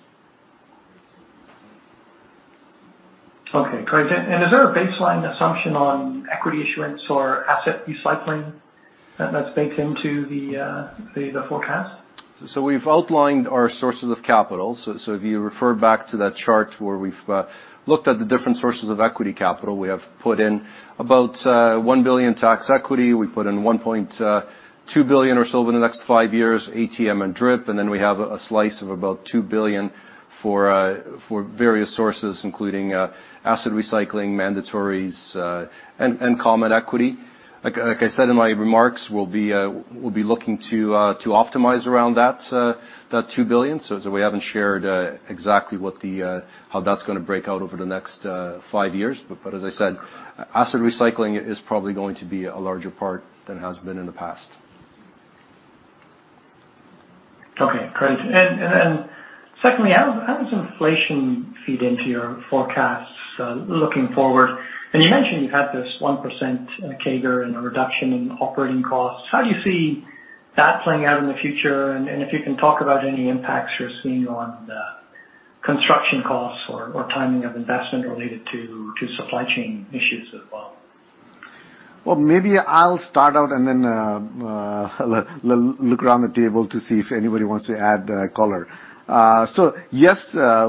Okay, great. Is there a baseline assumption on equity issuance or asset recycling that's baked into the forecast? We've outlined our sources of capital. If you refer back to that chart where we've looked at the different sources of equity capital, we have put in about $1 billion tax equity. We put in $1.2 billion or so over the next 5 years, ATM and DRIP. Then we have a slice of about $2 billion for various sources, including asset recycling, mandatories, and common equity. Like I said in my remarks, we'll be looking to optimize around that $2 billion. We haven't shared exactly how that's gonna break out over the next 5 years. As I said, asset recycling is probably going to be a larger part than it has been in the past. Okay, great. Secondly, how does inflation feed into your forecasts, looking forward? You mentioned you've had this 1% CAGR and a reduction in operating costs. How do you see that playing out in the future? If you can talk about any impacts you're seeing on construction costs or timing of investment related to supply chain issues as well. Well, maybe I'll start out and then look around the table to see if anybody wants to add color. Yes,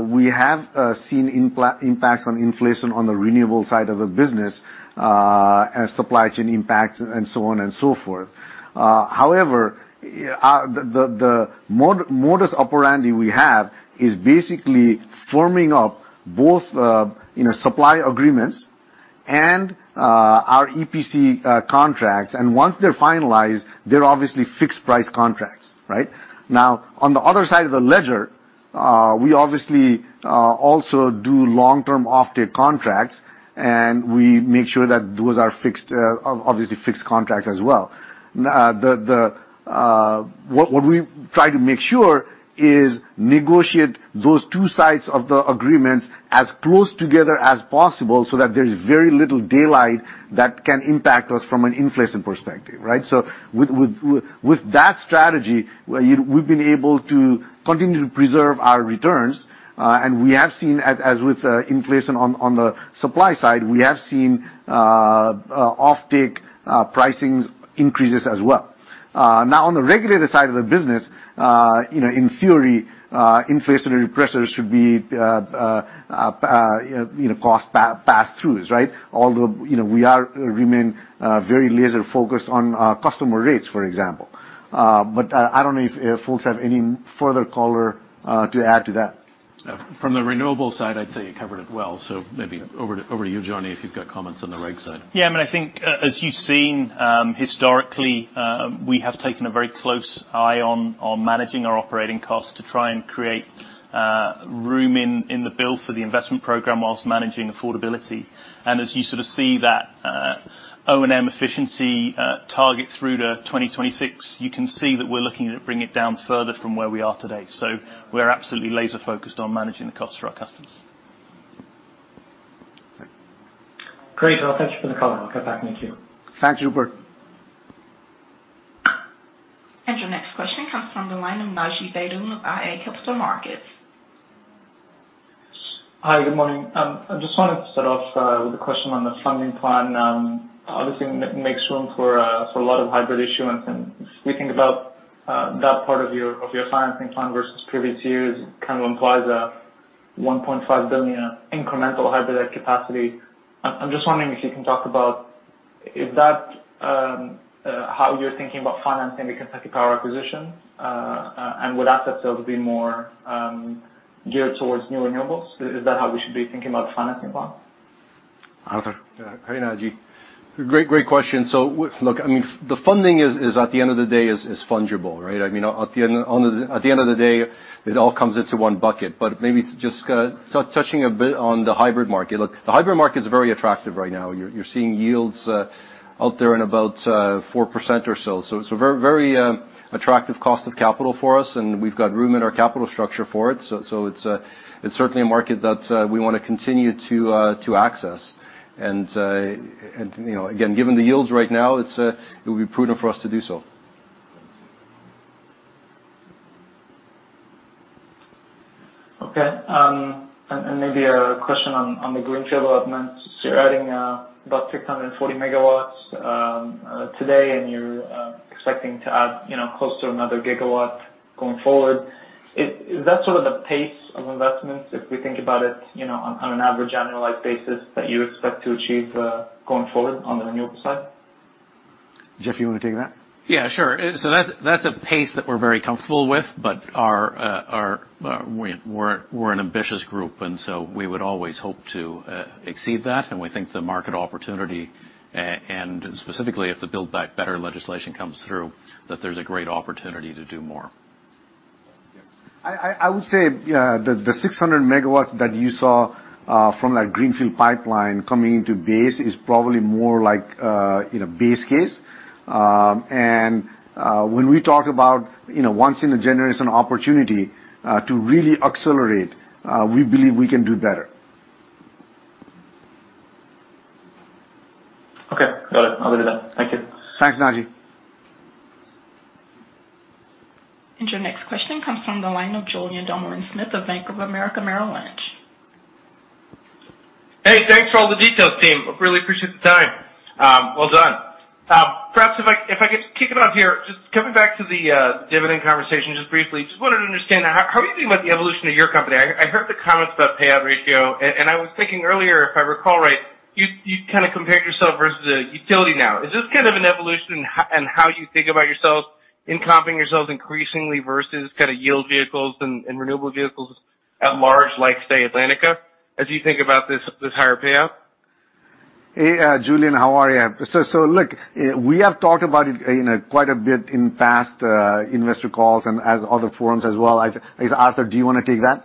we have seen impacts on inflation on the renewable side of the business, as supply chain impacts and so on and so forth. However, the modus operandi we have is basically firming up both, you know, supply agreements and our EPC contracts. And once they're finalized, they're obviously fixed price contracts, right? Now, on the other side of the ledger, we obviously also do long-term offtake contracts, and we make sure that those are fixed, obviously fixed contracts as well. Now the, what we try to make sure is negotiate those two sides of the agreements as close together as possible so that there's very little daylight that can impact us from an inflation perspective, right? With that strategy, we've been able to continue to preserve our returns. We have seen as with inflation on the supply side, offtake pricings increases as well. Now on the regulated side of the business, you know, in theory, inflationary pressures should be, you know, cost pass-throughs, right? Although, you know, we remain very laser focused on our customer rates, for example. I don't know if folks have any further color to add to that. From the renewables side, I'd say you covered it well, so maybe over to you, Johnny, if you've got comments on the reg side. Yeah, I mean, I think, as you've seen, historically, we have taken a very close eye on managing our operating costs to try and create room in the bill for the investment program whilst managing affordability. As you sort of see that O&M efficiency target through to 2026, you can see that we're looking to bring it down further from where we are today. We're absolutely laser focused on managing the cost for our customers. Great. Well, thank you for the call. I'll get back in que. Thank you, Rupert. Your next question comes from the line of Naji Baydoun of iA Capital Markets. Hi, good morning. I just wanted to start off with a question on the funding plan. Obviously, it makes room for a lot of hybrid issuance. If we think about that part of your financing plan versus previous years, it kind of implies a $1.5 billion incremental hybrid capacity. I'm just wondering if you can talk about if that's how you're thinking about financing the Kentucky Power acquisition, and would assets there be more geared towards new renewables. Is that how we should be thinking about the financing plan? Arthur. Hi, Naji. Great question. Look, I mean, the funding is, at the end of the day, fungible, right? I mean, at the end of the day, it all comes into one bucket. Maybe just touching a bit on the hybrid market. Look, the hybrid market is very attractive right now. You're seeing yields out there in about 4% or so. It's a very attractive cost of capital for us, and we've got room in our capital structure for it. It's certainly a market that we wanna continue to access. You know, again, given the yields right now, it would be prudent for us to do so. Okay. Maybe a question on the greenfield investments. You're adding about 640 MW today, and you're expecting to add, you know, close to another 1 GW going forward. Is that sort of the pace of investments if we think about it, you know, on an average annualized basis that you expect to achieve going forward on the renewable side? Jeff, you wanna take that? Yeah, sure. That's a pace that we're very comfortable with, but we're an ambitious group, and we would always hope to exceed that. We think the market opportunity and specifically, if the Build Back Better legislation comes through, that there's a great opportunity to do more. I would say the 600 MW that you saw from that greenfield pipeline coming into base is probably more like, you know, base case. When we talk about, you know, once in a generation opportunity to really accelerate, we believe we can do better. Okay. Got it. I'll leave it at that. Thank you. Thanks, Naji. Your next question comes from the line of Julien Dumoulin-Smith of Bank of America Merrill Lynch. Hey, thanks for all the details, team. I really appreciate the time. Well done. Perhaps if I could kick it off here, just coming back to the dividend conversation just briefly. Just wanted to understand how you think about the evolution of your company. I heard the comments about payout ratio, and I was thinking earlier, if I recall right, you kind of compared yourself versus a utility now. Is this kind of an evolution in how you think about yourselves, in comping yourselves increasingly versus kind of yield vehicles and renewable vehicles at large, like, say, Atlantica, as you think about this higher payout? Hey, Julien, how are you? Look, we have talked about it quite a bit in past investor calls and in other forums as well. I think, Arthur, do you wanna take that?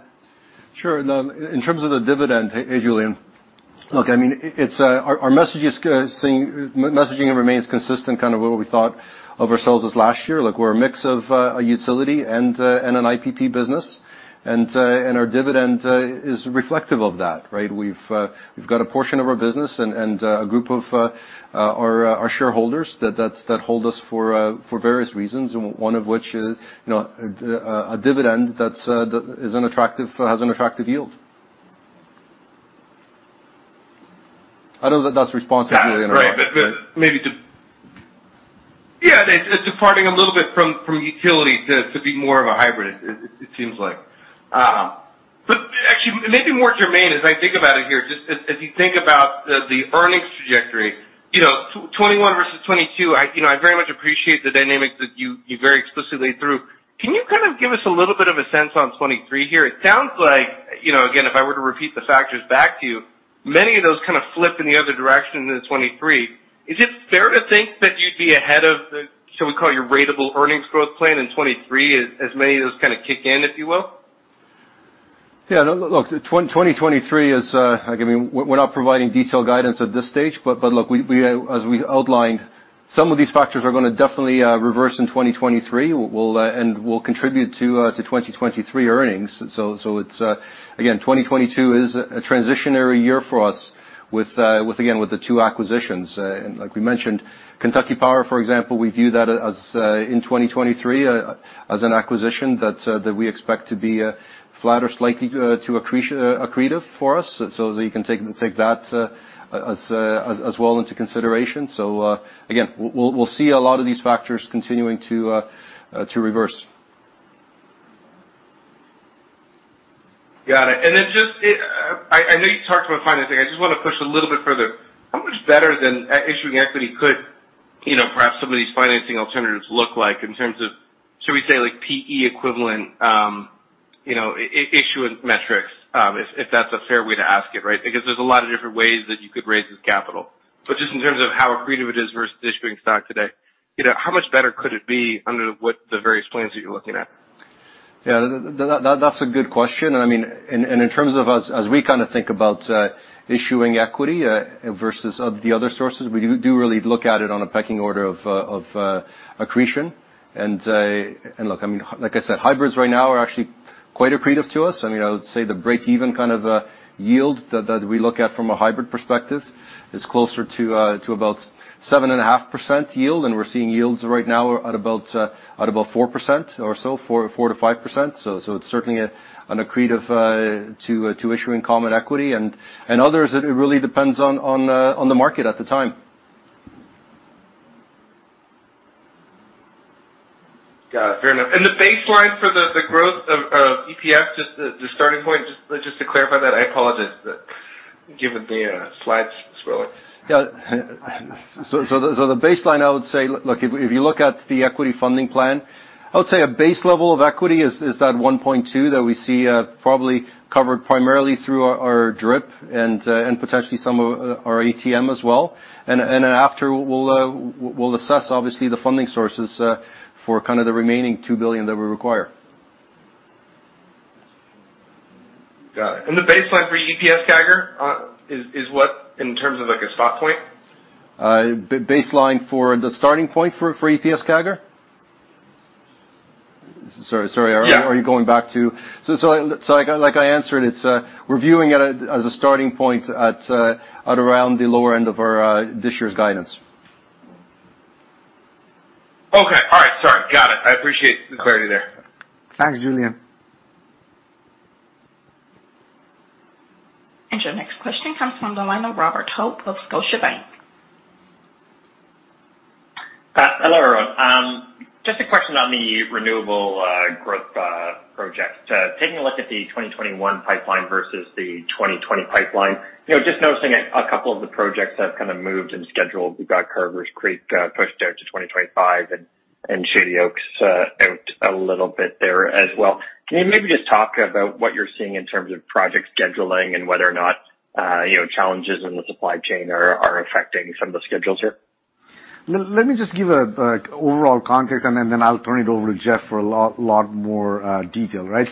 Sure. No, in terms of the dividend, hey, Julien. Look, I mean, our messaging remains consistent, kind of what we thought of ourselves as last year. Look, we're a mix of a utility and an IPP business. Our dividend is reflective of that, right? We've got a portion of our business and a group of our shareholders that hold us for various reasons, one of which is, you know, a dividend that has an attractive yield. I don't know if that's responsive to you in a way. It's departing a little bit from utility to be more of a hybrid, it seems like. Actually, maybe more germane as I think about it here, just as you think about the earnings trajectory, you know, 2021 versus 2022, you know, I very much appreciate the dynamics that you very explicitly threw. Can you kind of give us a little bit of a sense on 2023 here? It sounds like, you know, again, if I were to repeat the factors back to you, many of those kind of flip in the other direction in 2023. Is it fair to think that you'd be ahead of shall we call your ratable earnings growth plan in 2023 as many of those kinda kick in, if you will? Look, 2023 is, again, we're not providing detailed guidance at this stage. Look, as we outlined, some of these factors are gonna definitely reverse in 2023. We'll contribute to 2023 earnings. It's, again, 2022 is a transitional year for us with, again, with the two acquisitions. Like we mentioned, Kentucky Power, for example, we view that as, in 2023, as an acquisition that we expect to be flat or slightly accretive for us. You can take that as well into consideration. We'll see a lot of these factors continuing to reverse. Got it. I know you talked about financing. I just wanna push a little bit further. How much better than issuing equity could, you know, perhaps some of these financing alternatives look like in terms of, should we say like PE equivalent, you know, issue and metrics, if that's a fair way to ask it, right? Because there's a lot of different ways that you could raise this capital. Just in terms of how accretive it is versus issuing stock today, you know, how much better could it be under what the various plans that you're looking at? Yeah. That's a good question. I mean, in terms of us, as we kinda think about issuing equity versus of the other sources, we do really look at it on a pecking order of accretion. Look, I mean, like I said, hybrids right now are actually quite accretive to us. I mean, I would say the break-even kind of yield that we look at from a hybrid perspective is closer to about 7.5% yield, and we're seeing yields right now are at about 4% or so, 4%-5%. It's certainly an accretive to issuing common equity. Others, it really depends on the market at the time. Got it. Fair enough. The baseline for the growth of EPS, just the starting point, just to clarify that. I apologize, given the slides scrolling? The baseline, I would say, look, if you look at the equity funding plan, I would say a base level of equity is that $1.2 billion that we see, probably covered primarily through our DRIP and potentially some of our ATM as well. Then, after we'll assess obviously the funding sources for kind of the remaining $2 billion that we require. Got it. The baseline for EPS CAGR is what in terms of, like, a stock point? Baseline for the starting point for EPS CAGR? Sorry. Yeah. Like I answered, it's we're viewing it as a starting point at around the lower end of our this year's guidance. Okay. All right. Sorry. Got it. I appreciate the clarity there. Thanks, Julien. Your next question comes from the line of Robert Hope of Scotiabank. Hello, Arun. Just a question on the renewable growth project. Taking a look at the 2021 pipeline versus the 2020 pipeline. You know, just noticing a couple of the projects have kinda moved and scheduled. We've got Carvers Creek pushed out to 2025 and Shady Oaks out a little bit there as well. Can you maybe just talk about what you're seeing in terms of project scheduling and whether or not, you know, challenges in the supply chain are affecting some of the schedules here? Let me just give an overall context, and then I'll turn it over to Jeff for a lot more detail, right?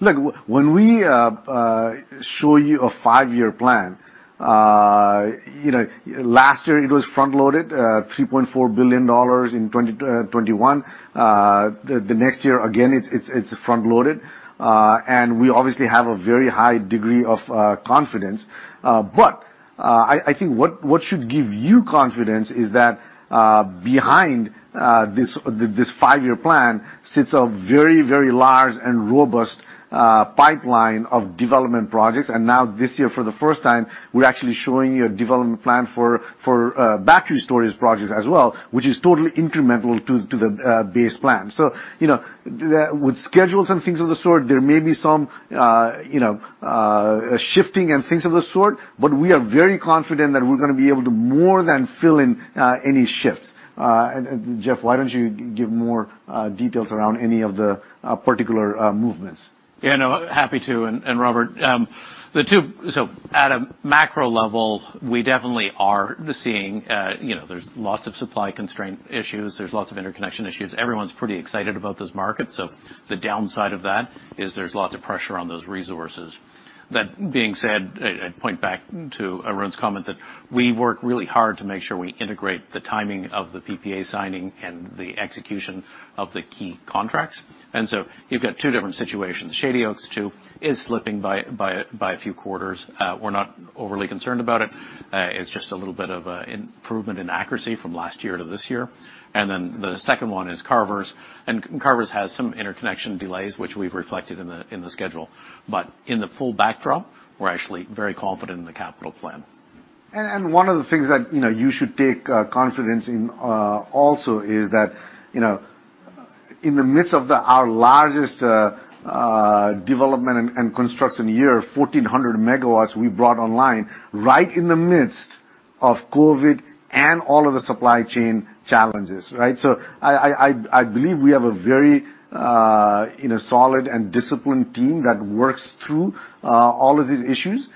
Look, when we show you a 5-year plan, you know, last year it was front-loaded, $3.4 billion in 2021. The next year, again, it's front-loaded. We obviously have a very high degree of confidence. But I think what should give you confidence is that behind this 5-year plan sits a very large and robust pipeline of development projects. Now this year, for the first time, we're actually showing you a development plan for battery storage projects as well, which is totally incremental to the base plan. You know, with schedules and things of the sort, there may be some, you know, shifting and things of the sort, but we are very confident that we're gonna be able to more than fill in any shifts. Jeff, why don't you give more details around any of the particular movements? Yeah, no, happy to. Robert, at a macro level, we definitely are seeing, you know, there's lots of supply constraint issues, there's lots of interconnection issues. Everyone's pretty excited about those markets. The downside of that is there's lots of pressure on those resources. That being said, I'd point back to Arun's comment that we work really hard to make sure we integrate the timing of the PPA signing and the execution of the key contracts. You've got two different situations. Shady Oaks II is slipping by a few quarters. We're not overly concerned about it. It's just a little bit of improvement in accuracy from last year to this year. Then the second one is Carvers. Carvers has some interconnection delays, which we've reflected in the schedule in the full backdrop, we're actually very confident in the capital plan. One of the things that you know you should take confidence in also is that you know in the midst of our largest development and construction year, 1,400 MW we brought online right in the midst of COVID and all of the supply chain challenges, right. I believe we have a very you know solid and disciplined team that works through all of these issues.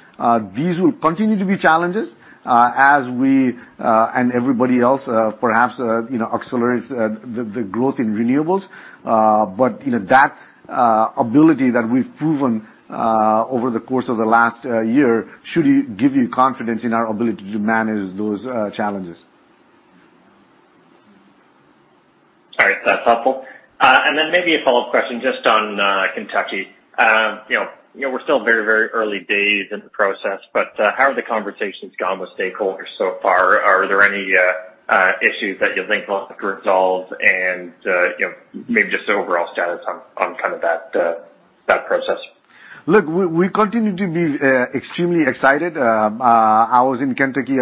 These will continue to be challenges as we and everybody else perhaps you know accelerates the growth in renewables. You know that ability that we've proven over the course of the last year should give you confidence in our ability to manage those challenges. All right. That's helpful. Then maybe a follow-up question just on Kentucky. You know, we're still very, very early days in the process, but how are the conversations gone with stakeholders so far? Are there any issues that you think will have to resolve and you know, maybe just the overall status on that process? Look, we continue to be extremely excited. I was in Kentucky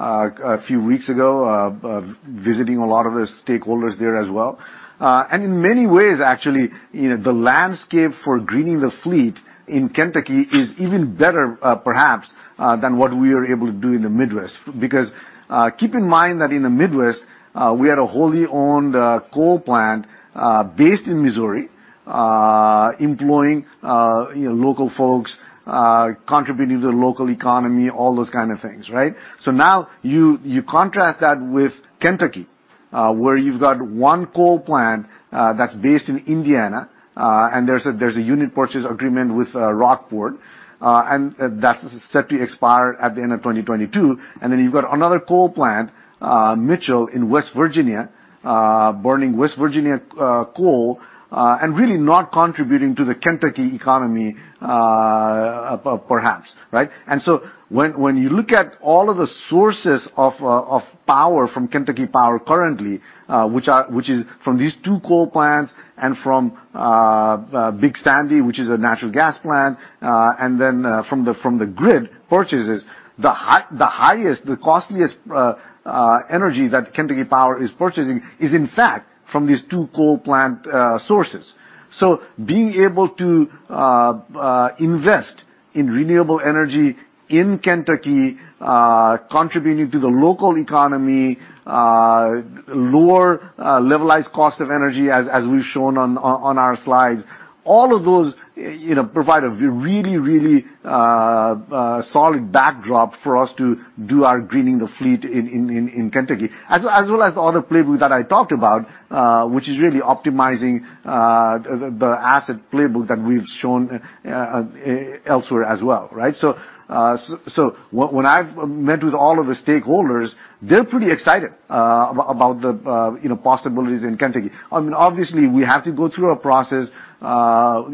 a few weeks ago, visiting a lot of the stakeholders there as well. In many ways, actually, you know, the landscape for greening the fleet in Kentucky is even better, perhaps, than what we are able to do in the Midwest. Because, keep in mind that in the Midwest, we had a wholly owned coal plant, based in Missouri, employing, you know, local folks, contributing to the local economy, all those kind of things, right? Now you contrast that with Kentucky, where you've got one coal plant, that's based in Indiana, and there's a unit purchase agreement with Rockport, and that's set to expire at the end of 2022. You've got another coal plant, Mitchell Plant in West Virginia, burning West Virginia coal, and really not contributing to the Kentucky economy, perhaps, right? When you look at all of the sources of power from Kentucky Power currently, which is from these two coal plants and from Big Sandy, which is a natural gas plant, and then from the grid purchases, the highest, the costliest energy that Kentucky Power is purchasing is in fact from these two coal plant sources. Being able to invest in renewable energy in Kentucky, contributing to the local economy, lower levelized cost of energy as we've shown on our slides, all of those you know provide a really solid backdrop for us to do our greening the fleet in Kentucky. As well as the other playbook that I talked about, which is really optimizing the asset playbook that we've shown elsewhere as well, right? When I've met with all of the stakeholders, they're pretty excited about the you know possibilities in Kentucky. I mean, obviously, we have to go through a process, you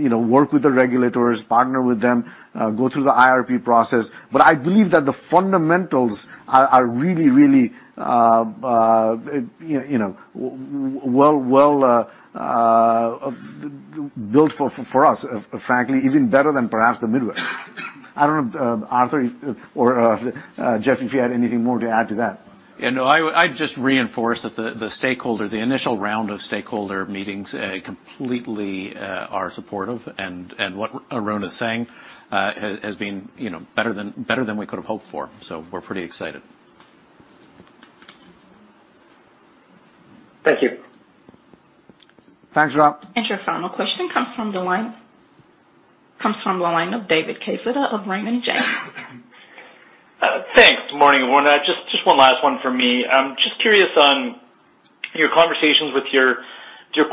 know, work with the regulators, partner with them, go through the IRP process. I believe that the fundamentals are really, you know, well built for us, frankly, even better than perhaps the Midwest. I don't know Arthur or Jeff if you had anything more to add to that. Yeah, no, I'd just reinforce that the initial round of stakeholder meetings completely are supportive. What Arun is saying has been, you know, better than we could have hoped for. We're pretty excited. Thank you. Thanks, Rob. Your final question comes from the line of David Quezada of Raymond James. Thanks. Morning, everyone. Just one last one for me. I'm just curious on your conversations with your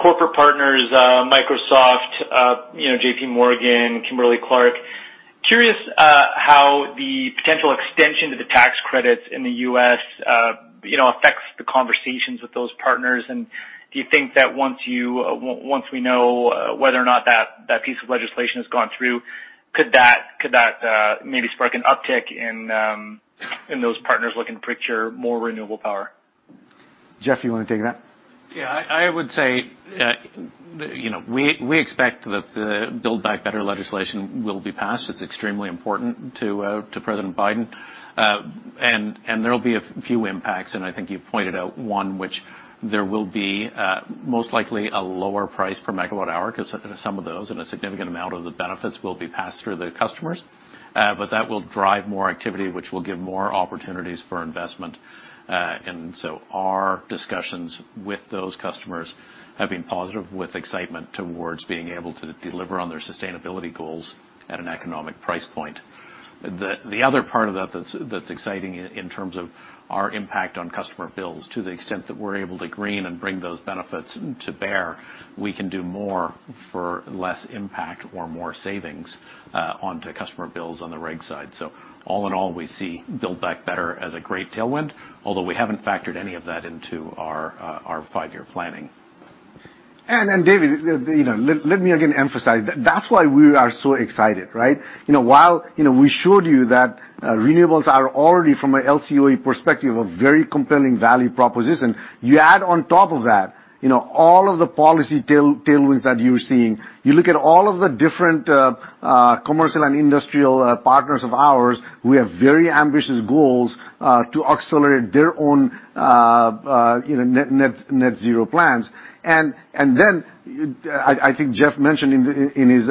corporate partners, Microsoft, you know, JPMorgan, Kimberly-Clark. Curious how the potential extension to the tax credits in the U.S., you know, affects the conversations with those partners. Do you think that once we know whether or not that piece of legislation has gone through, could that maybe spark an uptick in those partners looking to purchase more renewable power? Jeff, you wanna take that? Yeah. I would say, you know, we expect that the Build Back Better legislation will be passed. It's extremely important to President Biden. There'll be a few impacts, and I think you pointed out one which there will be most likely a lower price per megawatt hour because some of those and a significant amount of the benefits will be passed through the customers. But that will drive more activity, which will give more opportunities for investment. Our discussions with those customers have been positive with excitement towards being able to deliver on their sustainability goals at an economic price point. The other part of that that's exciting in terms of our impact on customer bills, to the extent that we're able to green and bring those benefits to bear, we can do more for less impact or more savings onto customer bills on the reg side. All in all, we see Build Back Better as a great tailwind, although we haven't factored any of that into our 5-year planning. David, you know, let me again emphasize that that's why we are so excited, right? You know, while, you know, we showed you that renewables are already from an LCOE perspective, a very compelling value proposition. You add on top of that, you know, all of the policy tailwinds that you're seeing. You look at all of the different commercial and industrial partners of ours who have very ambitious goals to accelerate their own, you know, net zero plans. Then I think Jeff mentioned in his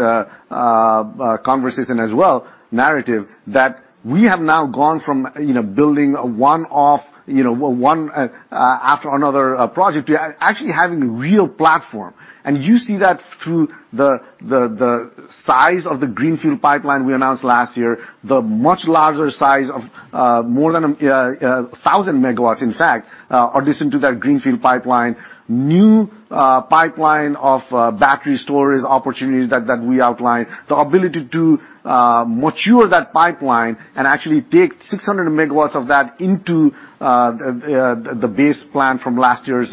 conversation as well, narrative that we have now gone from, you know, building a one-off, you know, one after another project to actually having a real platform. You see that through the size of the greenfield pipeline we announced last year, the much larger size of more than 1,000 MW. In fact, in addition to that greenfield pipeline, new pipeline of battery storage opportunities that we outlined. The ability to mature that pipeline and actually take 600 MW of that into the base plan from last year's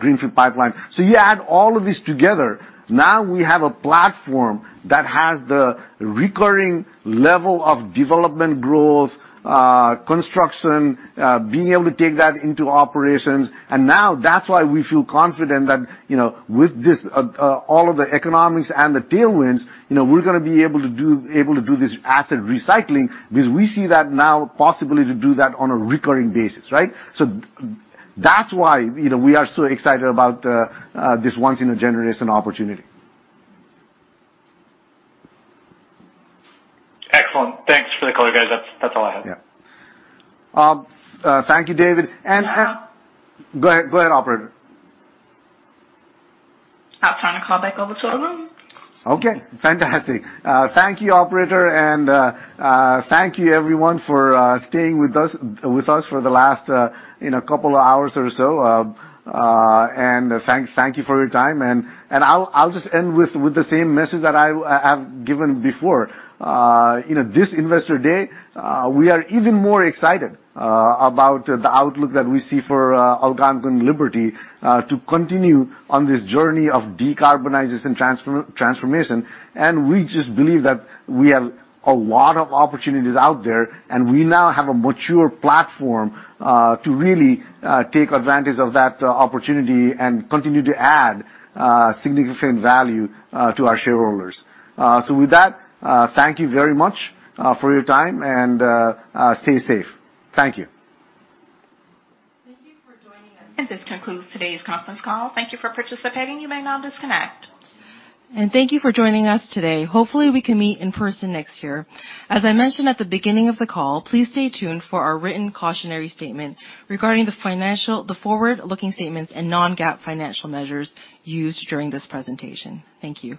greenfield pipeline. You add all of this together. Now we have a platform that has the recurring level of development growth, construction, being able to take that into operations. Now that's why we feel confident that, you know, with this, all of the economics and the tailwinds, you know, we're gonna be able to do this asset recycling because we see that now possibility to do that on a recurring basis, right? That's why, you know, we are so excited about this once in a generation opportunity. Excellent. Thanks for the call, guys. That's all I have. Thank you, David. Go ahead, operator. Outside the call back over to the room. Okay, fantastic. Thank you, operator, and thank you everyone for staying with us for the last, you know, couple of hours or so. Thank you for your time. I'll just end with the same message that I have given before. You know, this Investor Day, we are even more excited about the outlook that we see for Algonquin Liberty to continue on this journey of decarbonization transformation. We just believe that we have a lot of opportunities out there, and we now have a mature platform to really take advantage of that opportunity and continue to add significant value to our shareholders. With that, thank you very much for your time and stay safe. Thank you. This concludes today's conference call. Thank you for participating. You may now disconnect. Thank you for joining us today. Hopefully, we can meet in person next year. As I mentioned at the beginning of the call, please stay tuned for our written cautionary statement regarding the forward-looking statements and non-GAAP financial measures used during this presentation. Thank you.